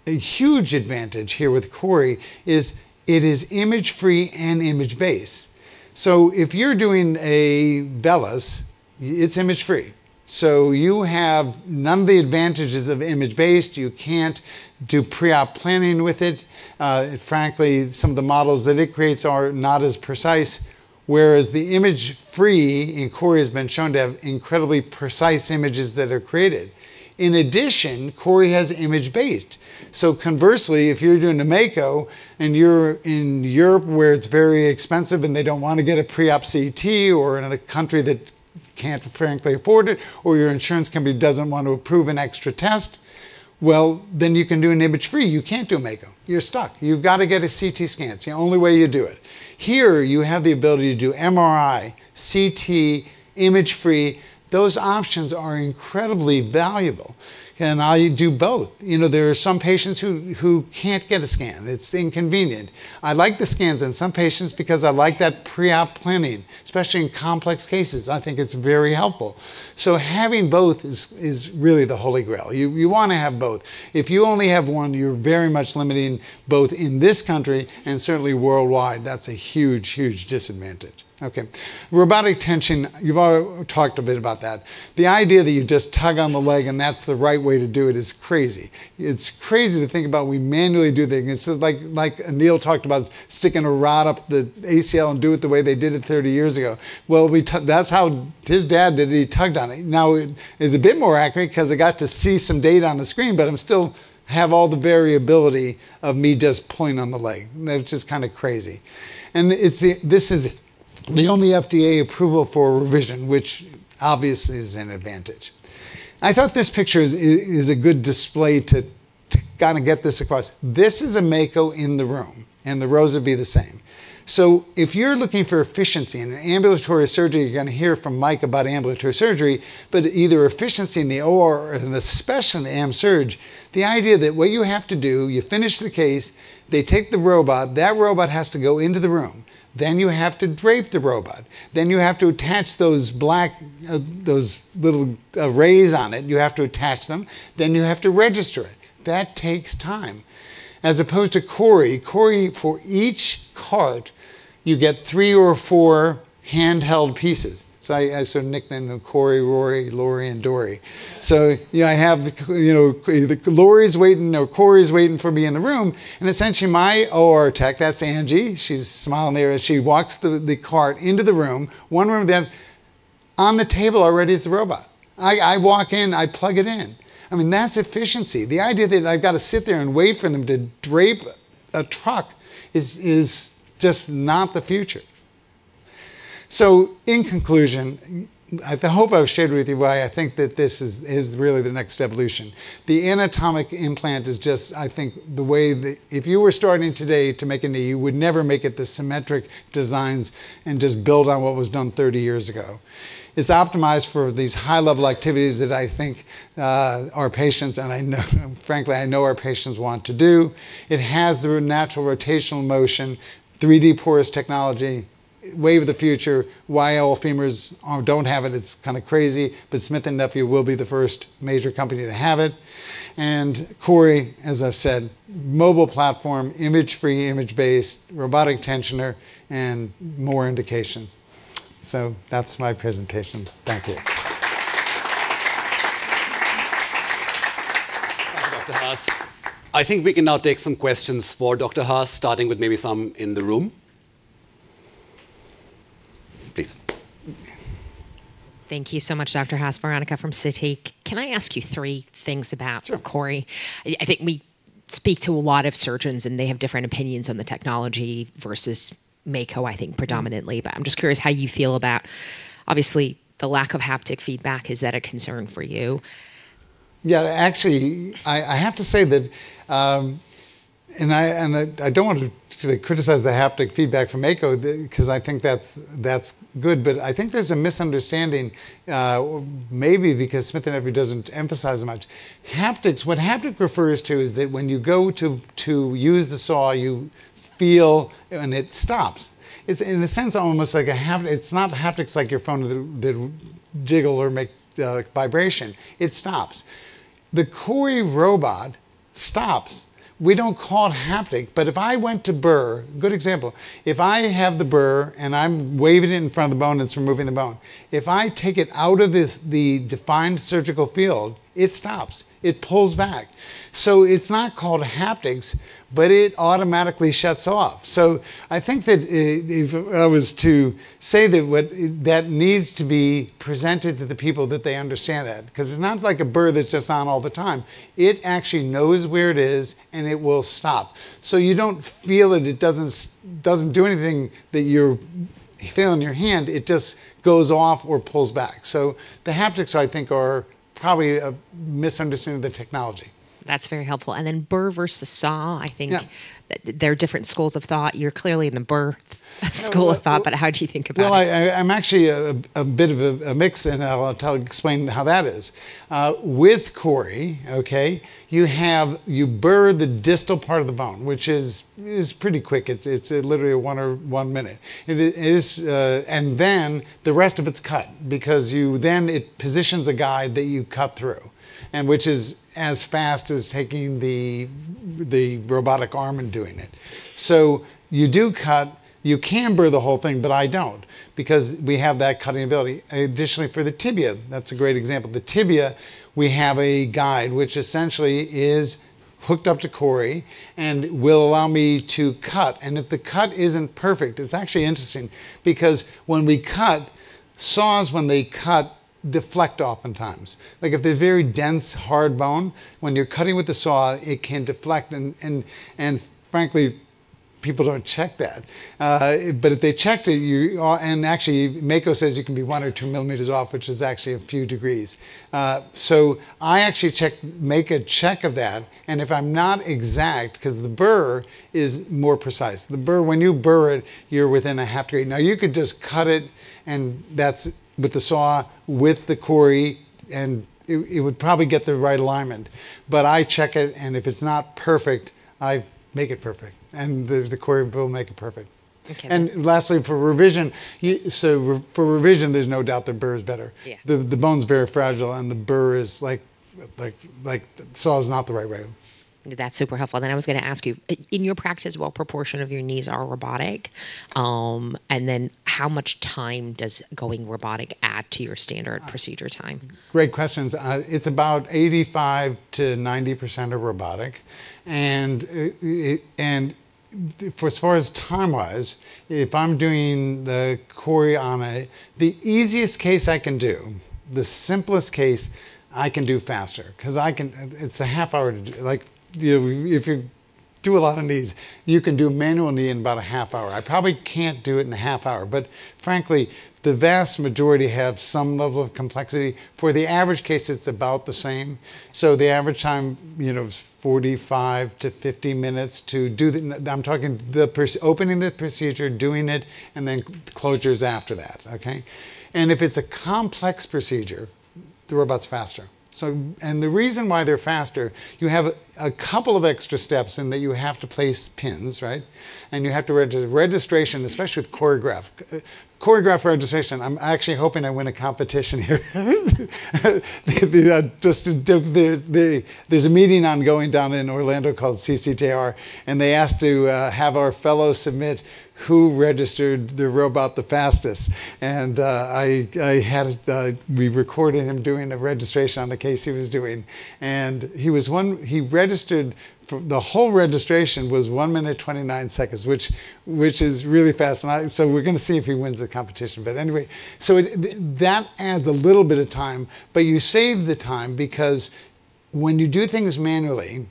a huge advantage here with CORI is it is image-free and image-based. So if you're doing a VELYS, it's image-free. So you have none of the advantages of image-based. You can't do pre-op planning with it. Frankly, some of the models that it creates are not as precise, whereas the image-free in CORI has been shown to have incredibly precise images that are created. In addition, CORI has image-based. So conversely, if you're doing a Mako and you're in Europe where it's very expensive and they don't want to get a pre-op CT or in a country that can't frankly afford it, or your insurance company doesn't want to approve an extra test, well, then you can do an image-free. You can't do a Mako. You're stuck. You've got to get a CT scan. It's the only way you do it. Here, you have the ability to do MRI, CT, image-free. Those options are incredibly valuable. And I do both. There are some patients who can't get a scan. It's inconvenient. I like the scans in some patients because I like that pre-op planning, especially in complex cases. I think it's very helpful. So having both is really the Holy Grail. You want to have both. If you only have one, you're very much limiting both in this country and certainly worldwide. That's a huge, huge disadvantage. Okay. Robotic tension, you've already talked a bit about that. The idea that you just tug on the leg and that's the right way to do it is crazy. It's crazy to think about we manually do things. It's like Anil talked about sticking a rod up the ACL and do it the way they did it 30 years ago. Well, that's how his dad did it. He tugged on it. Now, it's a bit more accurate because I got to see some data on the screen, but I still have all the variability of me just pulling on the leg. It's just kind of crazy, and this is the only FDA approval for revision, which obviously is an advantage. I thought this picture is a good display to kind of get this across. This is a Mako in the room, and the ROSA would be the same. So if you're looking for efficiency in an ambulatory surgery, you're going to hear from Mayank about ambulatory surgery, but either efficiency in the OR or especially in ASC, the idea that what you have to do, you finish the case, they take the robot, that robot has to go into the room. Then you have to drape the robot. Then you have to attach those black, those little arrays on it. You have to attach them. Then you have to register it. That takes time. As opposed to CORI, CORI, for each cart, you get three or four handheld pieces. So I sort of nicknamed them CORI, Rory, Lori, and Dory. So I have the CORI's waiting for me in the room. And essentially, my OR tech, that's Angie. She's smiling there as she walks the cart into the room. In the room, one of them on the table already is the robot. I walk in, I plug it in. I mean, that's efficiency. The idea that I've got to sit there and wait for them to drape the robot is just not the future. So in conclusion, I hope I've shared with you why I think that this is really the next evolution. The anatomic implant is just, I think, the way that if you were starting today to make a knee, you would never make it the symmetric designs and just build on what was done 30 years ago. It's optimized for these high-level activities that I think our patients, and frankly, I know our patients want to do. It has the natural rotational motion, 3D porous technology, wave of the future. Why all femurs don't have it, it's kind of crazy, but Smith & Nephew will be the first major company to have it. And CORI, as I've said, mobile platform, image-free, image-based, robotic tensioner, and more indications. So that's my presentation. Thank you. Thank you, Dr. Haas. I think we can now take some questions for Dr. Haas, starting with maybe some in the room. Please. Thank you so much, Dr. Haas. Veronica from Citi. Can I ask you three things about CORI? Sure. I think we speak to a lot of surgeons, and they have different opinions on the technology versus Mako, I think, predominantly. But I'm just curious how you feel about, obviously, the lack of haptic feedback. Is that a concern for you? Yeah. Actually, I have to say that, and I don't want to criticize the haptic feedback for Mako because I think that's good, but I think there's a misunderstanding maybe because Smith & Nephew doesn't emphasize it much. Haptics, what haptic refers to is that when you go to use the saw, you feel and it stops. It's, in a sense, almost like a haptic. It's not haptics like your phone that jiggle or make vibration. It stops. The CORI robot stops. We don't call it haptic, but if I went to burr, good example. If I have the burr and I'm waving it in front of the bone and it's removing the bone, if I take it out of the defined surgical field, it stops. It pulls back. So it's not called haptics, but it automatically shuts off. So I think that if I was to say that that needs to be presented to the people that they understand that because it's not like a burr that's just on all the time. It actually knows where it is, and it will stop. So you don't feel it. It doesn't do anything that you're feeling in your hand. It just goes off or pulls back. So the haptics, I think, are probably a misunderstanding of the technology. That's very helpful. And then burr versus saw, I think there are different schools of thought. You're clearly in the burr school of thought, but how do you think about it? I'm actually a bit of a mix, and I'll explain how that is. With CORI, okay, you burr the distal part of the bone, which is pretty quick. It's literally one minute. And then the rest of it's cut because then it positions a guide that you cut through, which is as fast as taking the robotic arm and doing it. So you do cut. You can burr the whole thing, but I don't because we have that cutting ability. Additionally, for the tibia, that's a great example. The tibia, we have a guide, which essentially is hooked up to CORI and will allow me to cut. And if the cut isn't perfect, it's actually interesting because when we cut, saws, when they cut, deflect oftentimes. Like if they're very dense, hard bone, when you're cutting with the saw, it can deflect. And frankly, people don't check that. But if they checked it, and actually Mako says you can be one or two millimeters off, which is actually a few degrees. So I actually check Mako check of that. And if I'm not exact because the burr is more precise. The burr, when you burr it, you're within a half degree. Now, you could just cut it, and that's with the saw, with the CORI, and it would probably get the right alignment. But I check it, and if it's not perfect, I make it perfect. And the CORI will make it perfect. And lastly, for revision, so for revision, there's no doubt the burr is better. The bone's very fragile, and the burr is like the saw is not the right way. That's super helpful. Then I was going to ask you, in your practice, what proportion of your knees are robotic? And then how much time does going robotic add to your standard procedure time? Great questions. It's about 85%-90% of robotic. And as far as time-wise, if I'm doing the CORI on a, the easiest case I can do, the simplest case I can do faster because it's a half hour. If you do a lot of knees, you can do manual knee in about a half hour. I probably can't do it in a half hour. But frankly, the vast majority have some level of complexity. For the average case, it's about the same. So the average time is 45 to 50 minutes to do the, I'm talking the opening of the procedure, doing it, and then closures after that. Okay? And if it's a complex procedure, the robot's faster. And the reason why they're faster, you have a couple of extra steps in that you have to place pins, right? And you have to register registration, especially with CORI. CORI registration. I'm actually hoping I win a competition here. There's a meeting ongoing down in Orlando called CCJR, and they asked to have our fellow submit who registered the robot the fastest, and we recorded him doing the registration on the case he was doing. And he registered; the whole registration was one minute 29 seconds, which is really fast, so we're going to see if he wins the competition. But anyway, so that adds a little bit of time, but you save the time because when you do things manually,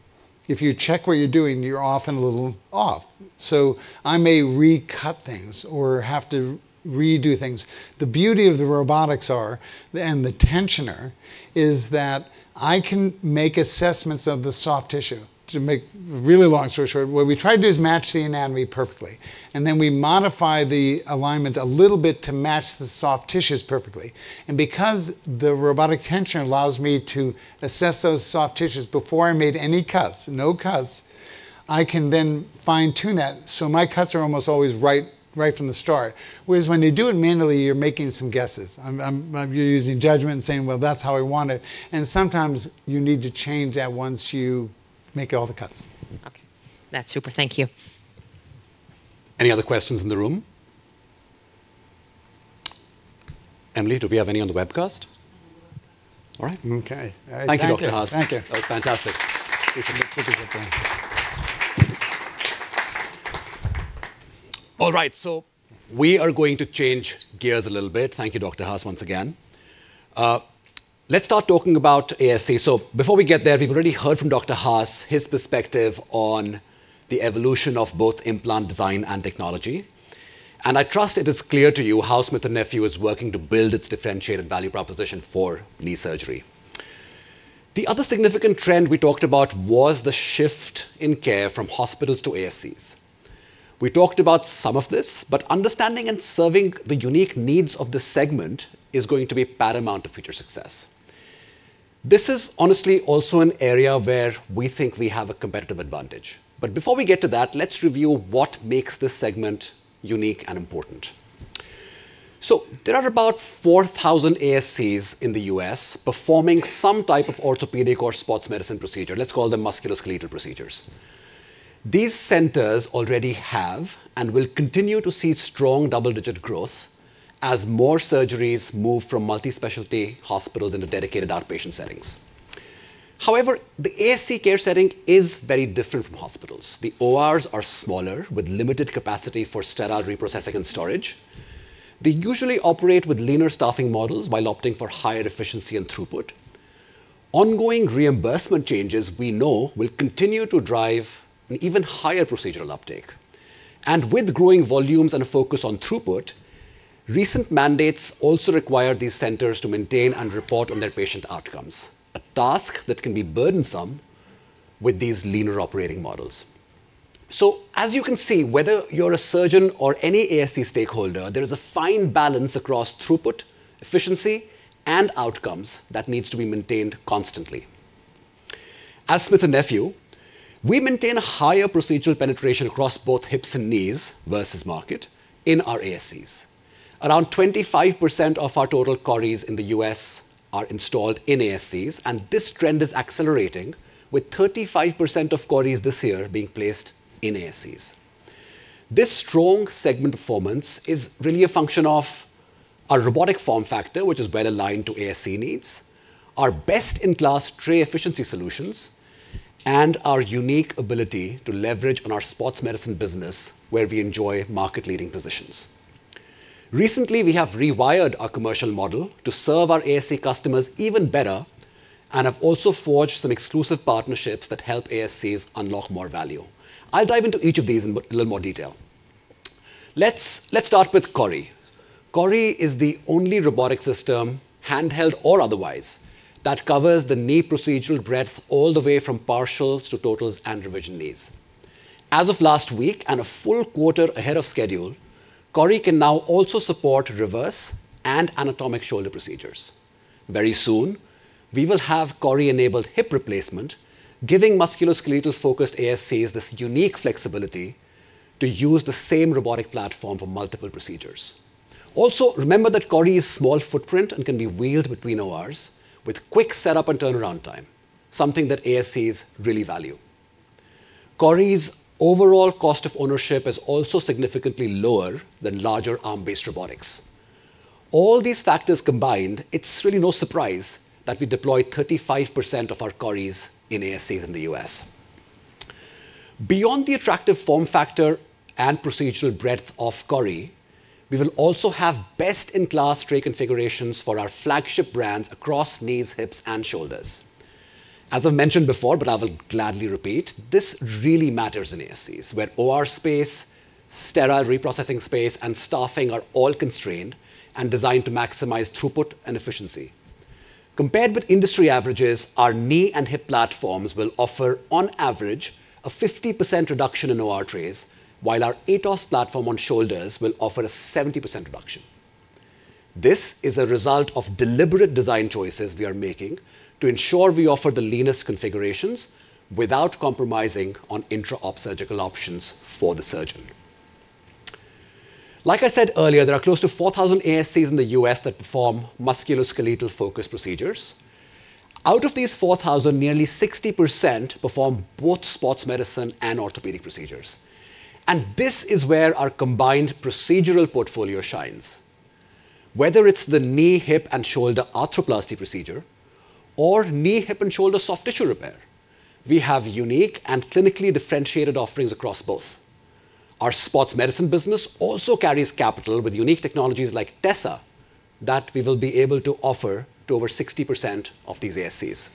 if you check what you're doing, you're often a little off. So I may recut things or have to redo things. The beauty of the robotics and the tensioner is that I can make assessments of the soft tissue. To make a really long story short, what we try to do is match the anatomy perfectly. And then we modify the alignment a little bit to match the soft tissues perfectly. And because the robotic tensioner allows me to assess those soft tissues before I made any cuts, no cuts, I can then fine-tune that. So my cuts are almost always right from the start. Whereas when you do it manually, you're making some guesses. You're using judgment and saying, "Well, that's how I want it." And sometimes you need to change that once you make all the cuts. Okay. That's super. Thank you. Any other questions in the room? Emily, do we have any on the webcast? All right. Okay. Thank you, Dr. Haas. That was fantastic. All right. So we are going to change gears a little bit. Thank you, Dr. Haas, once again. Let's start talking about ASC. So before we get there, we've already heard from Dr. Haas his perspective on the evolution of both implant design and technology. And I trust it is clear to you how Smith & Nephew is working to build its differentiated value proposition for knee surgery. The other significant trend we talked about was the shift in care from hospitals to ASCs. We talked about some of this, but understanding and serving the unique needs of the segment is going to be paramount to future success. This is honestly also an area where we think we have a competitive advantage. But before we get to that, let's review what makes this segment unique and important. So there are about 4,000 ASCs in the U.S. performing some type of orthopedic or sports medicine procedure. Let's call them musculoskeletal procedures. These centers already have and will continue to see strong double-digit growth as more surgeries move from multispecialty hospitals into dedicated outpatient settings. However, the ASC care setting is very different from hospitals. The ORs are smaller with limited capacity for sterile reprocessing and storage. They usually operate with leaner staffing models while opting for higher efficiency and throughput. Ongoing reimbursement changes, we know, will continue to drive an even higher procedural uptake. And with growing volumes and a focus on throughput, recent mandates also require these centers to maintain and report on their patient outcomes, a task that can be burdensome with these leaner operating models. As you can see, whether you're a surgeon or any ASC stakeholder, there is a fine balance across throughput, efficiency, and outcomes that needs to be maintained constantly. As Smith & Nephew, we maintain a higher procedural penetration across both hips and knees versus market in our ASCs. Around 25% of our total CORIs in the U.S. are installed in ASCs, and this trend is accelerating with 35% of CORIs this year being placed in ASCs. This strong segment performance is really a function of our robotic form factor, which is well aligned to ASC needs, our best-in-class tray efficiency solutions, and our unique ability to leverage on our sports medicine business where we enjoy market-leading positions. Recently, we have rewired our commercial model to serve our ASC customers even better and have also forged some exclusive partnerships that help ASCs unlock more value. I'll dive into each of these in a little more detail. Let's start with CORI. CORI is the only robotic system, handheld or otherwise, that covers the knee procedural breadth all the way from partials to totals and revision knees. As of last week and a full quarter ahead of schedule, CORI can now also support reverse and anatomic shoulder procedures. Very soon, we will have CORI-enabled hip replacement, giving musculoskeletal-focused ASCs this unique flexibility to use the same robotic platform for multiple procedures. Also, remember that CORI is small footprint and can be wheeled between ORs with quick setup and turnaround time, something that ASCs really value. CORI's overall cost of ownership is also significantly lower than larger arm-based robotics. All these factors combined, it's really no surprise that we deploy 35% of our CORIs in ASCs in the U.S. Beyond the attractive form factor and procedural breadth of CORI, we will also have best-in-class tray configurations for our flagship brands across knees, hips, and shoulders. As I've mentioned before, but I will gladly repeat, this really matters in ASCs where OR space, sterile reprocessing space, and staffing are all constrained and designed to maximize throughput and efficiency. Compared with industry averages, our knee and hip platforms will offer, on average, a 50% reduction in OR trays, while our AETOS platform on shoulders will offer a 70% reduction. This is a result of deliberate design choices we are making to ensure we offer the leanest configurations without compromising on intra-opsurgical options for the surgeon. Like I said earlier, there are close to 4,000 ASCs in the U.S. that perform musculoskeletal-focused procedures. Out of these 4,000, nearly 60% perform both sports medicine and orthopedic procedures. This is where our combined procedural portfolio shines. Whether it's the knee, hip, and shoulder arthroplasty procedure or knee, hip, and shoulder soft tissue repair, we have unique and clinically differentiated offerings across both. Our sports medicine business also carries capital with unique technologies like TESSA that we will be able to offer to over 60% of these ASCs.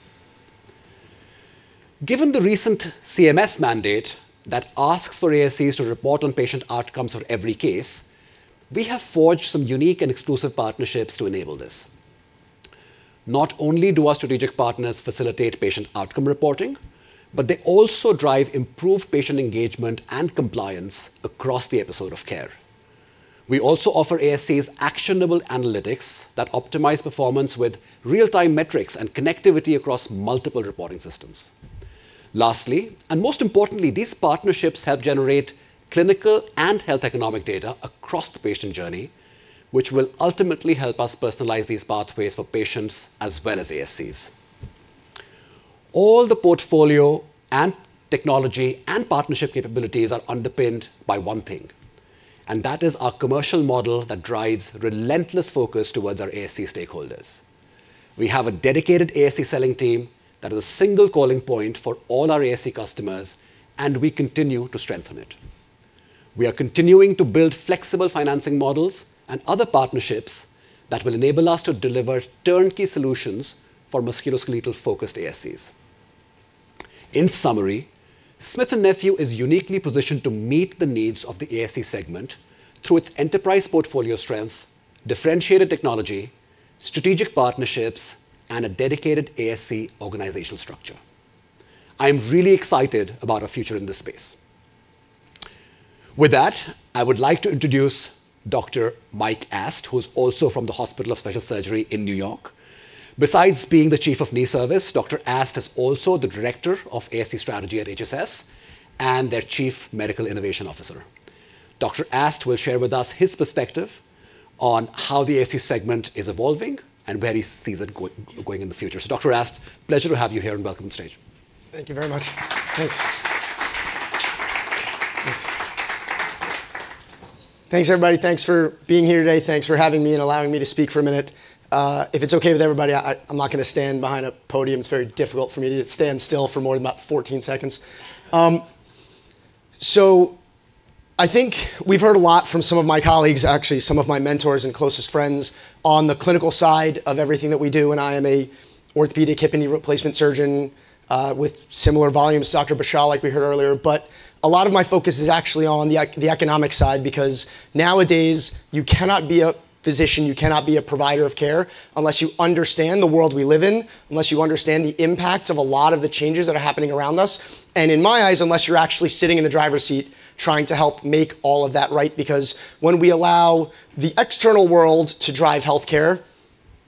Given the recent CMS mandate that asks for ASCs to report on patient outcomes for every case, we have forged some unique and exclusive partnerships to enable this. Not only do our strategic partners facilitate patient outcome reporting, but they also drive improved patient engagement and compliance across the episode of care. We also offer ASCs actionable analytics that optimize performance with real-time metrics and connectivity across multiple reporting systems. Lastly, and most importantly, these partnerships help generate clinical and health economic data across the patient JOURNEY, which will ultimately help us personalize these pathways for patients as well as ASCs. All the portfolio and technology and partnership capabilities are underpinned by one thing, and that is our commercial model that drives relentless focus towards our ASC stakeholders. We have a dedicated ASC selling team that is a single calling point for all our ASC customers, and we continue to strengthen it. We are continuing to build flexible financing models and other partnerships that will enable us to deliver turnkey solutions for musculoskeletal-focused ASCs. In summary, Smith & Nephew is uniquely positioned to meet the needs of the ASC segment through its enterprise portfolio strength, differentiated technology, strategic partnerships, and a dedicated ASC organizational structure. I am really excited about our future in this space. With that, I would like to introduce Dr. Michael Ast, who is also from the Hospital for Special Surgery in New York. Besides being the Chief of Knee Service, Dr. Ast is also the Director of ASC Strategy at HSS and their Chief Medical Innovation Officer. Dr. Ast will share with us his perspective on how the ASC segment is evolving and where he sees it going in the future. So Dr. Ast, pleasure to have you here and welcome to the stage. Thank you very much. Thanks. Thanks, everybody. Thanks for being here today. Thanks for having me and allowing me to speak for a minute. If it's okay with everybody, I'm not going to stand behind a podium. It's very difficult for me to stand still for more than about 14 seconds. So I think we've heard a lot from some of my colleagues, actually some of my mentors and closest friends on the clinical side of everything that we do. And I am an orthopedic hip and knee replacement surgeon with similar volumes to Dr. Bashyal, like we heard earlier. But a lot of my focus is actually on the economic side because nowadays, you cannot be a physician, you cannot be a provider of care unless you understand the world we live in, unless you understand the impacts of a lot of the changes that are happening around us. In my eyes, unless you're actually sitting in the driver's seat trying to help make all of that right, because when we allow the external world to drive healthcare,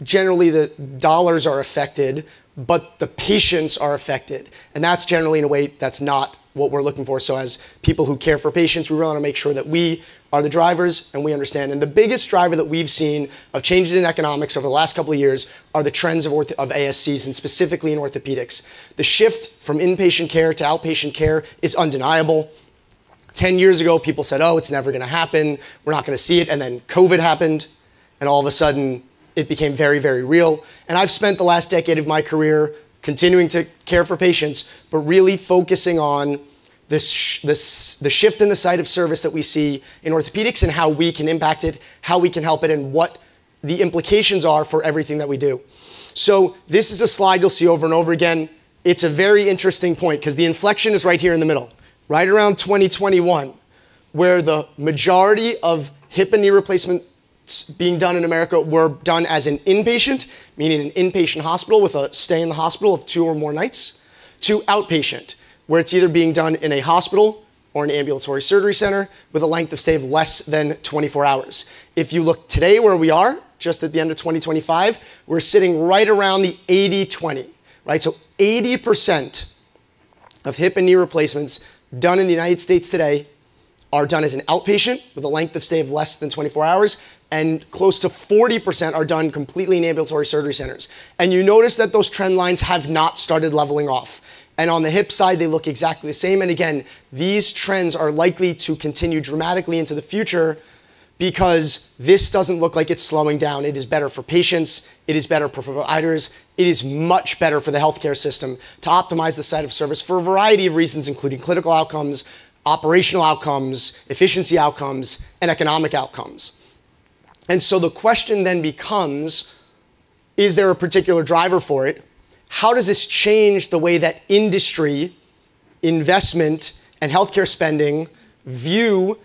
generally the dollars are affected, but the patients are affected. And that's generally in a way that's not what we're looking for. So as people who care for patients, we really want to make sure that we are the drivers and we understand. And the biggest driver that we've seen of changes in economics over the last couple of years are the trends of ASCs and specifically in orthopedics. The shift from inpatient care to outpatient care is undeniable. 10 years ago, people said, "Oh, it's never going to happen. We're not going to see it." And then COVID happened, and all of a sudden, it became very, very real. I've spent the last decade of my career continuing to care for patients, but really focusing on the shift in the site of service that we see in orthopedics and how we can impact it, how we can help it, and what the implications are for everything that we do. This is a slide you'll see over and over again. It's a very interesting point because the inflection is right here in the middle, right around 2021, where the majority of hip and knee replacements being done in America were done as an inpatient, meaning an inpatient hospital with a stay in the hospital of two or more nights, to outpatient, where it's either being done in a hospital or an ambulatory surgery center with a length of stay of less than 24 hours. If you look today where we are, just at the end of 2025, we're sitting right around the 80/20. So 80% of hip and knee replacements done in the United States today are done as an outpatient with a length of stay of less than 24 hours, and close to 40% are done completely in ambulatory surgery centers. And you notice that those trend lines have not started leveling off. And on the hip side, they look exactly the same. And again, these trends are likely to continue dramatically into the future because this doesn't look like it's slowing down. It is better for patients. It is better for providers. It is much better for the healthcare system to optimize the site of service for a variety of reasons, including clinical outcomes, operational outcomes, efficiency outcomes, and economic outcomes. And so the question then becomes, is there a particular driver for it? How does this change the way that industry investment and healthcare spending view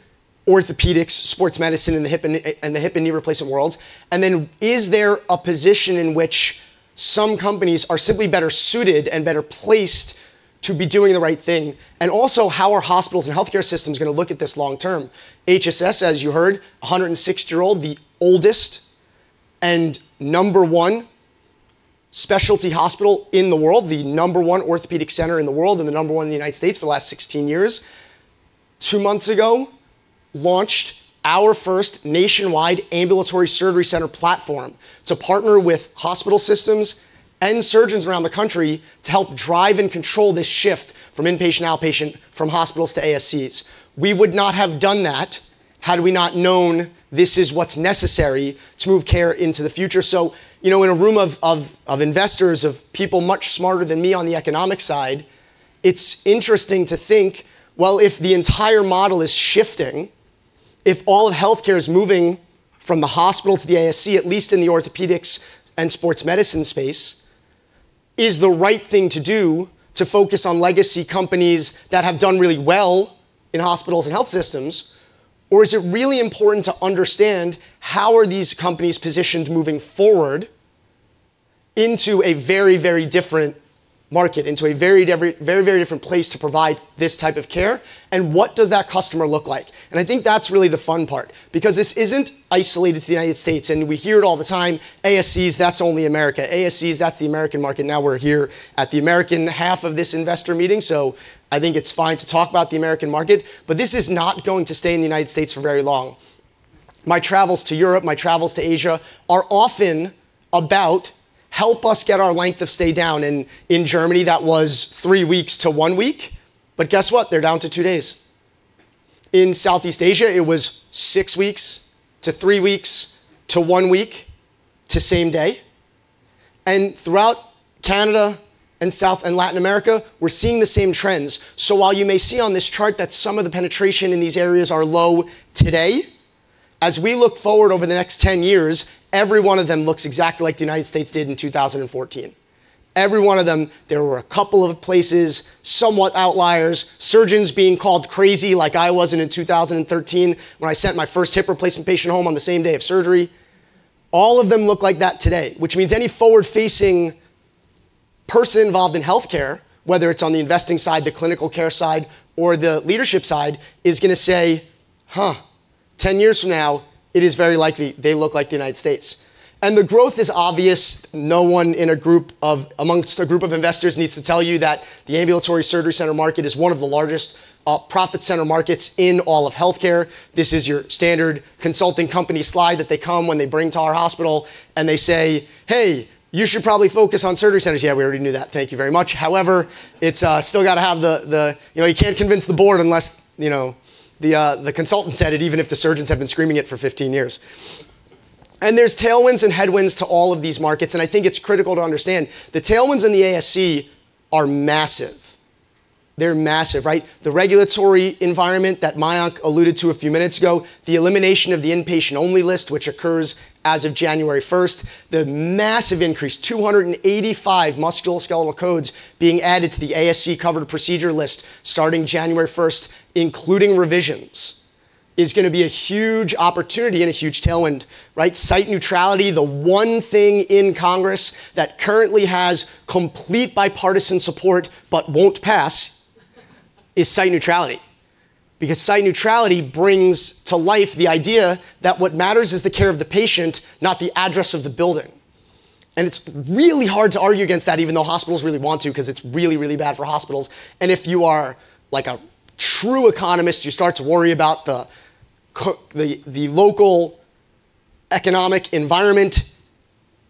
orthopedics, sports medicine, and the hip and knee replacement worlds? And then is there a position in which some companies are simply better suited and better placed to be doing the right thing? And also, how are hospitals and healthcare systems going to look at this long term? HSS, as you heard, 106-year-old, the oldest and number one specialty hospital in the world, the number one orthopedic center in the world, and the number one in the United States for the last 16 years. Two months ago, launched our first nationwide ambulatory surgery center platform to partner with hospital systems and surgeons around the country to help drive and control this shift from inpatient to outpatient, from hospitals to ASCs. We would not have done that had we not known this is what's necessary to move care into the future, so in a room of investors, of people much smarter than me on the economic side, it's interesting to think, well, if the entire model is shifting, if all of healthcare is moving from the hospital to the ASC, at least in the orthopedics and sports medicine space, is the right thing to do to focus on legacy companies that have done really well in hospitals and health systems, or is it really important to understand how are these companies positioned moving forward into a very, very different market, into a very, very different place to provide this type of care? And what does that customer look like? And I think that's really the fun part because this isn't isolated to the United States. We hear it all the time, "ASCs, that's only America. ASCs, that's the American market." Now we're here at the American half of this investor meeting, so I think it's fine to talk about the American market, but this is not going to stay in the United States for very long. My travels to Europe, my travels to Asia are often about, "Help us get our length of stay down." In Germany, that was three weeks to one week. But guess what? They're down to two days. In Southeast Asia, it was six weeks to three weeks to one week to same day. Throughout Canada and South and Latin America, we're seeing the same trends. So while you may see on this chart that some of the penetration in these areas are low today, as we look forward over the next 10 years, every one of them looks exactly like the United States did in 2014. Every one of them, there were a couple of places, somewhat outliers, surgeons being called crazy like I wasn't in 2013 when I sent my first hip replacement patient home on the same day of surgery. All of them look like that today, which means any forward-facing person involved in healthcare, whether it's on the investing side, the clinical care side, or the leadership side, is going to say, "Huh, 10 years from now, it is very likely they look like the United States." And the growth is obvious. No one in a group of investors needs to tell you that the ambulatory surgery center market is one of the largest profit center markets in all of healthcare. This is your standard consulting company slide that they come when they bring to our hospital and they say, "Hey, you should probably focus on surgery centers." Yeah, we already knew that. Thank you very much. However, it's still got to have the you can't convince the board unless the consultant said it, even if the surgeons have been screaming it for 15 years, and there's tailwinds and headwinds to all of these markets, and I think it's critical to understand the tailwinds in the ASC are massive. They're massive. The regulatory environment that Mayank alluded to a few minutes ago, the elimination of the Inpatient-Only List, which occurs as of January 1st, the massive increase, 285 musculoskeletal codes being added to the ASC covered procedure list starting January 1st, including revisions, is going to be a huge opportunity and a huge tailwind. Site neutrality, the one thing in Congress that currently has complete bipartisan support but won't pass is site neutrality because site neutrality brings to life the idea that what matters is the care of the patient, not the address of the building. And it's really hard to argue against that, even though hospitals really want to because it's really, really bad for hospitals. And if you are like a true economist, you start to worry about the local economic environment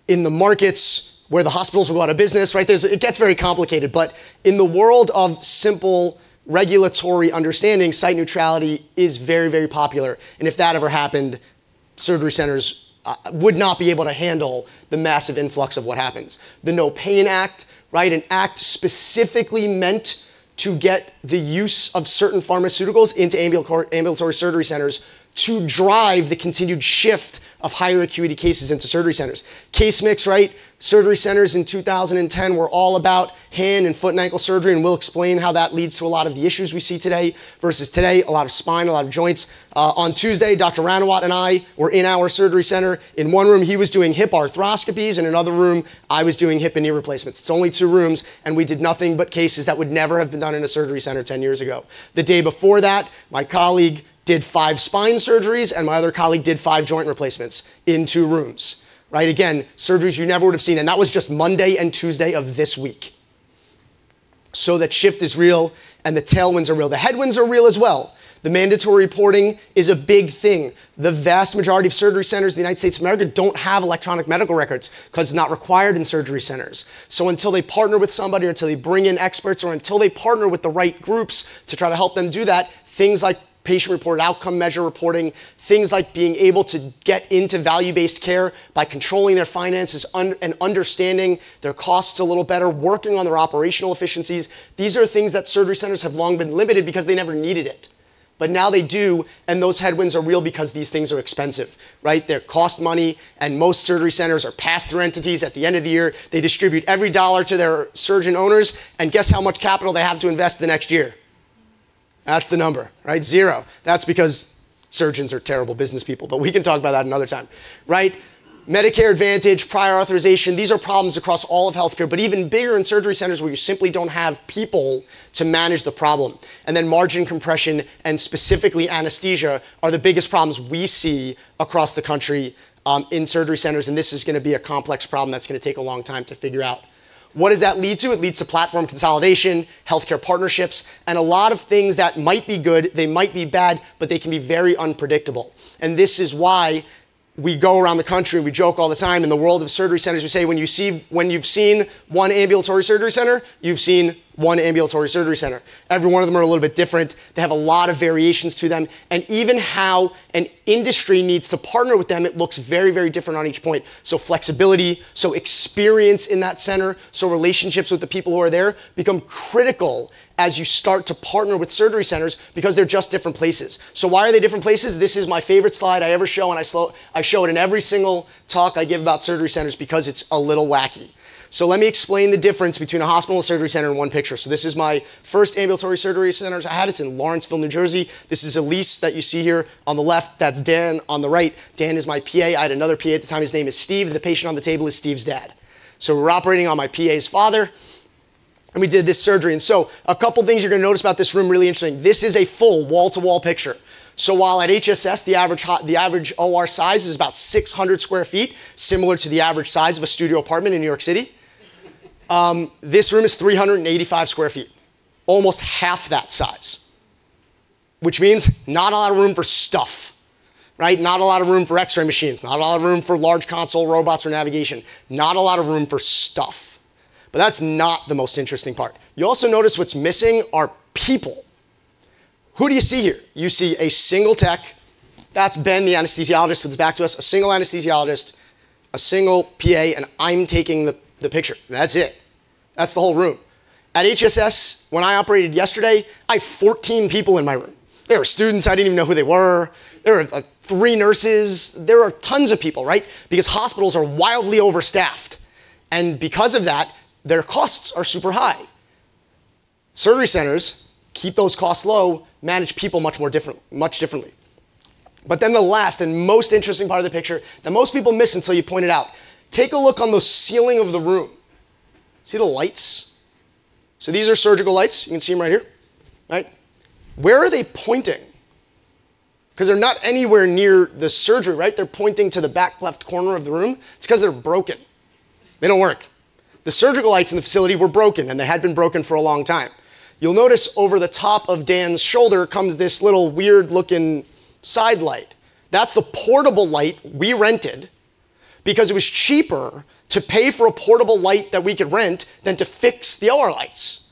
in the markets where the hospitals will go out of business. It gets very complicated. But in the world of simple regulatory understanding, site neutrality is very, very popular. And if that ever happened, surgery centers would not be able to handle the massive influx of what happens. The NOPAIN Act, an act specifically meant to get the use of certain pharmaceuticals into ambulatory surgery centers to drive the continued shift of higher acuity cases into surgery centers. Case mix, surgery centers in 2010 were all about hand and foot and ankle surgery. And we'll explain how that leads to a lot of the issues we see today versus today, a lot of spine, a lot of joints. On Tuesday, Dr. Ranawat and I were in our surgery center. In one room, he was doing hip arthroscopies, and in another room, I was doing hip and knee replacements. It's only two rooms, and we did nothing but cases that would never have been done in a surgery center 10 years ago. The day before that, my colleague did five spine surgeries, and my other colleague did five joint replacements in two rooms. Again, surgeries you never would have seen. And that was just Monday and Tuesday of this week. So that shift is real, and the tailwinds are real. The headwinds are real as well. The mandatory reporting is a big thing. The vast majority of surgery centers in the United States of America don't have electronic medical records because it's not required in surgery centers. So until they partner with somebody or until they bring in experts or until they partner with the right groups to try to help them do that, things like patient-reported outcome measure reporting, things like being able to get into value-based care by controlling their finances and understanding their costs a little better, working on their operational efficiencies, these are things that surgery centers have long been limited because they never needed it. But now they do, and those headwinds are real because these things are expensive. They cost money, and most surgery centers are pass-through entities. At the end of the year, they distribute every dollar to their surgeon owners, and guess how much capital they have to invest the next year? That's the number, zero. That's because surgeons are terrible business people, but we can talk about that another time. Medicare Advantage, prior authorization, these are problems across all of healthcare, but even bigger in surgery centers where you simply don't have people to manage the problem. And then margin compression and specifically anesthesia are the biggest problems we see across the country in surgery centers. And this is going to be a complex problem that's going to take a long time to figure out. What does that lead to? It leads to platform consolidation, healthcare partnerships, and a lot of things that might be good, they might be bad, but they can be very unpredictable. And this is why we go around the country and we joke all the time in the world of surgery centers. We say when you've seen one ambulatory surgery center, you've seen one ambulatory surgery center. Every one of them are a little bit different. They have a lot of variations to them. And even how an industry needs to partner with them, it looks very, very different on each point. So flexibility, so experience in that center, so relationships with the people who are there become critical as you start to partner with surgery centers because they're just different places. So why are they different places? This is my favorite slide I ever show, and I show it in every single talk I give about surgery centers because it's a little wacky. So let me explain the difference between a hospital and a surgery center in one picture. So this is my first ambulatory surgery center I had. It's in Lawrenceville, New Jersey. This is Elise that you see here on the left. That's Dan on the right. Dan is my PA. I had another PA at the time. His name is Steve. The patient on the table is Steve's dad. We're operating on my PA's father, and we did this surgery. A couple of things you're going to notice about this room are really interesting. This is a full wall-to-wall picture. While at HSS, the average OR size is about 600 sq ft, similar to the average size of a studio apartment in New York City, this room is 385 sq ft, almost half that size, which means not a lot of room for stuff, not a lot of room for X-ray machines, not a lot of room for large console robots or navigation, not a lot of room for stuff. But that's not the most interesting part. You also notice what's missing are people. Who do you see here? You see a single tech. That's Ben, the anesthesiologist with his back to us, a single anesthesiologist, a single PA, and I'm taking the picture. That's it. That's the whole room. At HSS, when I operated yesterday, I had 14 people in my room. There were students. I didn't even know who they were. There were three nurses. There were tons of people because hospitals are wildly overstaffed. And because of that, their costs are super high. Surgery centers keep those costs low, manage people much differently. But then the last and most interesting part of the picture that most people miss until you point it out, take a look on the ceiling of the room. See the lights? So these are surgical lights. You can see them right here. Where are they pointing? Because they're not anywhere near the surgery. They're pointing to the back left corner of the room. It's because they're broken. They don't work. The surgical lights in the facility were broken, and they had been broken for a long time. You'll notice over the top of Dan's shoulder comes this little weird-looking side light. That's the portable light we rented because it was cheaper to pay for a portable light that we could rent than to fix the OR lights.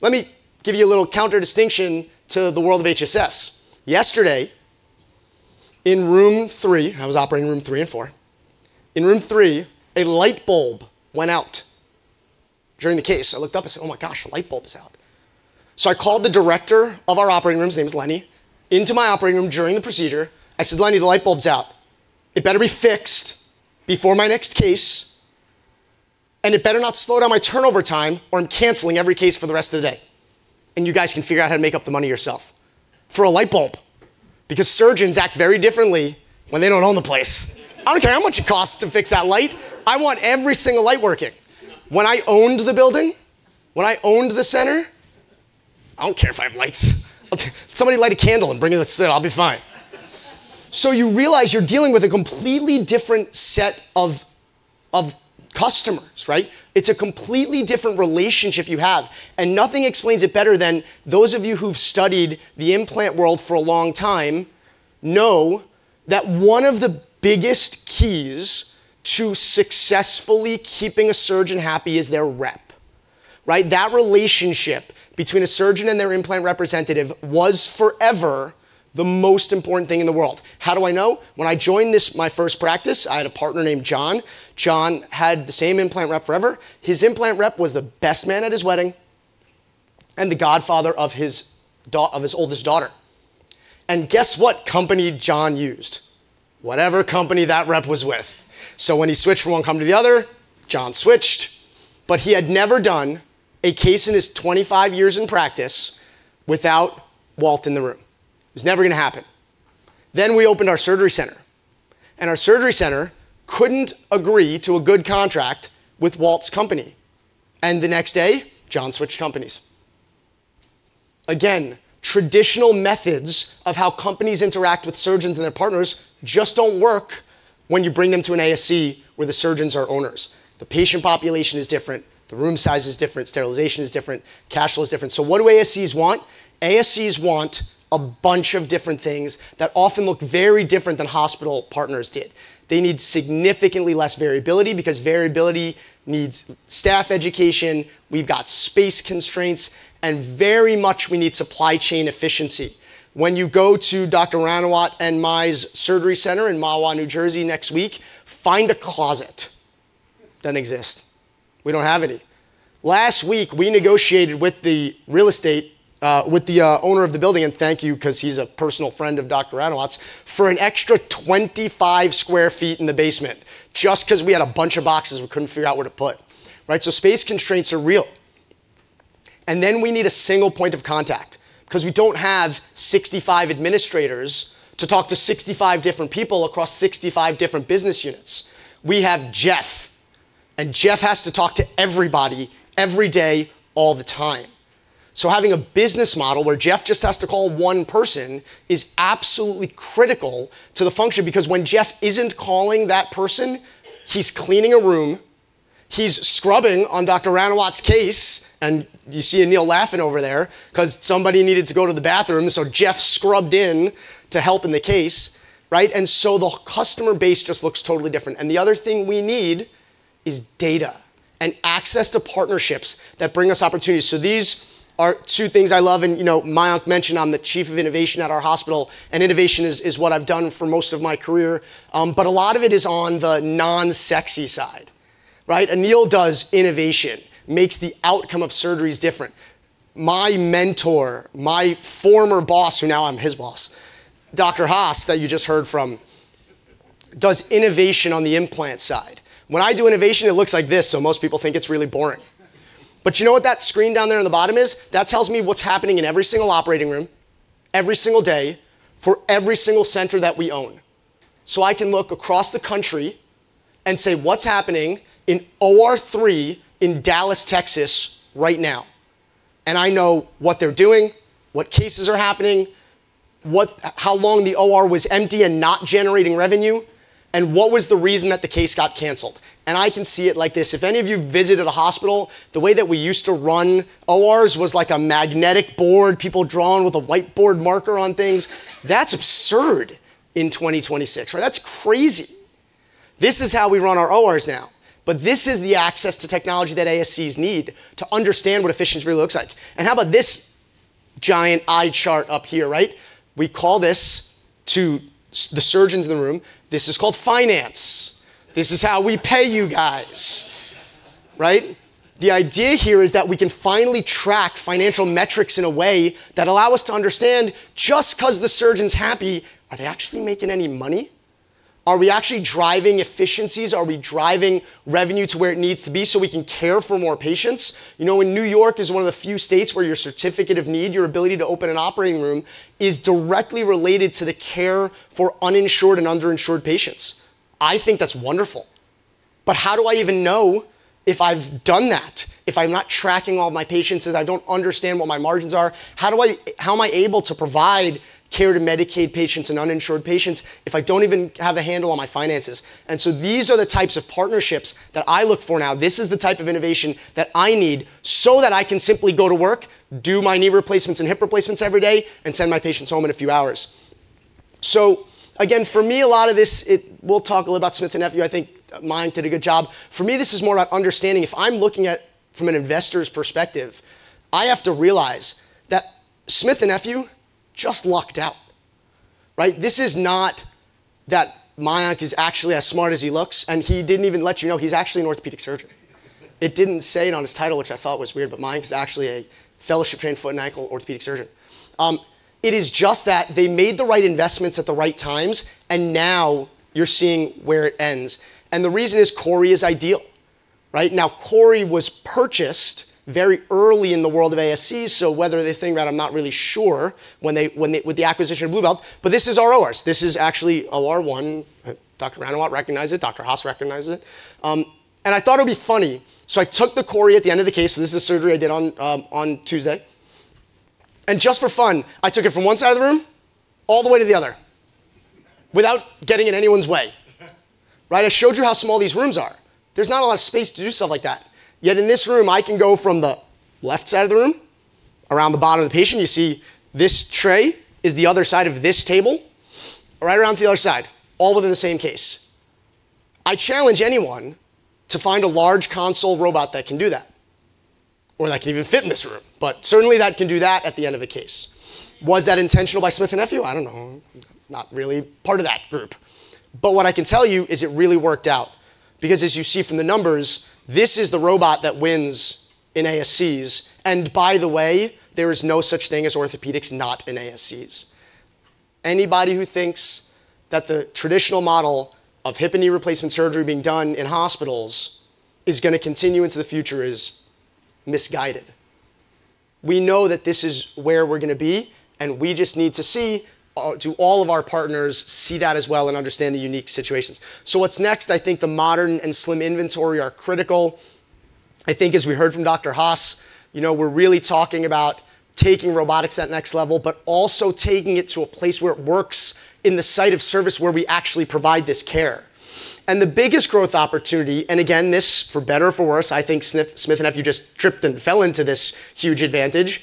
Let me give you a little counter-distinction to the world of HSS. Yesterday, in room three, I was operating room three and four. In room three, a light bulb went out during the case. I looked up and said, "Oh my gosh, a light bulb is out." So I called the director of our operating room. His name is Lenny. Into my operating room during the procedure, I said, "Lenny, the light bulb's out. It better be fixed before my next case, and it better not slow down my turnover time or I'm canceling every case for the rest of the day. And you guys can figure out how to make up the money yourself." For a light bulb because surgeons act very differently when they don't own the place. I don't care how much it costs to fix that light. I want every single light working. When I owned the building, when I owned the center, I don't care if I have lights. Somebody light a candle and bring it to the center. I'll be fine. So you realize you're dealing with a completely different set of customers. It's a completely different relationship you have. And nothing explains it better than those of you who've studied the implant world for a long time know that one of the biggest keys to successfully keeping a surgeon happy is their rep. That relationship between a surgeon and their implant representative was forever the most important thing in the world. How do I know? When I joined my first practice, I had a partner named John. John had the same implant rep forever. His implant rep was the best man at his wedding and the godfather of his oldest daughter. And guess what company John used? Whatever company that rep was with. So when he switched from one company to the other, John switched. But he had never done a case in his 25 years in practice without Walt in the room. It was never going to happen. Then we opened our surgery center. And our surgery center couldn't agree to a good contract with Walt's company. And the next day, John switched companies. Again, traditional methods of how companies interact with surgeons and their partners just don't work when you bring them to an ASC where the surgeons are owners. The patient population is different. The room size is different. Sterilization is different. Cash flow is different. So what do ASCs want? ASCs want a bunch of different things that often look very different than hospital partners did. They need significantly less variability because variability needs staff education. We've got space constraints, and very much we need supply chain efficiency. When you go to Dr. Ranawat and my surgery center in Montvale, New Jersey, next week, find a closet. Doesn't exist. We don't have any. Last week, we negotiated with the real estate, with the owner of the building, and thank you because he's a personal friend of Dr. Ranawat's, for an extra 25 sq ft in the basement just because we had a bunch of boxes we couldn't figure out where to put. So space constraints are real. And then we need a single point of contact because we don't have 65 administrators to talk to 65 different people across 65 different business units. We have Jeff, and Jeff has to talk to everybody every day, all the time. So having a business model where Jeff just has to call one person is absolutely critical to the function because when Jeff isn't calling that person, he's cleaning a room. He's scrubbing on Dr. Ranawat's case. And you see Anil laughing over there because somebody needed to go to the bathroom. So Jeff scrubbed in to help in the case. And so the customer base just looks totally different. And the other thing we need is data and access to partnerships that bring us opportunities. So these are two things I love. Mayank mentioned I'm the Chief of Innovation at our hospital, and innovation is what I've done for most of my career. But a lot of it is on the non-sexy side. Anil does innovation, makes the outcome of surgeries different. My mentor, my former boss, who now I'm his boss, Dr. Haas that you just heard from, does innovation on the implant side. When I do innovation, it looks like this. So most people think it's really boring. But you know what that screen down there on the bottom is? That tells me what's happening in every single operating room, every single day, for every single center that we own. So I can look across the country and say what's happening in OR three in Dallas, Texas, right now. And I know what they're doing, what cases are happening, how long the OR was empty and not generating revenue, and what was the reason that the case got canceled. I can see it like this. If any of you visited a hospital, the way that we used to run ORs was like a magnetic board, people drawn with a whiteboard marker on things. That's absurd in 2026. That's crazy. This is how we run our ORs now. But this is the access to technology that ASCs need to understand what efficiency really looks like. How about this giant eye chart up here? We call this, to the surgeons in the room, finance. This is how we pay you guys. The idea here is that we can finally track financial metrics in a way that allows us to understand just because the surgeon's happy, are they actually making any money? Are we actually driving efficiencies? Are we driving revenue to where it needs to be so we can care for more patients? New York is one of the few states where your Certificate of Need, your ability to open an operating room, is directly related to the care for uninsured and underinsured patients. I think that's wonderful. But how do I even know if I've done that, if I'm not tracking all my patients, if I don't understand what my margins are? How am I able to provide care to Medicaid patients and uninsured patients if I don't even have a handle on my finances? And so these are the types of partnerships that I look for now. This is the type of innovation that I need so that I can simply go to work, do my knee replacements and hip replacements every day, and send my patients home in a few hours. So again, for me, a lot of this, we'll talk a little about Smith & Nephew. I think Mayank did a good job. For me, this is more about understanding if I'm looking at it from an investor's perspective, I have to realize that Smith & Nephew just lucked out. This is not that Mayank is actually as smart as he looks, and he didn't even let you know he's actually an orthopedic surgeon. It didn't say it on his title, which I thought was weird, but Mayank is actually a fellowship-trained foot and ankle orthopedic surgeon. It is just that they made the right investments at the right times, and now you're seeing where it ends. The reason is CORI is ideal. Now, CORI was purchased very early in the world of ASCs. So whether they think about it, I'm not really sure with the acquisition of Blue Belt. This is our ORs. This is actually OR one. Dr. Ranawat recognized it. Dr. Haas recognized it. I thought it would be funny. So I took the CORI at the end of the case. This is a surgery I did on Tuesday. Just for fun, I took it from one side of the room all the way to the other without getting in anyone's way. I showed you how small these rooms are. There's not a lot of space to do stuff like that. Yet in this room, I can go from the left side of the room around the bottom of the patient. You see this tray is the other side of this table right around to the other side, all within the same case. I challenge anyone to find a large console robot that can do that or that can even fit in this room. But certainly, that can do that at the end of a case. Was that intentional by Smith & Nephew? I don't know. Not really part of that group. But what I can tell you is it really worked out because, as you see from the numbers, this is the robot that wins in ASCs. And by the way, there is no such thing as orthopedics not in ASCs. Anybody who thinks that the traditional model of hip and knee replacement surgery being done in hospitals is going to continue into the future is misguided. We know that this is where we're going to be, and we just need to see do all of our partners see that as well and understand the unique situations. So what's next? I think the modern and slim inventory are critical. I think as we heard from Dr. Haas, we're really talking about taking robotics to that next level, but also taking it to a place where it works in the site of service where we actually provide this care, and the biggest growth opportunity, and again, this for better or for worse, I think Smith & Nephew just tripped and fell into this huge advantage.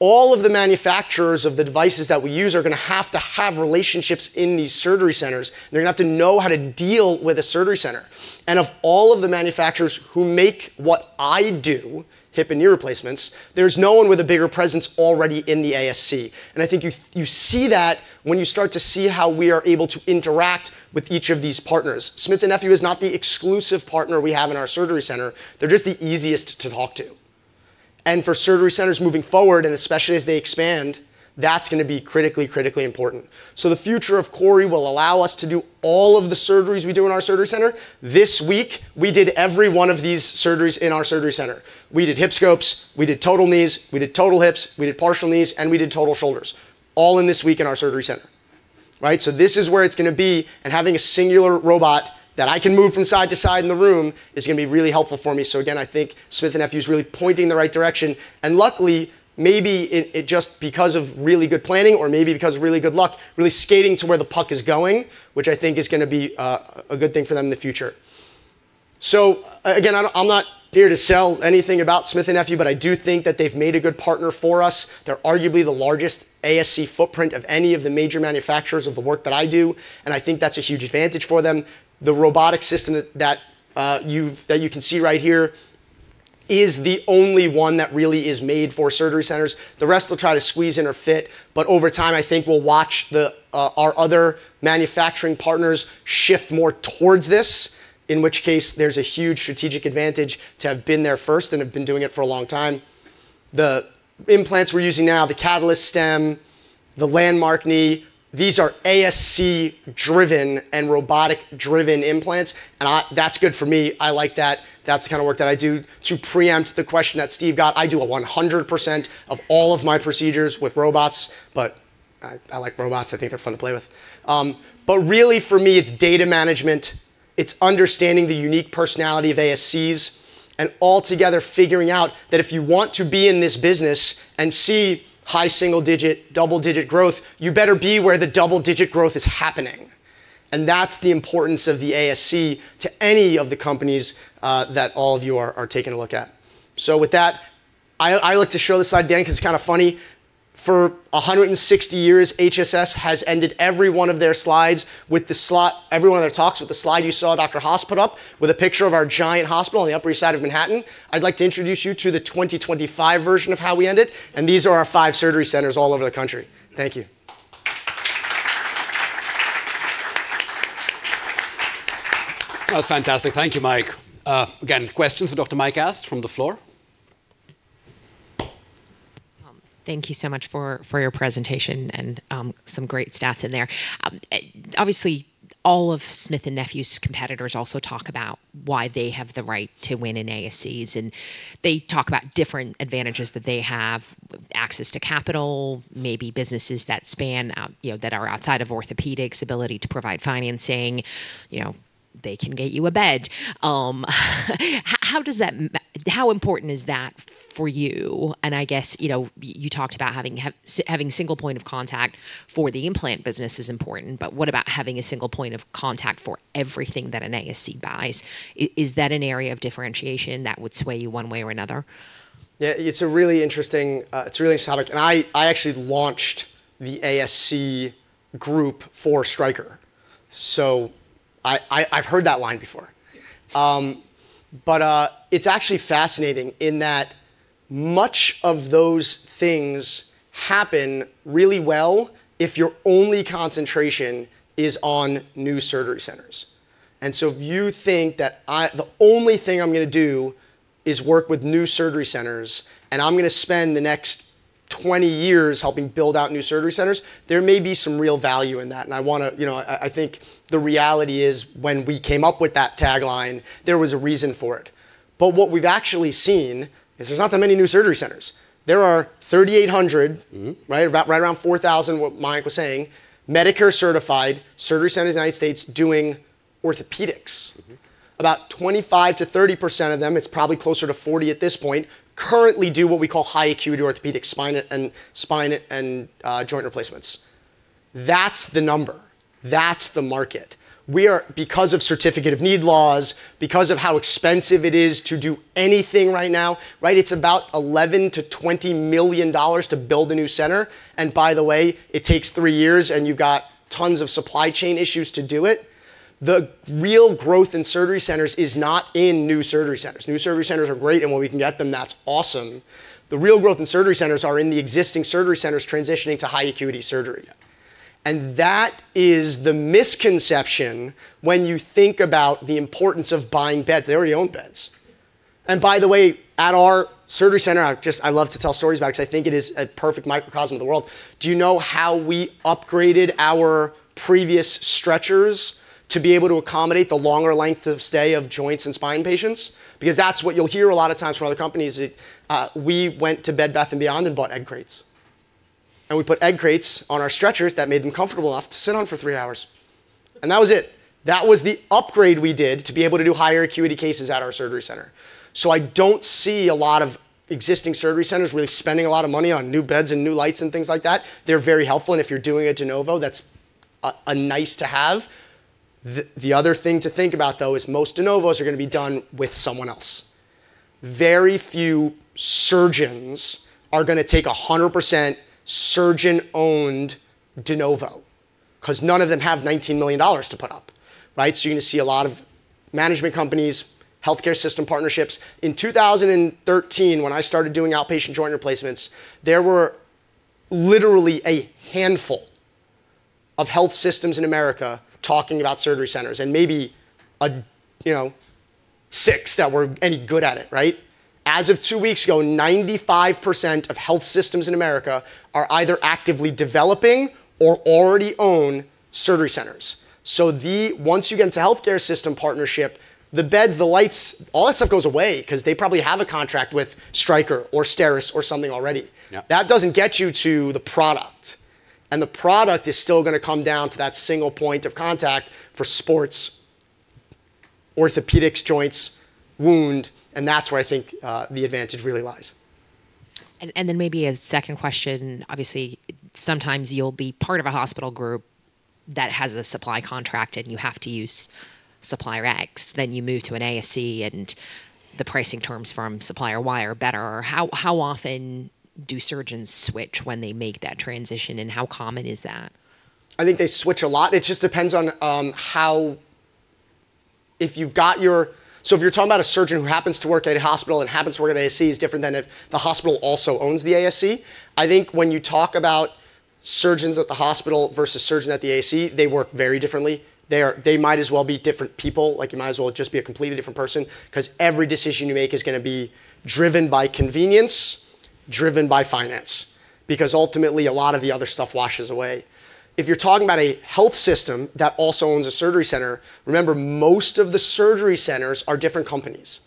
All of the manufacturers of the devices that we use are going to have to have relationships in these surgery centers. They're going to have to know how to deal with a surgery center. And of all of the manufacturers who make what I do, hip and knee replacements, there's no one with a bigger presence already in the ASC. And I think you see that when you start to see how we are able to interact with each of these partners. Smith & Nephew is not the exclusive partner we have in our surgery center. They're just the easiest to talk to. And for surgery centers moving forward, and especially as they expand, that's going to be critically, critically important. So the future of CORI will allow us to do all of the surgeries we do in our surgery center. This week, we did every one of these surgeries in our surgery center. We did hip scopes. We did total knees. We did total hips. We did partial knees. And we did total shoulders, all in this week in our surgery center. So this is where it's going to be. And having a singular robot that I can move from side to side in the room is going to be really helpful for me. So again, I think Smith & Nephew is really pointing in the right direction. And luckily, maybe just because of really good planning or maybe because of really good luck, really skating to where the puck is going, which I think is going to be a good thing for them in the future. So again, I'm not here to sell anything about Smith & Nephew, but I do think that they've made a good partner for us. They're arguably the largest ASC footprint of any of the major manufacturers of the work that I do. And I think that's a huge advantage for them. The robotic system that you can see right here is the only one that really is made for surgery centers. The rest will try to squeeze in or fit. But over time, I think we'll watch our other manufacturing partners shift more towards this, in which case there's a huge strategic advantage to have been there first and have been doing it for a long time. The implants we're using now, the CATALYSTEM, the landmark knee, these are ASC-driven and robotic-driven implants. And that's good for me. I like that. That's the kind of work that I do to preempt the question that Steve got. I do 100% of all of my procedures with robots. But I like robots. I think they're fun to play with. But really, for me, it's data management. It's understanding the unique personality of ASCs and altogether figuring out that if you want to be in this business and see high single-digit, double-digit growth, you better be where the double-digit growth is happening. And that's the importance of the ASC to any of the companies that all of you are taking a look at. So with that, I like to show this slide at the end because it's kind of funny. For 160 years, HSS has ended every one of their slides with the slide every one of their talks with the slide you saw, Dr. Haas put up a picture of our giant hospital on the Upper East Side of Manhattan. I'd like to introduce you to the 2025 version of how we envision it. These are our five surgery centers all over the country. Thank you. That was fantastic. Thank you, Mayank. Again, questions for Dr. Michael Ast from the floor? Thank you so much for your presentation and some great stats in there. Obviously, all of Smith & Nephew's competitors also talk about why they have the right to win in ASCs, and they talk about different advantages that they have: access to capital, maybe businesses that span that are outside of orthopedics, ability to provide financing. They can get you a bed. How important is that for you? And I guess you talked about having single point of contact for the implant business is important. But what about having a single point of contact for everything that an ASC buys? Is that an area of differentiation that would sway you one way or another? Yeah. It's a really interesting topic. And I actually launched the ASC group for Stryker. So I've heard that line before. But it's actually fascinating in that much of those things happen really well if your only concentration is on new surgery centers. And so if you think that the only thing I'm going to do is work with new surgery centers, and I'm going to spend the next 20 years helping build out new surgery centers, there may be some real value in that. And I think the reality is when we came up with that tagline, there was a reason for it. But what we've actually seen is there's not that many new surgery centers. There are 3,800, right around 4,000, what Mayank was saying, Medicare-certified surgery centers in the United States doing orthopedics. About 25%-30% of them, it's probably closer to 40% at this point, currently do what we call high-acuity orthopedic spine and joint replacements. That's the number. That's the market. Because of Certificate of Need laws, because of how expensive it is to do anything right now, it's about $11-$20 million to build a new center. And by the way, it takes three years, and you've got tons of supply chain issues to do it. The real growth in surgery centers is not in new surgery centers. New surgery centers are great, and when we can get them, that's awesome. The real growth in surgery centers are in the existing surgery centers transitioning to high-acuity surgery. And that is the misconception when you think about the importance of buying beds. They already own beds. And by the way, at our surgery center, I love to tell stories about it because I think it is a perfect microcosm of the world. Do you know how we upgraded our previous stretchers to be able to accommodate the longer length of stay of joints and spine patients? Because that's what you'll hear a lot of times from other companies. We went to Bed Bath & Beyond and bought egg crates. And we put egg crates on our stretchers that made them comfortable enough to sit on for three hours. And that was it. That was the upgrade we did to be able to do higher acuity cases at our surgery center. So I don't see a lot of existing surgery centers really spending a lot of money on new beds and new lights and things like that. They're very helpful. If you're doing a de novo, that's a nice to have. The other thing to think about, though, is most de novos are going to be done with someone else. Very few surgeons are going to take 100% surgeon-owned de novo because none of them have $19 million to put up. So you're going to see a lot of management companies, healthcare system partnerships. In 2013, when I started doing outpatient joint replacements, there were literally a handful of health systems in America talking about surgery centers and maybe six that were any good at it. As of two weeks ago, 95% of health systems in America are either actively developing or already own surgery centers. So once you get into healthcare system partnership, the beds, the lights, all that stuff goes away because they probably have a contract with Stryker or Steris or something already. That doesn't get you to the product. And the product is still going to come down to that single point of contact for sports, orthopaedics, joints, wound. And that's where I think the advantage really lies. Then maybe a second question. Obviously, sometimes you'll be part of a hospital group that has a supply contract, and you have to use supplier X. Then you move to an ASC, and the pricing terms from supplier Y are better. How often do surgeons switch when they make that transition, and how common is that? I think they switch a lot. It just depends on how if you've got your so if you're talking about a surgeon who happens to work at a hospital and happens to work at an ASC, it's different than if the hospital also owns the ASC. I think when you talk about surgeons at the hospital versus surgeons at the ASC, they work very differently. They might as well be different people. You might as well just be a completely different person because every decision you make is going to be driven by convenience, driven by finance, because ultimately, a lot of the other stuff washes away. If you're talking about a health system that also owns a surgery center, remember, most of the surgery centers are different companies.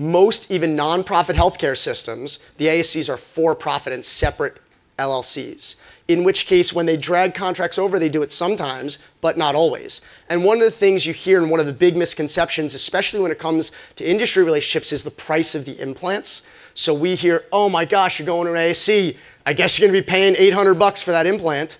most, even nonprofit healthcare systems, the ASCs are for-profit and separate LLCs, in which case when they drag contracts over, they do it sometimes, but not always. And one of the things you hear and one of the big misconceptions, especially when it comes to industry relationships, is the price of the implants. So we hear, "Oh my gosh, you're going to an ASC. I guess you're going to be paying $800 for that implant."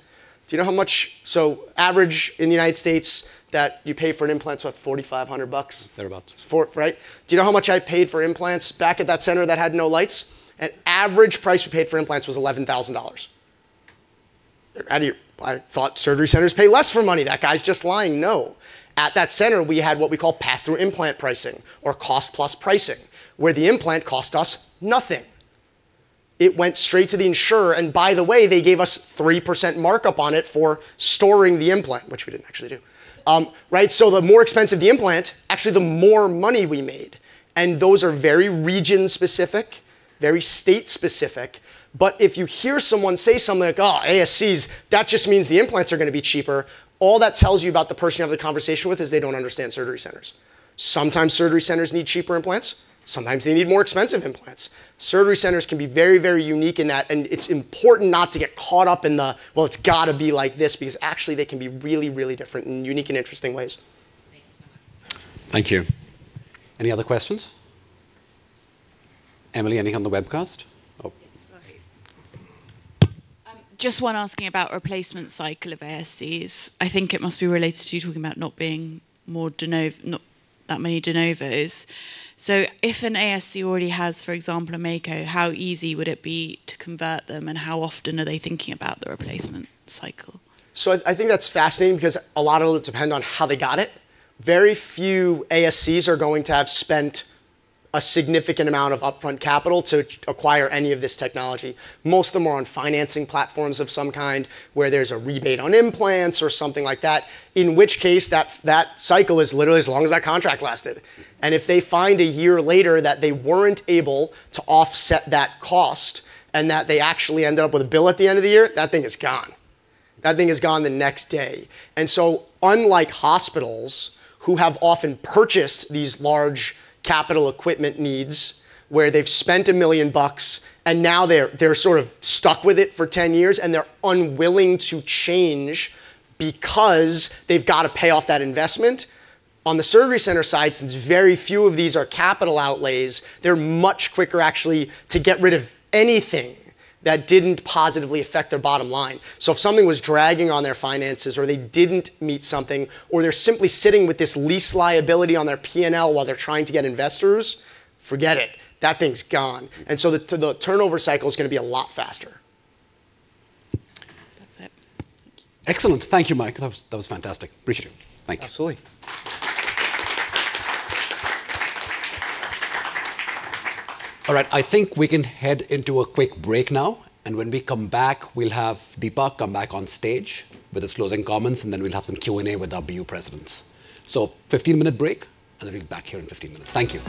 Do you know how much, on average, in the United States that you pay for an implant is about $4,500? That about. Right? Do you know how much I paid for implants back at that center that had no lights? An average price we paid for implants was $11,000. I thought surgery centers pay less for money. That guy's just lying. No. At that center, we had what we call pass-through implant pricing or cost-plus pricing, where the implant cost us nothing. It went straight to the insurer. And by the way, they gave us 3% markup on it for storing the implant, which we didn't actually do. So the more expensive the implant, actually the more money we made. And those are very region-specific, very state-specific. But if you hear someone say something like "ASCs," that just means the implants are going to be cheaper. All that tells you about the person you have the conversation with is they don't understand surgery centers. Sometimes surgery centers need cheaper implants. Sometimes they need more expensive implants. Surgery centers can be very, very unique in that. And it's important not to get caught up in the, "Well, it's got to be like this," because actually they can be really, really different in unique and interesting ways. Thank you so much. Thank you. Any other questions? Emily, anything on the webcast? Sorry. Just one asking about replacement cycle of ASCs. I think it must be related to you talking about not being that many de novos. So if an ASC already has, for example, a Mako, how easy would it be to convert them, and how often are they thinking about the replacement cycle? So I think that's fascinating because a lot of it depends on how they got it. Very few ASCs are going to have spent a significant amount of upfront capital to acquire any of this technology. Most of them are on financing platforms of some kind where there's a rebate on implants or something like that, in which case that cycle is literally as long as that contract lasted. And if they find a year later that they weren't able to offset that cost and that they actually ended up with a bill at the end of the year, that thing is gone. That thing is gone the next day. And so unlike hospitals who have often purchased these large capital equipment needs where they've spent $1 million and now they're sort of stuck with it for 10 years and they're unwilling to change because they've got to pay off that investment, on the surgery center side, since very few of these are capital outlays, they're much quicker actually to get rid of anything that didn't positively affect their bottom line. So if something was dragging on their finances or they didn't meet something or they're simply sitting with this lease liability on their P&L while they're trying to get investors, forget it. That thing's gone. And so the turnover cycle is going to be a lot faster. That's it. Excellent. Thank you, Mayank. That was fantastic. Appreciate it. Thank you. Absolutely. All right. I think we can head into a quick break now. And when we come back, we'll have Deepak come back on stage with his closing comments, and then we'll have some Q&A with BU presidents. So 15-minute break, and then we'll be back here in 15 minutes. Thank you.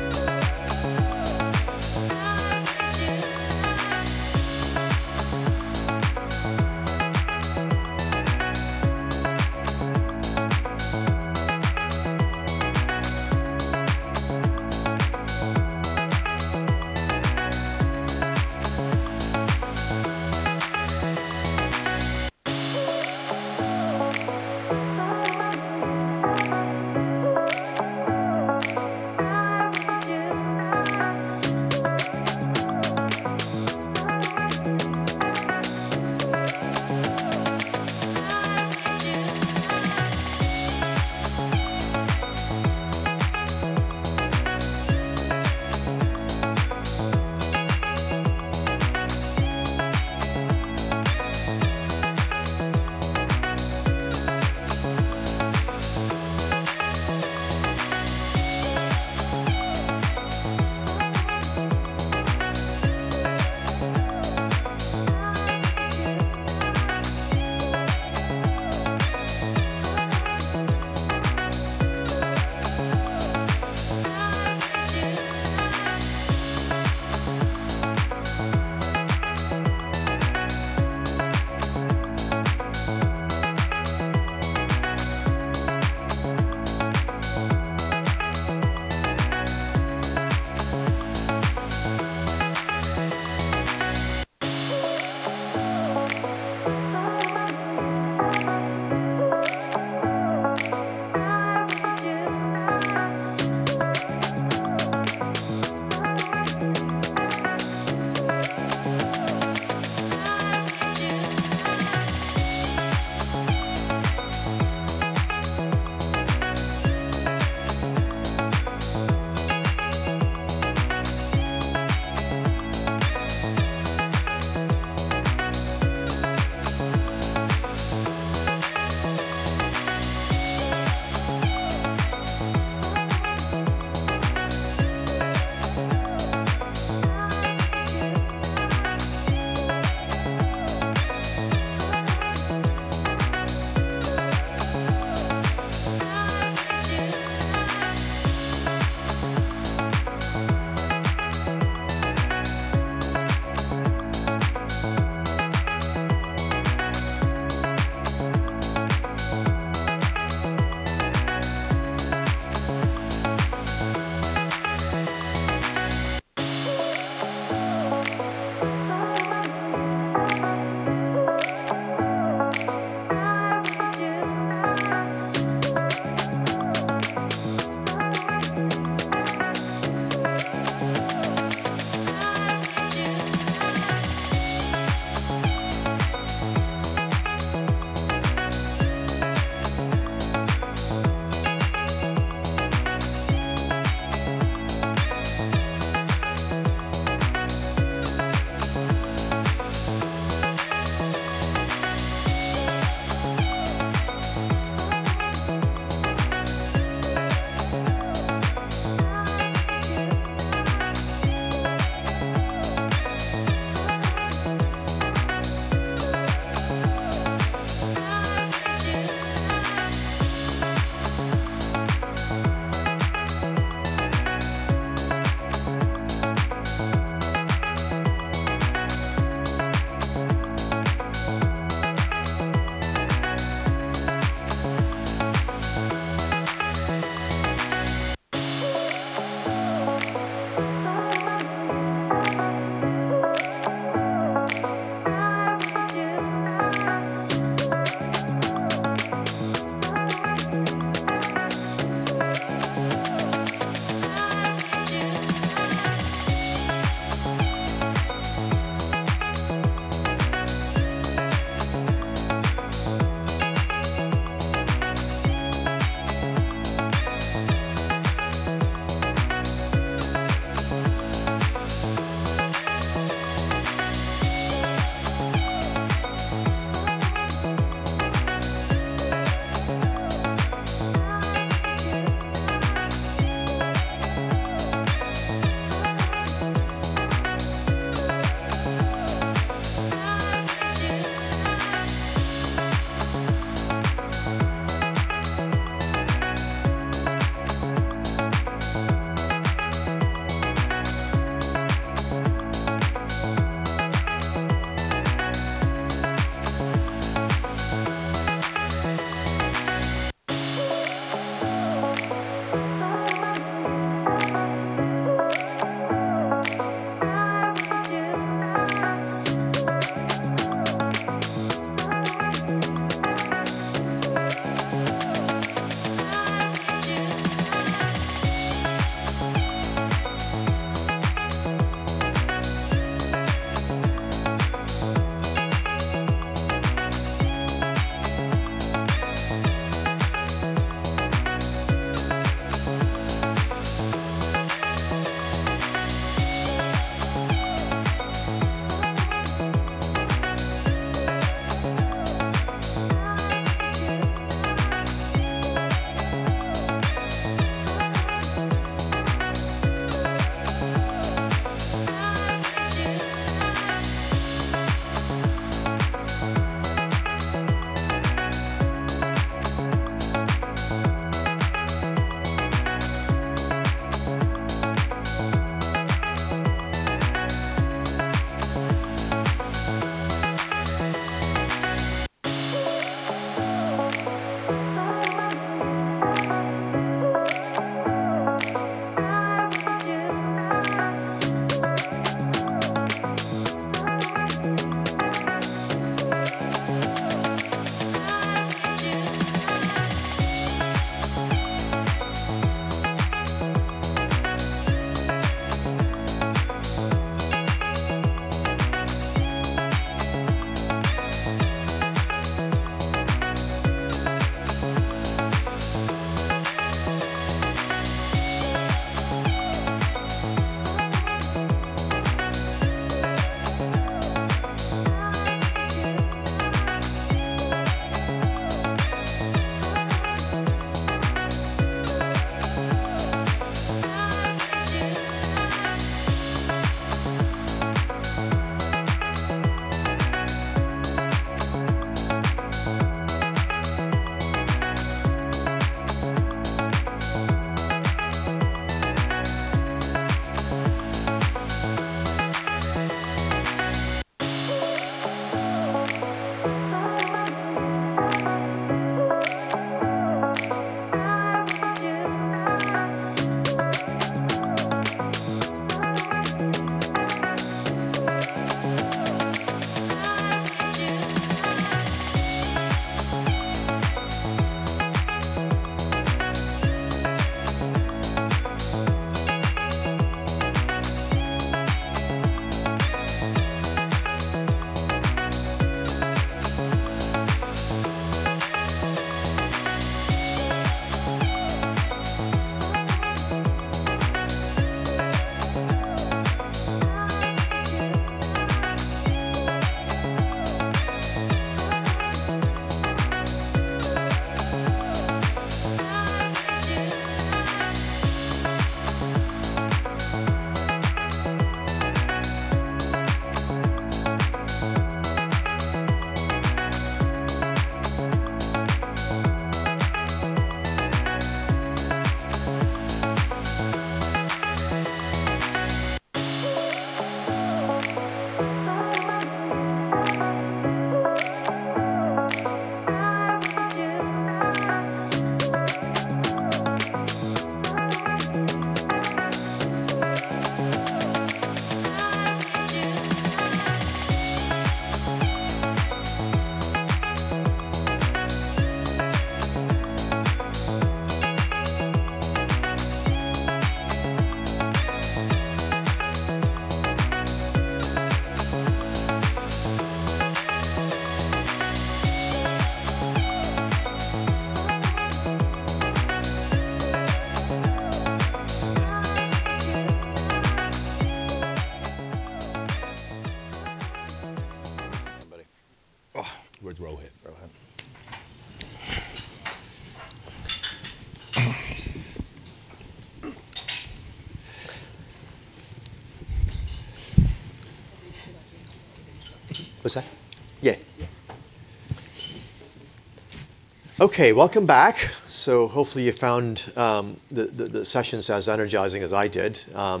Okay, welcome back. So hopefully you found the sessions as energizing as I did. A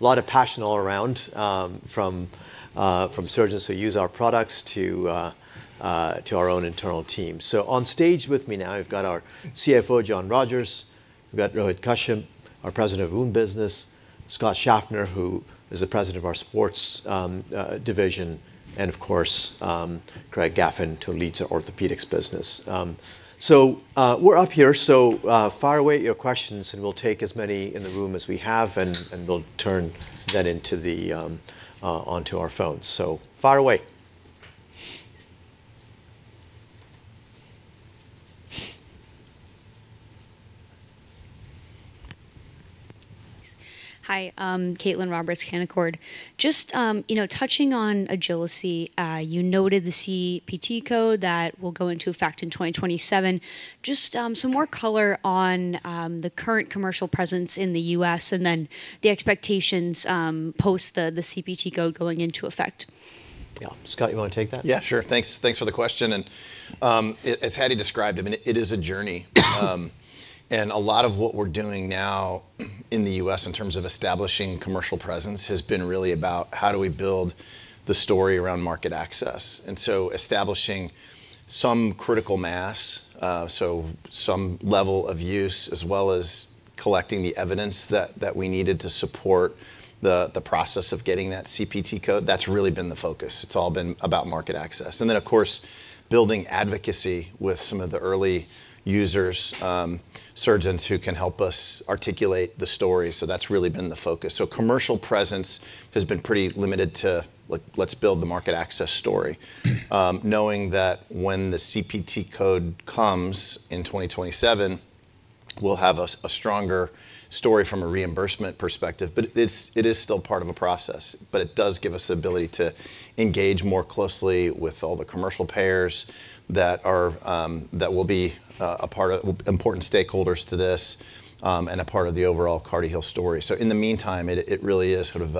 lot of passion all around from surgeons who use our products to our own internal team. So on stage with me now, we've got our CFO, John Rogers. We've got Rohit Kashyap, our president of Wound Business, Scott Schaffner, who is the president of our sports division, and of course, Craig Gaffin, who leads our orthopedics business. So we're up here. So fire away your questions, and we'll take as many in the room as we have, and we'll turn to them on our phones. Hi, Caitlin Roberts, Canaccord. Just touching on Agili-C, you noted the CPT code that will go into effect in 2027. Just some more color on the current commercial presence in the U.S. and then the expectations post the CPT code going into effect. Yeah. Scott, you want to take that? Yeah, sure. Thanks for the question. And as Hattie described, I mean, it is a JOURNEY. And a lot of what we're doing now in the U.S. in terms of establishing commercial presence has been really about how do we build the story around market access. And so establishing some critical mass, so some level of use, as well as collecting the evidence that we needed to support the process of getting that CPT code, that's really been the focus. It's all been about market access. And then, of course, building advocacy with some of the early users, surgeons who can help us articulate the story. So that's really been the focus. So commercial presence has been pretty limited to, let's build the market access story, knowing that when the CPT code comes in 2027, we'll have a stronger story from a reimbursement perspective. But it is still part of a process. But it does give us the ability to engage more closely with all the commercial payers that will be important stakeholders to this and a part of the overall CartiHeal story. So in the meantime, it really is sort of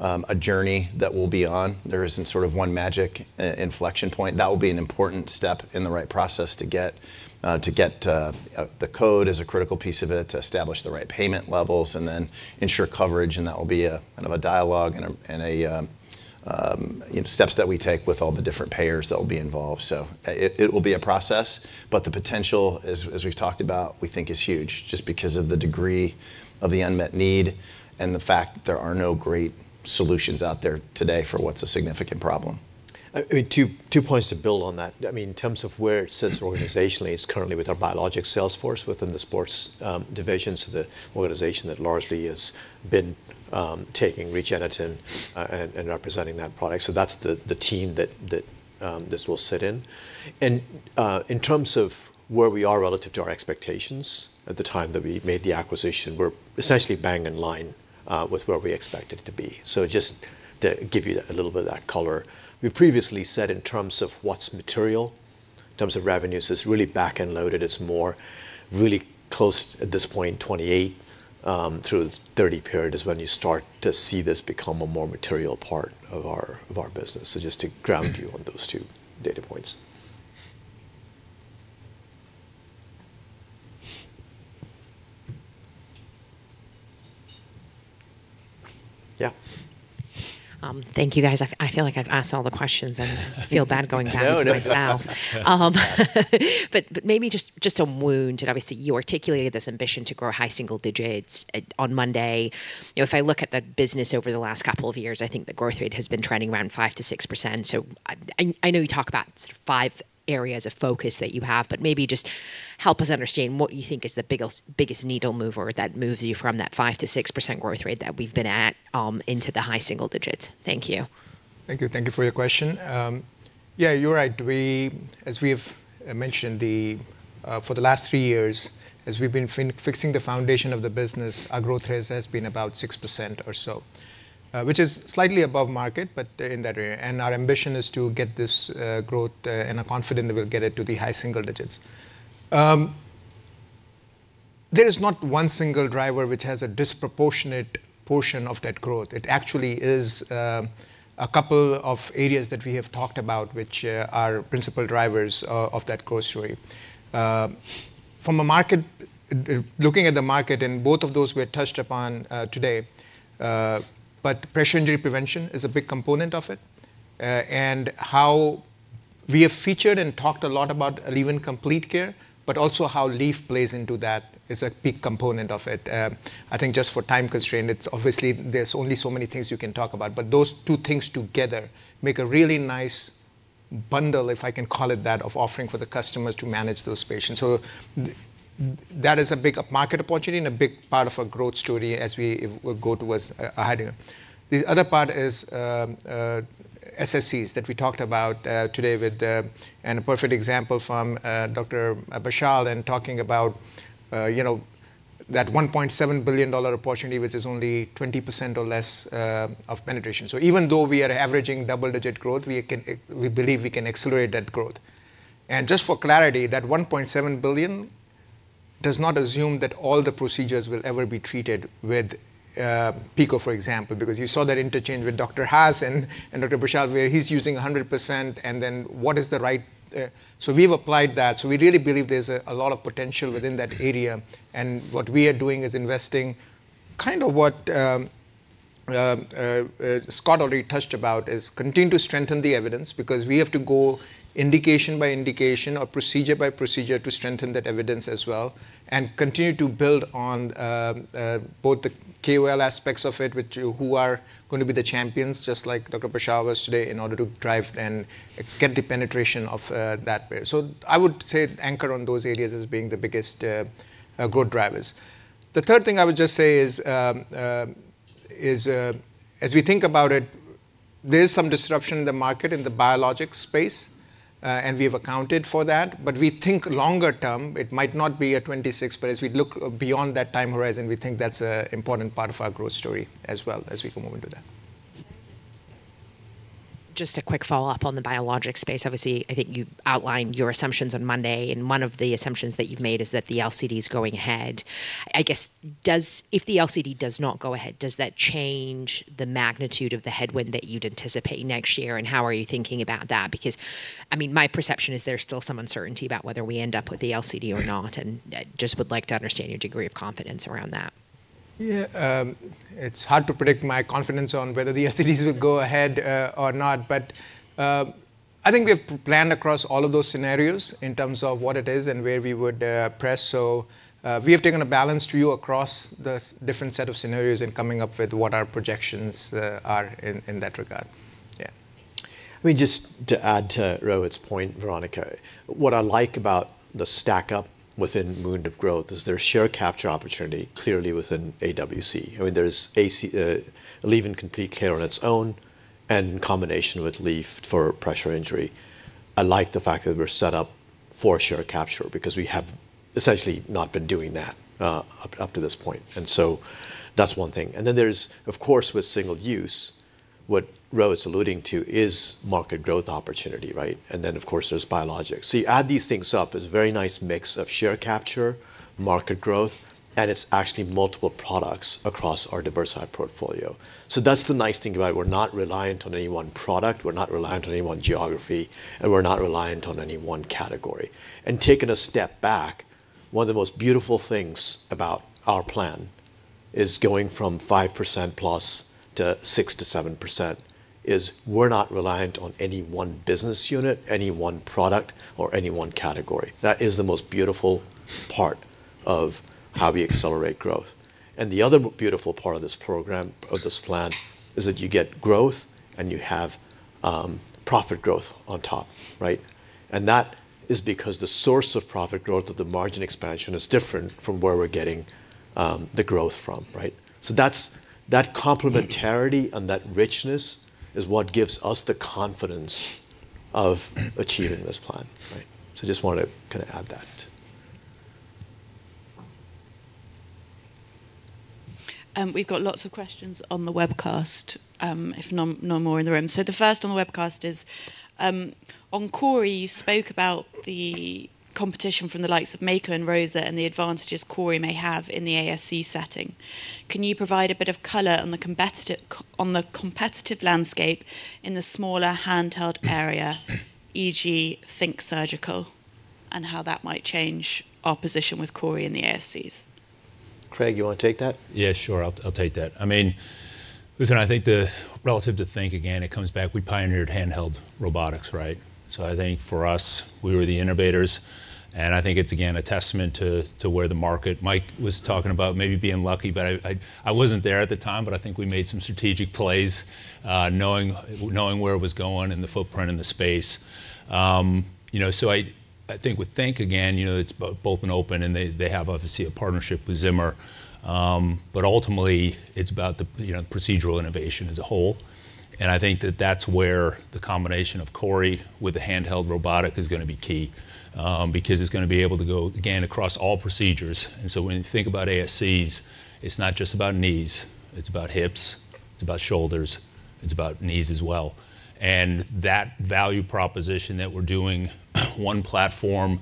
a JOURNEY that we'll be on. There isn't sort of one magic inflection point. That will be an important step in the right process to get the code as a critical piece of it to establish the right payment levels and then ensure coverage. And that will be a kind of a dialogue and steps that we take with all the different payers that will be involved. So it will be a process. But the potential, as we've talked about, we think is huge just because of the degree of the unmet need and the fact that there are no great solutions out there today for what's a significant problem. Two points to build on that. I mean, in terms of where it sits organizationally, it's currently with our biologic sales force within the sports division, so the organization that largely has been taking REGENETEN and representing that product. So that's the team that this will sit in. And in terms of where we are relative to our expectations at the time that we made the acquisition, we're essentially bang in line with where we expected it to be. So just to give you a little bit of that color, we previously said in terms of what's material, in terms of revenues, it's really back-loaded. It's more really close at this point, 2028 through 2030 period is when you start to see this become a more material part of our business. So just to ground you on those two data points. Yeah. Thank you, guys. I feel like I've asked all the questions. I feel bad going back to myself, but maybe just a wound. Obviously, you articulated this ambition to grow high single digits on Monday. If I look at the business over the last couple of years, I think the growth rate has been trending around 5%-6%. So I know you talk about five areas of focus that you have, but maybe just help us understand what you think is the biggest needle mover that moves you from that 5%-6% growth rate that we've been at into the high single digits? Thank you. Thank you. Thank you for your question. Yeah, you're right. As we have mentioned, for the last three years, as we've been fixing the foundation of the business, our growth rate has been about 6% or so, which is slightly above market, but in that area, and our ambition is to get this growth and are confident that we'll get it to the high single digits. There is not one single driver which has a disproportionate portion of that growth. It actually is a couple of areas that we have talked about, which are principal drivers of that growth story. From a market, looking at the market, and both of those we have touched upon today, but pressure injury prevention is a big component of it. How we have featured and talked a lot about ALLEVYN Life Complete Care, but also how ALLEVYN Life plays into that is a big component of it. I think just for time constraints, obviously, there's only so many things you can talk about. But those two things together make a really nice bundle, if I can call it that, of offering for the customers to manage those patients. So that is a big market opportunity and a big part of our growth story as we go towards ahead here. The other part is SSCs that we talked about today with a perfect example from Dr. Bashyal and talking about that $1.7 billion opportunity, which is only 20% or less of penetration. So even though we are averaging double-digit growth, we believe we can accelerate that growth. And just for clarity, that $1.7 billion does not assume that all the procedures will ever be treated with PICO, for example, because you saw that interchange with Dr. Haas and Dr. Bashyal, where he's using 100%, and then what is the right. So we've applied that. So we really believe there's a lot of potential within that area. And what we are doing is investing kind of what Scott already touched about is continue to strengthen the evidence because we have to go indication by indication or procedure by procedure to strengthen that evidence as well and continue to build on both the KOL aspects of it, which who are going to be the champions, just like Dr. Bashyal was today, in order to drive and get the penetration of that PICO. So I would say anchor on those areas as being the biggest growth drivers. The third thing I would just say is, as we think about it, there is some disruption in the market in the biologic space, and we have accounted for that. But we think longer term, it might not be a 26, but as we look beyond that time horizon, we think that's an important part of our growth story as well as we can move into that. Just a quick follow-up on the biologic space. Obviously, I think you outlined your assumptions on Monday, and one of the assumptions that you've made is that the LCD is going ahead. I guess, if the LCD does not go ahead, does that change the magnitude of the headwind that you'd anticipate next year? And how are you thinking about that? Because, I mean, my perception is there's still some uncertainty about whether we end up with the LCD or not, and just would like to understand your degree of confidence around that. Yeah. It's hard to predict my confidence on whether the LCDs will go ahead or not. But I think we have planned across all of those scenarios in terms of what it is and where we would press. So we have taken a balanced view across the different set of scenarios and coming up with what our projections are in that regard. Yeah. I mean. Just to add to Rohit's point, Veronica, what I like about the stack-up within Wound of Growth is there's share capture opportunity clearly within AWC. I mean, there's ALLEVYN Life Complete Care on its own and in combination with LEAF for pressure Injury. I like the fact that we're set up for share capture because we have essentially not been doing that up to this point. And so that's one thing. And then there's, of course, with single use, what Rohit's alluding to is market growth opportunity, right? And then, of course, there's biologics. So you add these things up. It's a very nice mix of share capture, market growth, and it's actually multiple products across our diversified portfolio. So that's the nice thing about it. We're not reliant on any one product. We're not reliant on any one geography, and we're not reliant on any one category. And taking a step back, one of the most beautiful things about our plan is going from 5% plus to 6% to 7% is we're not reliant on any one business unit, any one product, or any one category. That is the most beautiful part of how we accelerate growth. And the other beautiful part of this program, of this plan, is that you get growth and you have profit growth on top, right? And that is because the source of profit growth of the margin expansion is different from where we're getting the growth from, right? So I just want to kind of add that. We've got lots of questions on the webcast, if no more in the room. So the first on the webcast is, on CORI, you spoke about the competition from the likes of Mako and ROSA and the advantages CORI may have in the ASC setting. Can you provide a bit of color on the competitive landscape in the smaller handheld area, e.g., Think Surgical, and how that might change our position with CORI and the ASCs? Craig, you want to take that? Yeah, sure. I'll take that. I mean, listen, I think relative to Think, again, it comes back, we pioneered handheld robotics, right? So I think for us, we were the innovators. And I think it's, again, a testament to where the market Mayank was talking about maybe being lucky, but I wasn't there at the time. But I think we made some strategic plays knowing where it was going and the footprint in the space. So I think with Think, again, it's both an open, and they have obviously a partnership with Zimmer. But ultimately, it's about the procedural innovation as a whole. And I think that that's where the combination of CORI with the handheld robotic is going to be key because it's going to be able to go, again, across all procedures. And so when you think about ASCs, it's not just about knees. It's about hips. It's about shoulders. It's about knees as well. And that value proposition that we're doing one platform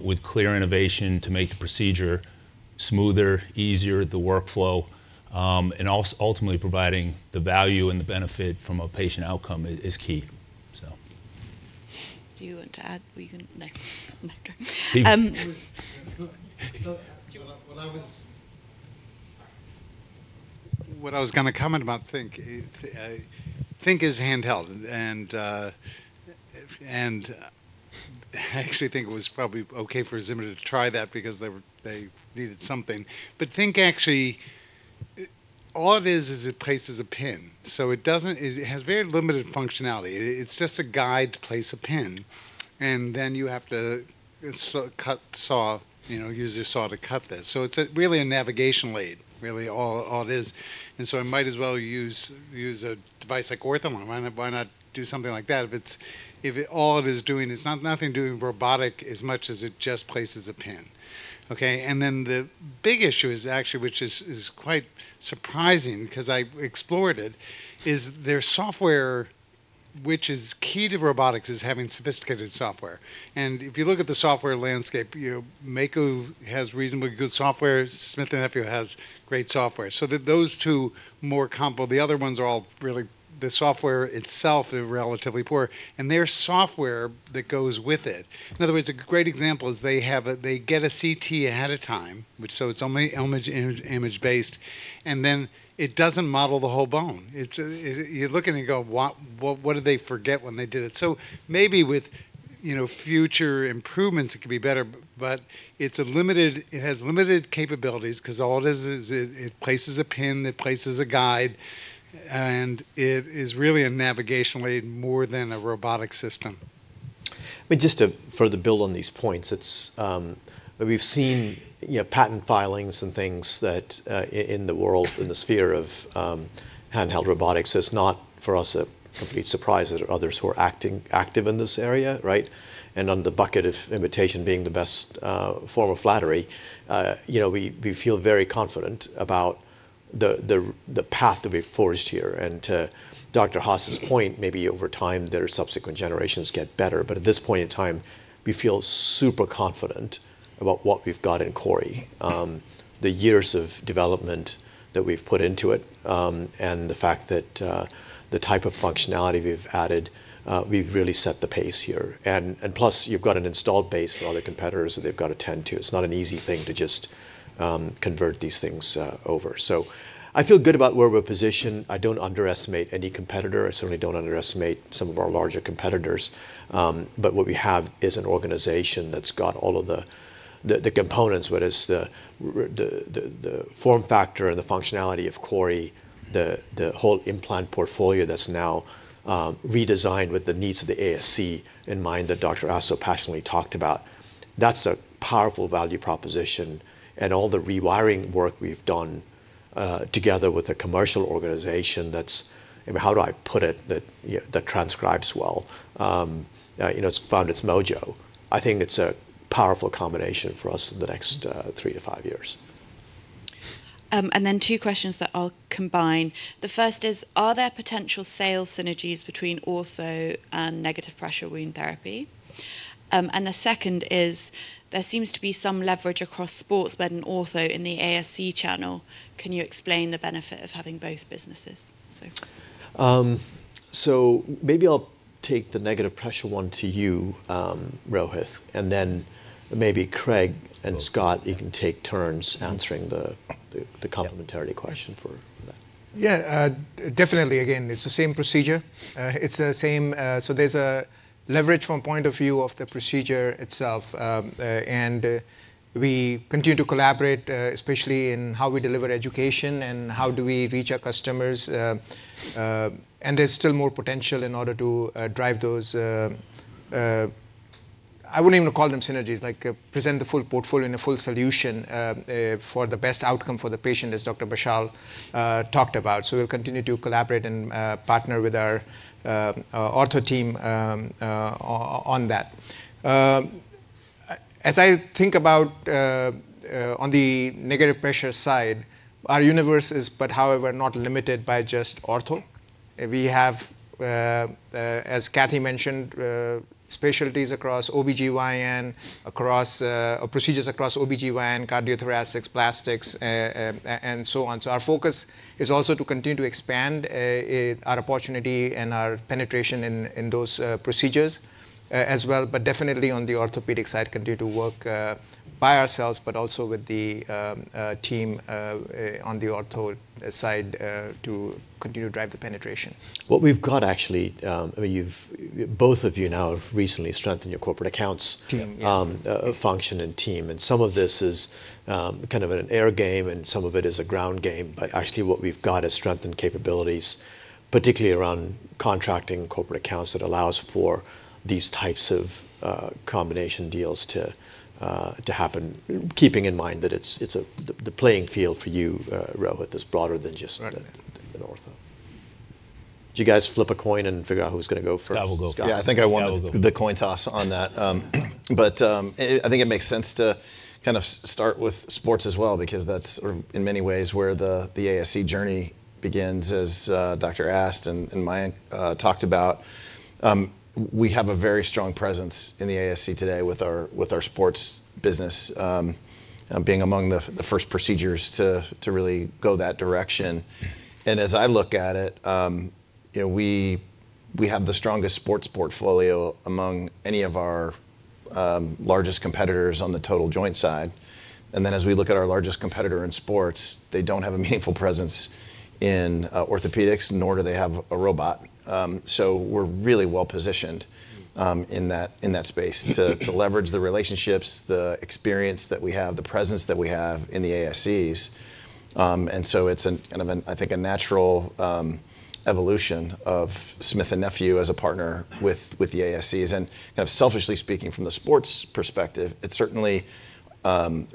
with clear innovation to make the procedure smoother, easier, the workflow, and ultimately providing the value and the benefit from a patient outcome is key, so. Do you want to add? You can next. What I was going to comment about Think. Think is handheld. And I actually think it was probably ok for Zimmer to try that because they needed something. But Think, actually, all it is is it places a pin. So it has very limited functionality. It's just a guide to place a pin. And then you have to use your saw to cut this. So it's really a navigation aid, really, all it is. And so I might as well use a device like OrthoOne. Why not do something like that? If all it is doing is nothing doing robotic as much as it just places a pin, OK? And then the big issue is actually, which is quite surprising because I explored it, is their software, which is key to robotics, is having sophisticated software. And if you look at the software landscape, Mako has reasonably good software. Smith & Nephew has great software. So those two more comparable, the other ones are all really the software itself is relatively poor. And there's software that goes with it. In other words, a great example is they get a CT ahead of time, so it's only image-based. And then it doesn't model the whole bone. You look at it and go, what did they forget when they did it? So maybe with future improvements, it could be better. But it has limited capabilities because all it is is it places a pin. It places a guide. And it is really a navigation aid more than a robotic system. I mean, just for the build on these points, we've seen patent filings and things in the world, in the sphere of handheld robotics. It's not for us a complete surprise that others who are active in this area, right? And on the bucket of imitation being the best form of flattery, we feel very confident about the path that we've forged here. And to Dr. Haas's point, maybe over time, there are subsequent generations get better. But at this point in time, we feel super confident about what we've got in CORI, the years of development that we've put into it, and the fact that the type of functionality we've added, we've really set the pace here. And plus, you've got an installed base for other competitors that they've got to tend to. It's not an easy thing to just convert these things over. So I feel good about where we're positioned. I don't underestimate any competitor. I certainly don't underestimate some of our larger competitors. But what we have is an organization that's got all of the components, whether it's the form factor and the functionality of CORI, the whole implant portfolio that's now redesigned with the needs of the ASC in mind that Dr. Haas so passionately talked about. That's a powerful value proposition. And all the rewiring work we've done together with a commercial organization that's, how do I put it, that transcribes well. It's found its mojo. I think it's a powerful combination for us in the next three to five years. And then two questions that I'll combine. The first is, are there potential sales synergies between Ortho and negative pressure wound therapy? And the second is, there seems to be some leverage across sports but an Ortho in the ASC channel. Can you explain the benefit of having both businesses? So maybe I'll take the negative pressure one to you, Rohit. And then maybe Craig and Scott, you can take turns answering the complementarity question for that. Yeah, definitely. Again, it's the same procedure. It's the same, so there's a leverage from the point of view of the procedure itself. We continue to collaborate, especially in how we deliver education and how do we reach our customers. There's still more potential in order to drive those. I wouldn't even call them synergies, like present the full portfolio and a full solution for the best outcome for the patient, as Dr. Bashyal talked about. We'll continue to collaborate and partner with our Ortho team on that. As I think about the negative pressure side, our universe is not limited by just ortho. We have, as Cathy mentioned, specialties across OB-GYN, procedures across OB-GYN, cardiothoracic, plastics, and so on. Our focus is also to continue to expand our opportunity and our penetration in those procedures as well. But definitely on the orthopedic side, continue to work by ourselves, but also with the team on the Ortho side to continue to drive the penetration. What we've got actually, I mean, both of you now have recently strengthened your corporate accounts function and team. And some of this is kind of an air game, and some of it is a ground game. But actually, what we've got is strengthened capabilities, particularly around contracting corporate accounts that allows for these types of combination deals to happen, keeping in mind that the playing field for you, Rohit, is broader than just the ortho. Did you guys flip a coin and figure out who's going to go first? That will go. Yeah, I think I won the coin toss on that, but I think it makes sense to kind of start with sports as well because that's in many ways where the ASC JOURNEY begins, as Dr. Ast and Mayank talked about. We have a very strong presence in the ASC today with our sports business being among the first procedures to really go that direction, and as I look at it, we have the strongest sports portfolio among any of our largest competitors on the total joint side, and then as we look at our largest competitor in sports, they don't have a meaningful presence in orthopedics, nor do they have a robot, so we're really well positioned in that space to leverage the relationships, the experience that we have, the presence that we have in the ASCs. It's kind of, I think, a natural evolution of Smith & Nephew as a partner with the ASCs. And kind of selfishly speaking from the sports perspective, it certainly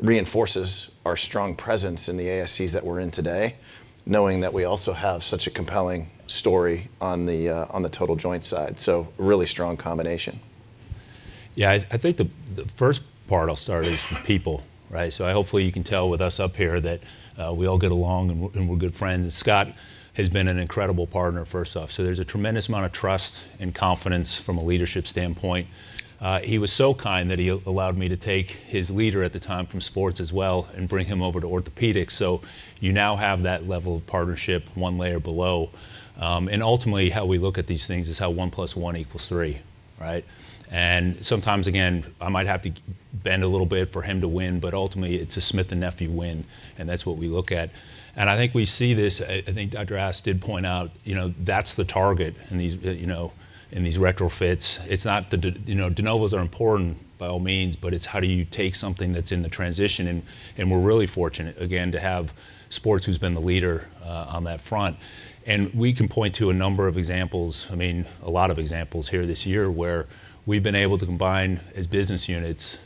reinforces our strong presence in the ASCs that we're in today, knowing that we also have such a compelling story on the total joint side. Really strong combination. Yeah, I think the first part I'll start is people, right? So hopefully, you can tell with us up here that we all get along and we're good friends. And Scott has been an incredible partner, first off. So there's a tremendous amount of trust and confidence from a leadership standpoint. He was so kind that he allowed me to take his leader at the time from sports as well and bring him over to orthopedics. So you now have that level of partnership one layer below. And ultimately, how we look at these things is how one plus one equals three, right? And sometimes, again, I might have to bend a little bit for him to win. But ultimately, it's a Smith & Nephew win. And that's what we look at. And I think we see this. I think Dr. Ast did point out that's the target in these retrofits. De Novos are important by all means. But it's how do you take something that's in the transition? And we're really fortunate, again, to have sports who's been the leader on that front. And we can point to a number of examples, I mean, a lot of examples here this year where we've been able to combine as business units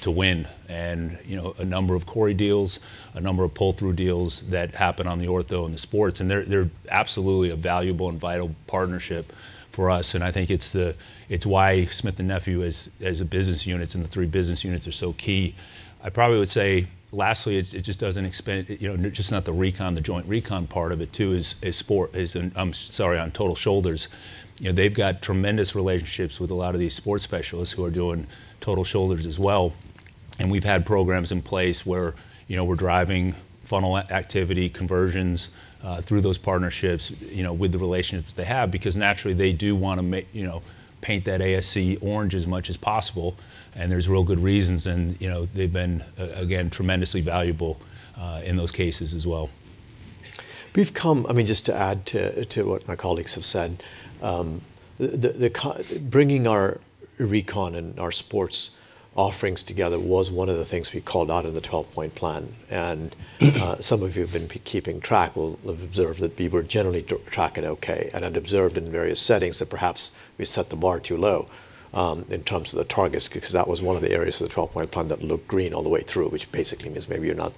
to win a number of CORI deals, a number of pull-through deals that happen on the Ortho and the sports. And they're absolutely a valuable and vital partnership for us. And I think it's why Smith & Nephew as a business unit and the three business units are so key. I probably would say, lastly, it just doesn't extend just to the Recon, the joint Recon part of it too is sports. I'm sorry, on total shoulders. They've got tremendous relationships with a lot of these sports specialists who are doing total shoulders as well. And we've had programs in place where we're driving funnel activity, conversions through those partnerships with the relationships they have because naturally, they do want to paint that ASC orange as much as possible. And there's real good reasons. And they've been, again, tremendously valuable in those cases as well. I mean, just to add to what my colleagues have said, bringing our Recon and our sports offerings together was one of the things we called out in the 12-Point Plan, and some of you have been keeping track. We've observed that we were generally tracking OK, and I'd observed in various settings that perhaps we set the bar too low in terms of the targets because that was one of the areas of the 12-Point Plan that looked green all the way through, which basically means maybe you're not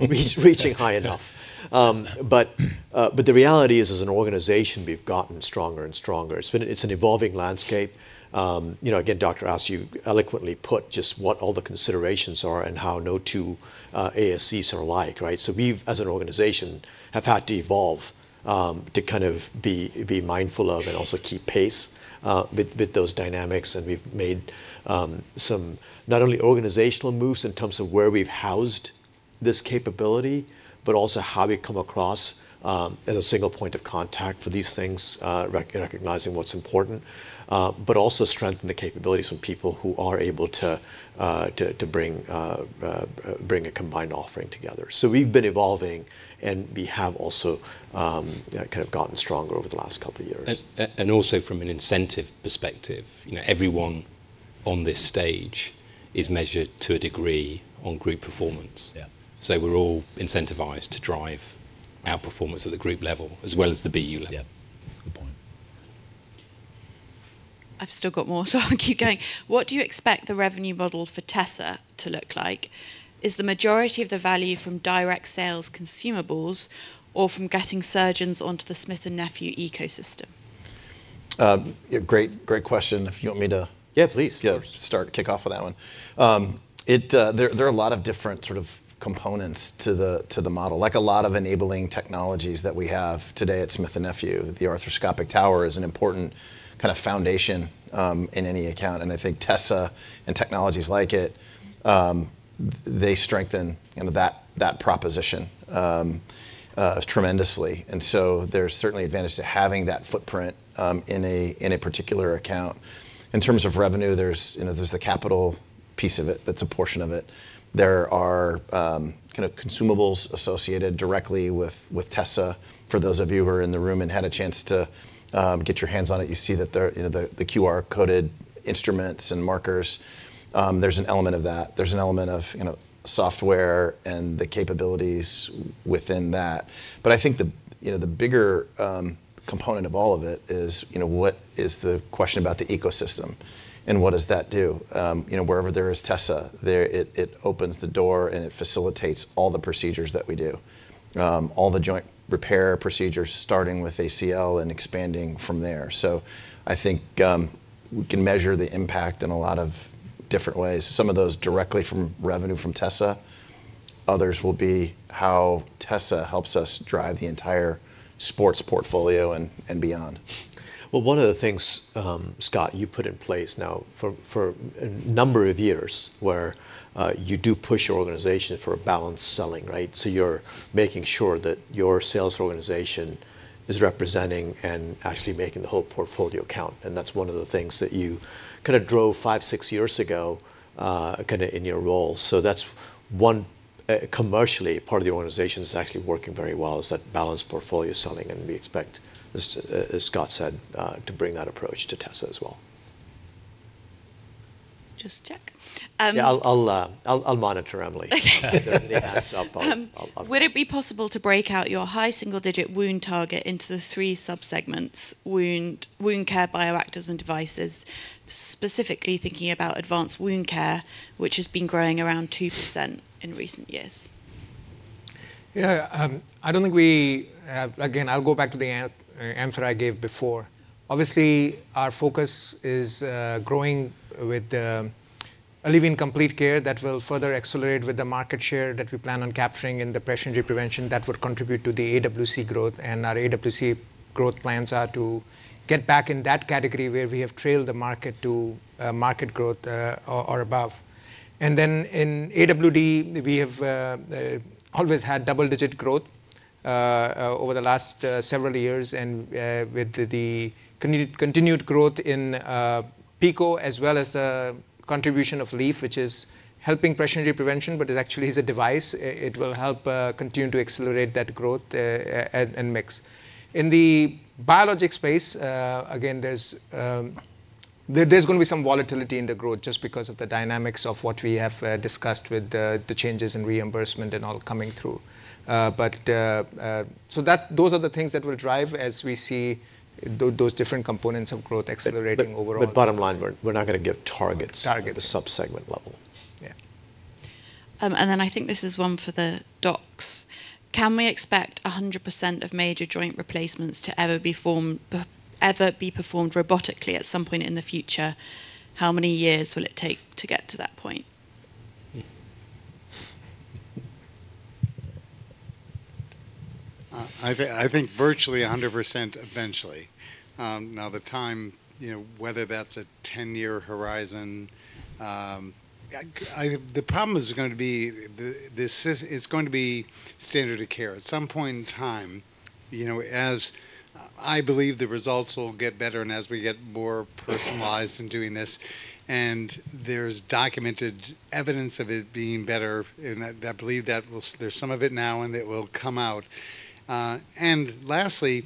reaching high enough, but the reality is, as an organization, we've gotten stronger and stronger. It's an evolving landscape. Again, Dr. Ast, you eloquently put just what all the considerations are and how no two ASCs are alike, right? So we, as an organization, have had to evolve to kind of be mindful of and also keep pace with those dynamics. And we've made some not only organizational moves in terms of where we've housed this capability, but also how we come across as a single point of contact for these things, recognizing what's important, but also strengthen the capabilities of people who are able to bring a combined offering together. So we've been evolving. And we have also kind of gotten stronger over the last couple of years. Also from an incentive perspective, everyone on this stage is measured to a degree on group performance. We're all incentivized to drive our performance at the group level as well as the BU level. I've still got more, so I'll keep going. What do you expect the revenue model for TESSA to look like? Is the majority of the value from direct sales consumables or from getting surgeons onto the Smith & Nephew ecosystem? Great question. If you want me to. Yeah, please. Start, kick off with that one. There are a lot of different sort of components to the model, like a lot of enabling technologies that we have today at Smith & Nephew. The arthroscopic tower is an important kind of foundation in any account. And I think TESSA and technologies like it, they strengthen that proposition tremendously. And so there's certainly advantage to having that footprint in a particular account. In terms of revenue, there's the capital piece of it that's a portion of it. There are kind of consumables associated directly with TESSA. For those of you who are in the room and had a chance to get your hands on it, you see that the QR-coded instruments and markers, there's an element of that. There's an element of software and the capabilities within that. But I think the bigger component of all of it is what is the question about the ecosystem? And what does that do? Wherever there is TESSA, it opens the door and it facilitates all the procedures that we do, all the joint repair procedures, starting with ACL and expanding from there. So I think we can measure the impact in a lot of different ways. Some of those directly from revenue from TESSA. Others will be how TESSA helps us drive the entire sports portfolio and beyond. One of the things, Scott, you put in place now for a number of years where you do push your organization for a balanced selling, right? You're making sure that your sales organization is representing and actually making the whole portfolio count. That's one of the things that you kind of drove five, six years ago kind of in your role. That's one commercially part of the organization that's actually working very well is that balanced portfolio selling. We expect, as Scott said, to bring that approach to TESSA as well. Just check. Yeah, I'll monitor, Emily. Would it be possible to break out your high single-digit wound target into the three subsegments: wound care, bioactives, and devices, specifically thinking about advanced wound care, which has been growing around 2% in recent years? Yeah, I don't think we have. Again, I'll go back to the answer I gave before. Obviously, our focus is growing with ALLEVYN Complete Care that will further accelerate with the market share that we plan on capturing in the pressure injury prevention that would contribute to the AWC growth. And our AWC growth plans are to get back in that category where we have trailed the market to mid-teens growth or above. And then in AWD, we have always had double-digit growth over the last several years. And with the continued growth in PICO, as well as the contribution of LEAF, which is helping pressure injury prevention, but it actually is a device. It will help continue to accelerate that growth and mix. In the biologic space, again, there's going to be some volatility in the growth just because of the dynamics of what we have discussed with the changes in reimbursement and all coming through, so those are the things that will drive as we see those different components of growth accelerating overall. The bottom line, we're not going to give targets at the subsegment level. And then I think this is one for the docs. Can we expect 100% of major joint replacements to ever be performed robotically at some point in the future? How many years will it take to get to that point? I think virtually 100% eventually. Now, the time, whether that's a 10-year horizon, the problem is going to be it's going to be standard of care. At some point in time, as I believe the results will get better and as we get more personalized in doing this, and there's documented evidence of it being better. And I believe that there's some of it now, and it will come out. And lastly,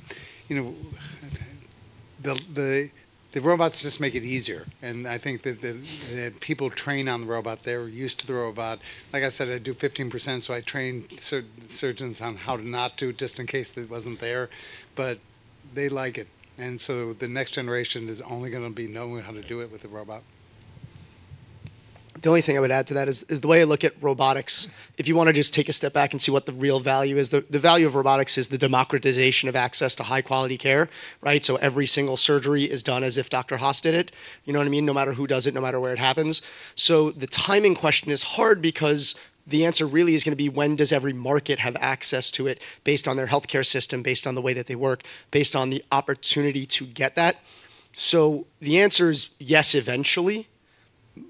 the robots just make it easier. And I think that people train on the robot. They're used to the robot. Like I said, I do 15%. So I train surgeons on how to not do it just in case it wasn't there. But they like it. And so the next generation is only going to be knowing how to do it with the robot. The only thing I would add to that is the way I look at robotics, if you want to just take a step back and see what the real value is, the value of robotics is the democratization of access to high-quality care, right? So every single surgery is done as if Dr. Haas did it, you know what I mean? No matter who does it, no matter where it happens. So the timing question is hard because the answer really is going to be when does every market have access to it based on their health care system, based on the way that they work, based on the opportunity to get that? So the answer is yes, eventually,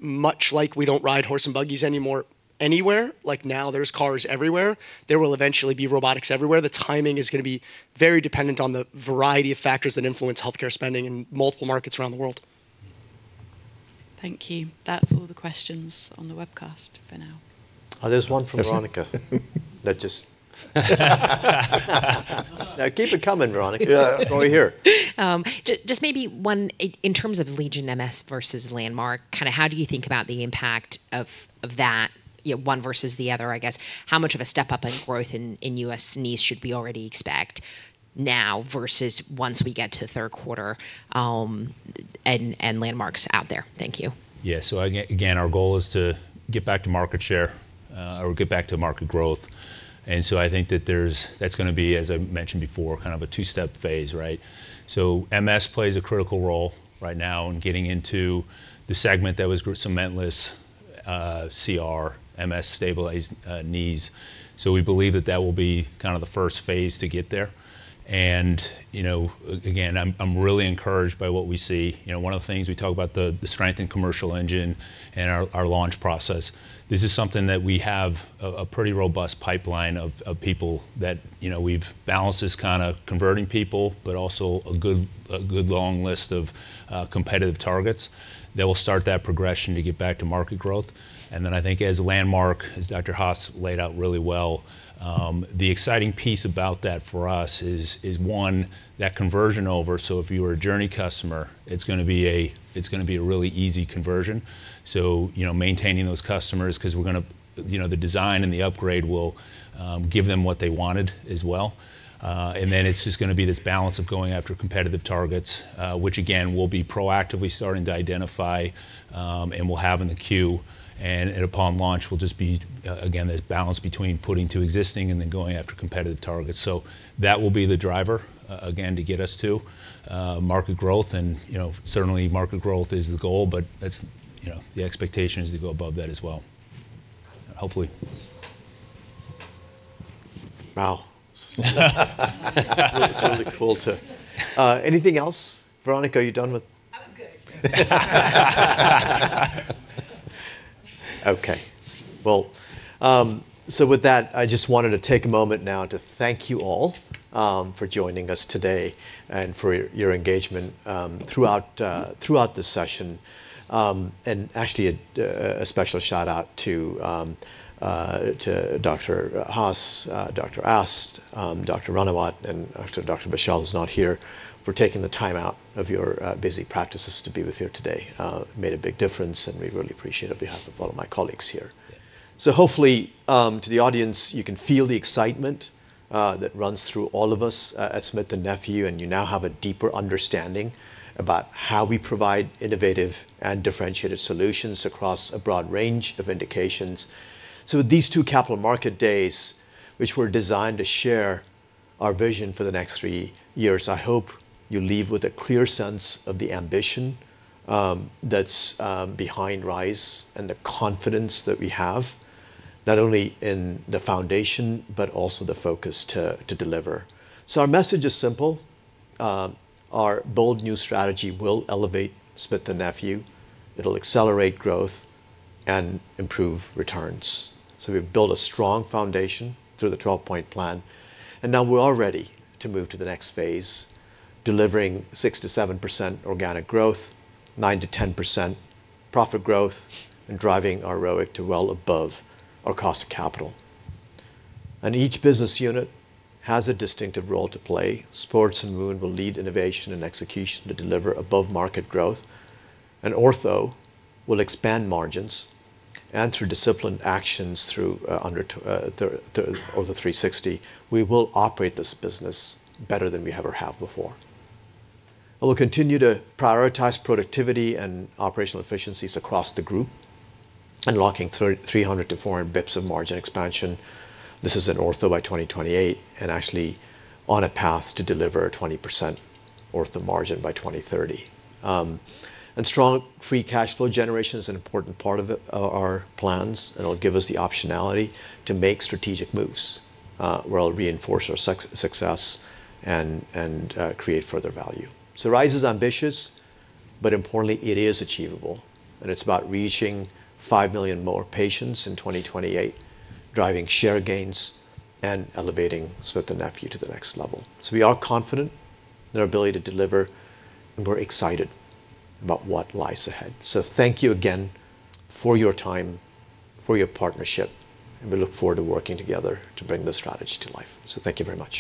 much like we don't ride horse and buggies anymore anywhere. Like now there's cars everywhere. There will eventually be robotics everywhere. The timing is going to be very dependent on the variety of factors that influence health care spending in multiple markets around the world. Thank you. That's all the questions on the webcast for now. There's one from Veronica that just. Now keep it coming, Veronica. What do we hear? Just maybe one in terms of LEGION MS versus landmark, kind of how do you think about the impact of that, one versus the other, I guess? How much of a step up in growth in U.S. knees should we already expect now versus once we get to third quarter and landmark's out there? Thank you. Yeah, so again, our goal is to get back to market share or get back to market growth. And so I think that that's going to be, as I mentioned before, kind of a two-step phase, right? So MS plays a critical role right now in getting into the segment that was Cementless CR, MS stabilized knees. So we believe that that will be kind of the first phase to get there. And again, I'm really encouraged by what we see. One of the things we talk about, the strengthened commercial engine and our launch process, this is something that we have a pretty robust pipeline of people that we've balanced this kind of converting people, but also a good long list of competitive targets that will start that progression to get back to market growth. And then I think as landmark, as Dr. Hass laid out really well the exciting piece about that for us is, one, that conversion over. So if you are a JOURNEY customer, it's going to be a really easy conversion. So maintaining those customers because we're going to the design and the upgrade will give them what they wanted as well. And then it's just going to be this balance of going after competitive targets, which again, we'll be proactively starting to identify and we'll have in the queue. And upon launch, we'll just be, again, this balance between putting to existing and then going after competitive targets. So that will be the driver, again, to get us to market growth. And certainly, market growth is the goal. But the expectation is to go above that as well, hopefully. Wow. It's really cool too. Anything else? Veronica, are you done with? I'm good. Okay. Well, so with that, I just wanted to take a moment now to thank you all for joining us today and for your engagement throughout this session. And actually, a special shout-out to Dr. Haas, Dr. Ast, Dr. Ranawat, and Dr. Bashyal who's not here for taking the time out of your busy practices to be with us here today. It made a big difference. And we really appreciate it on behalf of all of my colleagues here. So hopefully, to the audience, you can feel the excitement that runs through all of us at Smith & Nephew. And you now have a deeper understanding about how we provide innovative and differentiated solutions across a broad range of indications. With these two capital market days, which were designed to share our vision for the next three years, I hope you leave with a clear sense of the ambition that's behind RISE and the confidence that we have, not only in the foundation, but also the focus to deliver. Our message is simple. Our bold new strategy will elevate Smith & Nephew. It'll accelerate growth and improve returns. We've built a strong foundation through the 12-Point Plan. And now we're all ready to move to the next phase, delivering 6%-7% organic growth, 9%-10% profit growth, and driving our ROIC to well above our cost of capital. And each business unit has a distinctive role to play. Sports and wound will lead innovation and execution to deliver above-market growth. And Ortho will expand margins. And through disciplined actions under Ortho 360, we will operate this business better than we ever have before. We'll continue to prioritize productivity and operational efficiencies across the group, unlocking 300-400 basis points of margin expansion. This is in Ortho by 2028 and actually on a path to deliver a 20% Ortho margin by 2030. And strong free cash flow generation is an important part of our plans. And it'll give us the optionality to make strategic moves where it'll reinforce our success and create further value. So RISE is ambitious. But importantly, it is achievable. And it's about reaching 5 million more patients in 2028, driving share gains, and elevating Smith & Nephew to the next level. So we are confident in our ability to deliver. And we're excited about what lies ahead. So thank you again for your time, for your partnership. We look forward to working together to bring this strategy to life. Thank you very much.